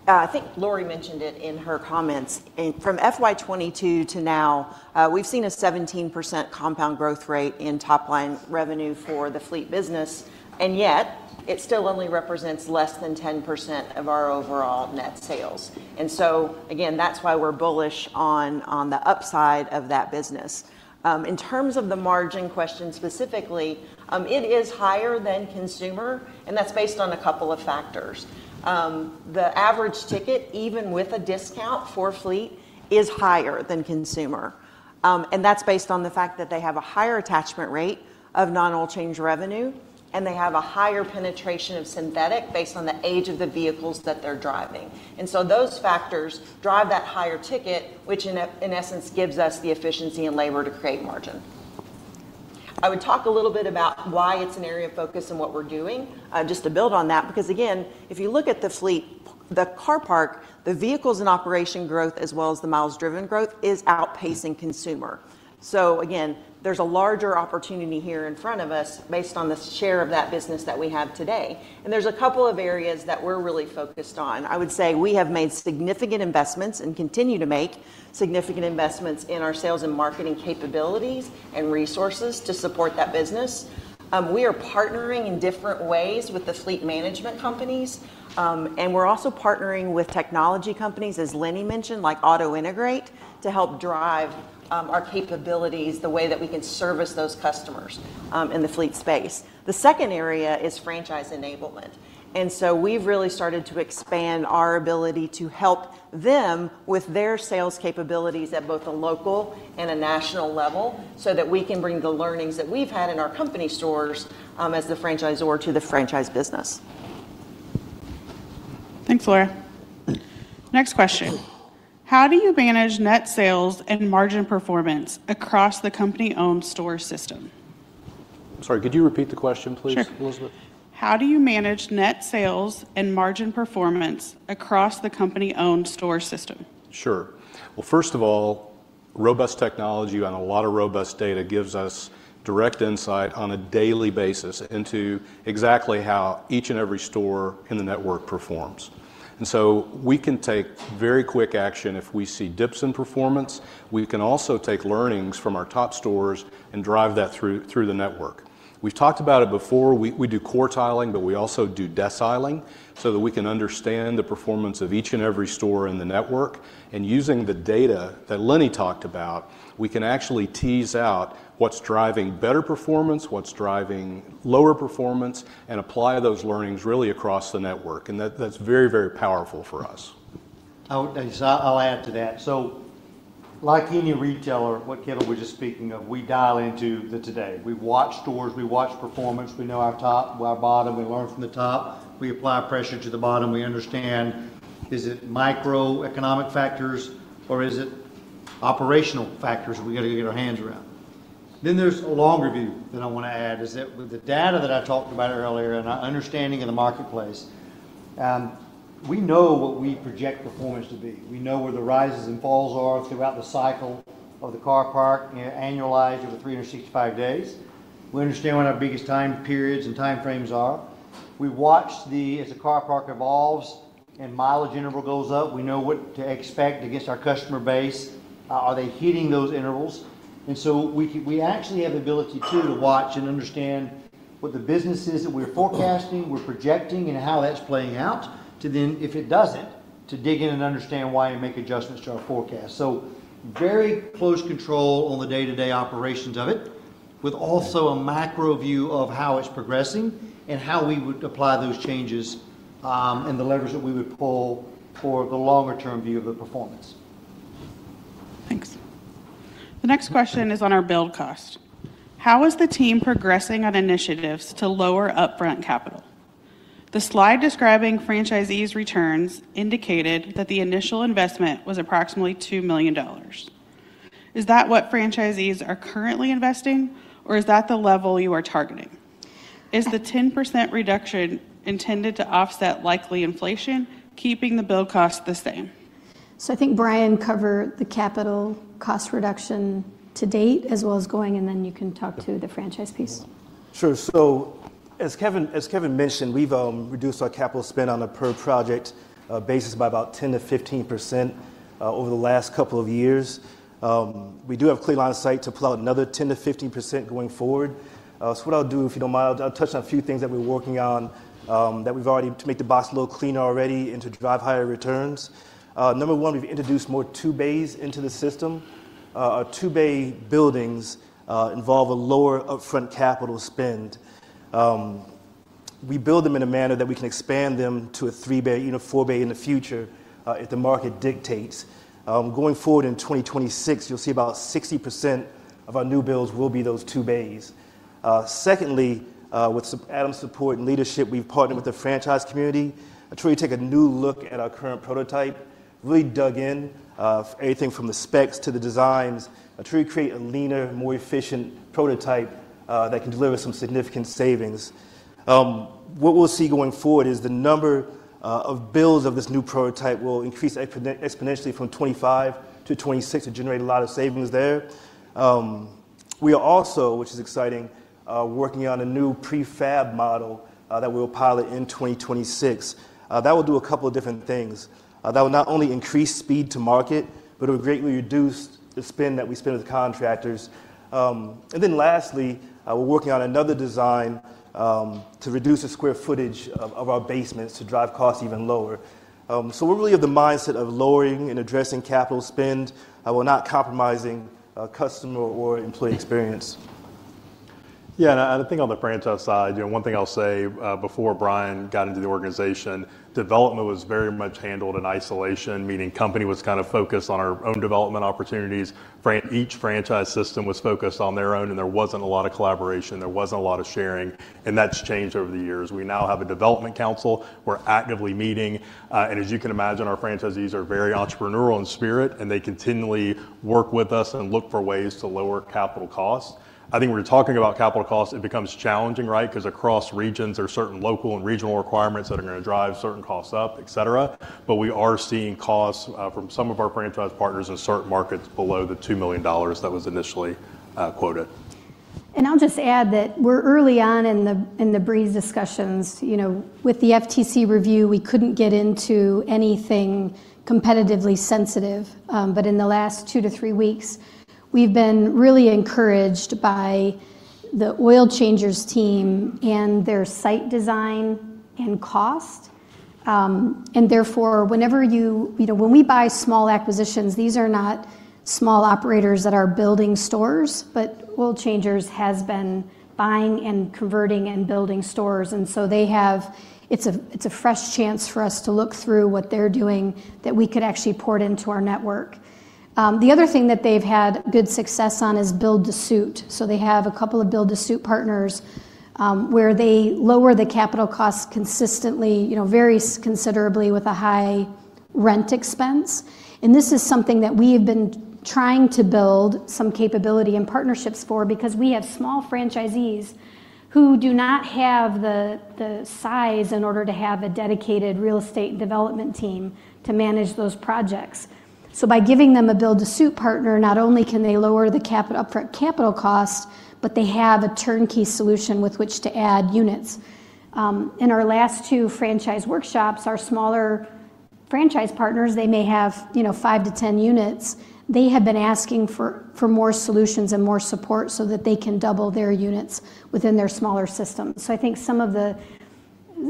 I think Lori mentioned it in her comments. From FY2022 to now, we've seen a 17% compound growth rate in top-line revenue for the fleet business. And yet, it still only represents less than 10% of our overall net sales. And so, again, that's why we're bullish on the upside of that business. In terms of the margin question specifically, it is higher than consumer, and that's based on a couple of factors. The average ticket, even with a discount for fleet, is higher than consumer. And that's based on the fact that they have a higher attachment rate of non-oil change revenue, and they have a higher penetration of synthetic based on the age of the vehicles that they're driving. And so those factors drive that higher ticket, which in essence gives us the efficiency and labor to create margin. I would talk a little bit about why it's an area of focus and what we're doing, just to build on that. Because, again, if you look at the fleet, the car park, the vehicles in operation growth, as well as the miles driven growth, is outpacing consumer. Again, there’s a larger opportunity here in front of us based on the share of that business that we have today. There’s a couple of areas that we’re really focused on. I would say we have made significant investments and continue to make significant investments in our sales and marketing capabilities and resources to support that business. We are partnering in different ways with the fleet management companies. We’re also partnering with technology companies, as Linne mentioned, like AutoIntegrate, to help drive our capabilities the way that we can service those customers in the fleet space. The second area is franchise enablement. We’ve really started to expand our ability to help them with their sales capabilities at both a local and a national level so that we can bring the learnings that we’ve had in our company stores as the franchisor to the franchise business. Thanks, Laura. Next question. How do you manage net sales and margin performance across the company-owned store system? Sorry, could you repeat the question, please, Elizabeth? Sure. How do you manage net sales and margin performance across the company-owned store system? Sure. Well, first of all, robust technology on a lot of robust data gives us direct insight on a daily basis into exactly how each and every store in the network performs. And so we can take very quick action if we see dips in performance. We can also take learnings from our top stores and drive that through the network. We've talked about it before. We do core tiling, but we also do desk tiling so that we can understand the performance of each and every store in the network. Using the data that Linne talked about, we can actually tease out what's driving better performance, what's driving lower performance, and apply those learnings really across the network. That's very, very powerful for us. I'll add to that. Like any retailer, what Kevin was just speaking of, we dial into the today. We watch stores. We watch performance. We know our top, our bottom. We learn from the top. We apply pressure to the bottom. We understand, is it microeconomic factors, or is it operational factors we got to get our hands around? There's a longer view that I want to add, is that with the data that I talked about earlier and our understanding of the marketplace, we know what we project performance to be. We know where the rises and falls are throughout the cycle of the car park, annualized over 365 days. We understand what our biggest time periods and time frames are. We watch as the car park evolves and mileage interval goes up. We know what to expect against our customer base. Are they hitting those intervals? And so we actually have the ability too to watch and understand what the business is that we're forecasting, we're projecting, and how that's playing out to then, if it doesn't, to dig in and understand why and make adjustments to our forecast. So, very close control on the day-to-day operations of it, with also a macro view of how it's progressing and how we would apply those changes and the levers that we would pull for the longer-term view of the performance. Thanks. The next question is on our build cost. How is the team progressing on initiatives to lower upfront capital? The slide describing franchisees' returns indicated that the initial investment was approximately $2 million. Is that what franchisees are currently investing, or is that the level you are targeting? Is the 10% reduction intended to offset likely inflation, keeping the build cost the same? So I think Brian covered the capital cost reduction to date, as well as going, and then you can talk to the franchise piece. Sure. So, as Kevin mentioned, we've reduced our capital spend on a per-project basis by about 10%-15% over the last couple of years. We do have clear line of sight to pull out another 10%-15% going forward. So what I'll do, if you don't mind, I'll touch on a few things that we're working on that we've already to make the box a little cleaner already and to drive higher returns. Number one, we've introduced more two bays into the system. Our two-bay buildings involve a lower upfront capital spend. We build them in a manner that we can expand them to a three-bay, even a four-bay in the future if the market dictates. Going forward in 2026, you'll see about 60% of our new builds will be those two bays. Secondly, with Adam's support and leadership, we've partnered with the franchise community to truly take a new look at our current prototype, really dug in everything from the specs to the designs, to truly create a leaner, more efficient prototype that can deliver some significant savings. What we'll see going forward is the number of builds of this new prototype will increase exponentially from 2025 to 2026 to generate a lot of savings there. We are also, which is exciting, working on a new prefab model that we will pilot in 2026. That will do a couple of different things. That will not only increase speed to market, but it will greatly reduce the spend that we spend with contractors. And then lastly, we're working on another design to reduce the square footage of our basements to drive costs even lower. So we're really of the mindset of lowering and addressing capital spend while not compromising customer or employee experience. Yeah. And I think on the franchise side, one thing I'll say before Brian got into the organization, development was very much handled in isolation, meaning the company was kind of focused on our own development opportunities. Each franchise system was focused on their own, and there wasn't a lot of collaboration. There wasn't a lot of sharing. And that's changed over the years. We now have a development council. We're actively meeting, and as you can imagine, our franchisees are very entrepreneurial in spirit, and they continually work with us and look for ways to lower capital costs. I think when you're talking about capital costs, it becomes challenging, right? Because across regions, there are certain local and regional requirements that are going to drive certain costs up, etc., but we are seeing costs from some of our franchise partners in certain markets below the $2 million that was initially quoted, and I'll just add that we're early on in The Breeze discussions. With the FTC review, we couldn't get into anything competitively sensitive, but in the last two to three weeks, we've been really encouraged by the Oil Changers team and their site design and cost. And therefore, whenever we buy small acquisitions, these are not small operators that are building stores, but Oil Changers have been buying and converting and building stores. And so they have. It's a fresh chance for us to look through what they're doing that we could actually port into our network. The other thing that they've had good success on is build-to-suit. So they have a couple of build-to-suit partners where they lower the capital costs consistently, vary considerably with a high rent expense. And this is something that we have been trying to build some capability and partnerships for because we have small franchisees who do not have the size in order to have a dedicated real estate development team to manage those projects. By giving them a build-to-suit partner, not only can they lower the upfront capital cost, but they have a turnkey solution with which to add units. In our last two franchise workshops, our smaller franchise partners, they may have five to 10 units. They have been asking for more solutions and more support so that they can double their units within their smaller system. I think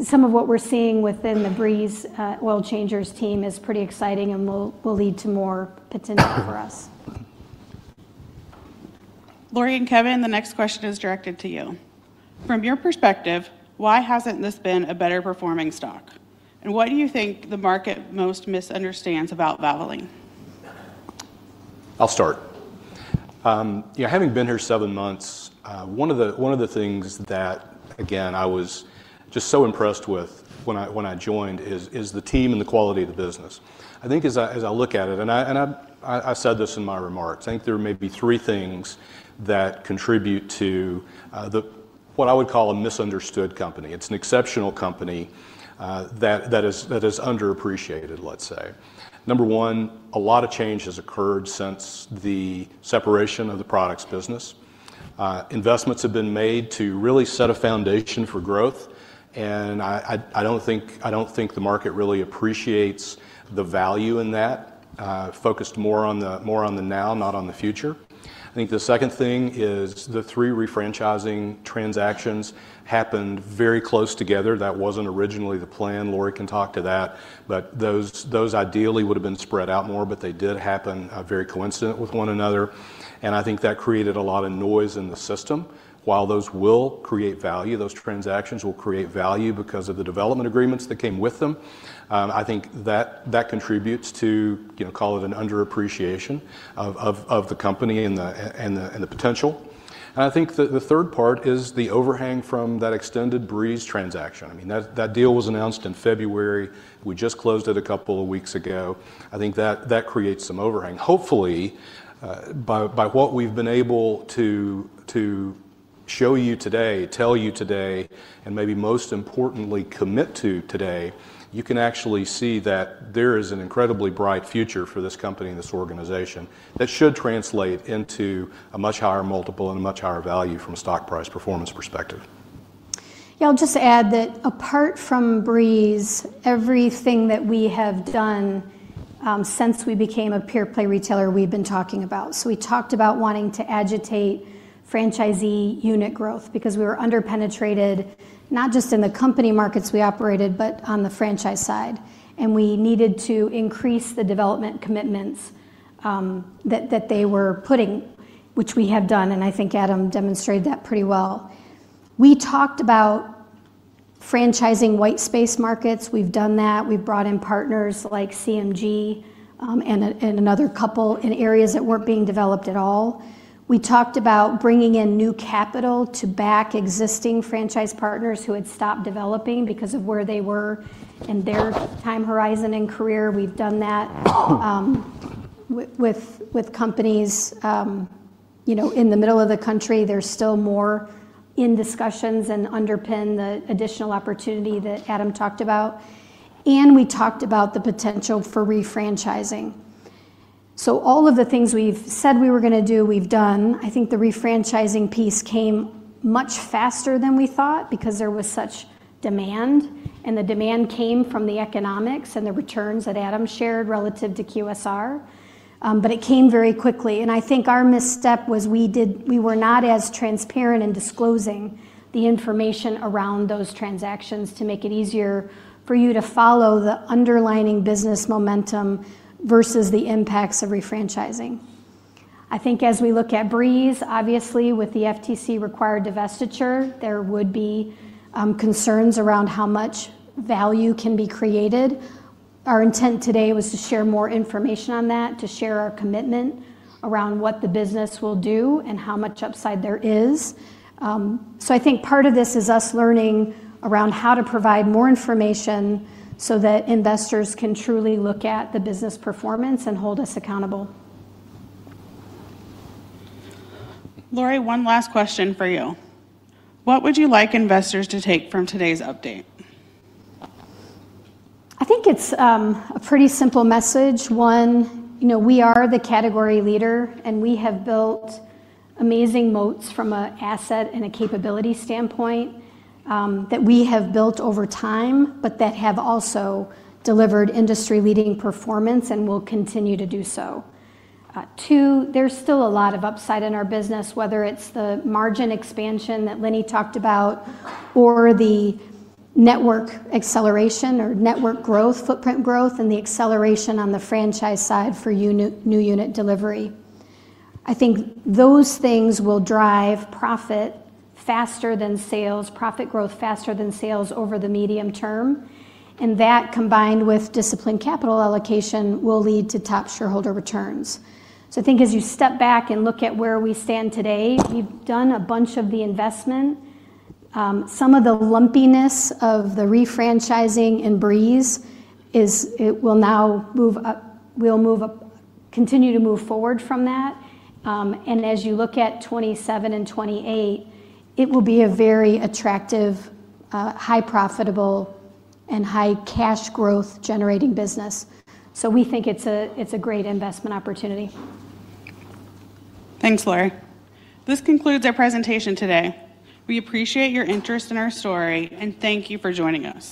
some of what we're seeing within The Breeze Oil Changers team is pretty exciting and will lead to more potential for us. Lori and Kevin, the next question is directed to you. From your perspective, why hasn't this been a better-performing stock? And what do you think the market most misunderstands about Valvoline? I'll start. Having been here seven months, one of the things that, again, I was just so impressed with when I joined is the team and the quality of the business. I think as I look at it, and I said this in my remarks, I think there may be three things that contribute to what I would call a misunderstood company. It's an exceptional company that is underappreciated, let's say. Number one, a lot of change has occurred since the separation of the products business. Investments have been made to really set a foundation for growth. And I don't think the market really appreciates the value in that, focused more on the now, not on the future. I think the second thing is the three refranchising transactions happened very close together. That wasn't originally the plan. Lori can talk to that. But those ideally would have been spread out more, but they did happen very coincident with one another. And I think that created a lot of noise in the system. While those will create value, those transactions will create value because of the development agreements that came with them. I think that contributes to, call it an underappreciation of the company and the potential. And I think the third part is the overhang from that extended Breeze transaction. I mean, that deal was announced in February. We just closed it a couple of weeks ago. I think that creates some overhang. Hopefully, by what we've been able to show you today, tell you today, and maybe most importantly, commit to today, you can actually see that there is an incredibly bright future for this company and this organization that should translate into a much higher multiple and a much higher value from a stock price performance perspective. Yeah. I'll just add that apart from Breeze, everything that we have done since we became a pure-play retailer, we've been talking about, so we talked about wanting to accelerate franchisee unit growth because we were underpenetrated, not just in the company markets we operated, but on the franchise side, and we needed to increase the development commitments that they were putting, which we have done, and I think Adam demonstrated that pretty well. We talked about franchising white space markets. We've done that. We've brought in partners like CMG and another couple in areas that weren't being developed at all. We talked about bringing in new capital to back existing franchise partners who had stopped developing because of where they were in their time horizon and career. We've done that with companies in the middle of the country. They're still more in discussions and underpin the additional opportunity that Adam talked about, and we talked about the potential for refranchising, so all of the things we've said we were going to do, we've done. I think the refranchising piece came much faster than we thought because there was such demand, and the demand came from the economics and the returns that Adam shared relative to QSR, but it came very quickly. I think our misstep was we were not as transparent in disclosing the information around those transactions to make it easier for you to follow the underlying business momentum versus the impacts of refranchising. I think as we look at Breeze, obviously, with the FTC-required divestiture, there would be concerns around how much value can be created. Our intent today was to share more information on that, to share our commitment around what the business will do and how much upside there is. So I think part of this is us learning around how to provide more information so that investors can truly look at the business performance and hold us accountable. Lori, one last question for you. What would you like investors to take from today's update? I think it's a pretty simple message. One, we are the category leader, and we have built amazing moats from an asset and a capability standpoint that we have built over time, but that have also delivered industry-leading performance and will continue to do so. Two, there's still a lot of upside in our business, whether it's the margin expansion that Linne talked about or the network acceleration or network growth, footprint growth, and the acceleration on the franchise side for new unit delivery. I think those things will drive profit faster than sales, profit growth faster than sales over the medium term, and that, combined with disciplined capital allocation, will lead to top shareholder returns, so I think as you step back and look at where we stand today, we've done a bunch of the investment. Some of the lumpiness of the refranchising in Breeze will now move up. We'll continue to move forward from that. And as you look at 2027 and 2028, it will be a very attractive, high-profitable, and high cash growth-generating business. So we think it's a great investment opportunity. Thanks, Lori. This concludes our presentation today. We appreciate your interest in our story, and thank you for joining us.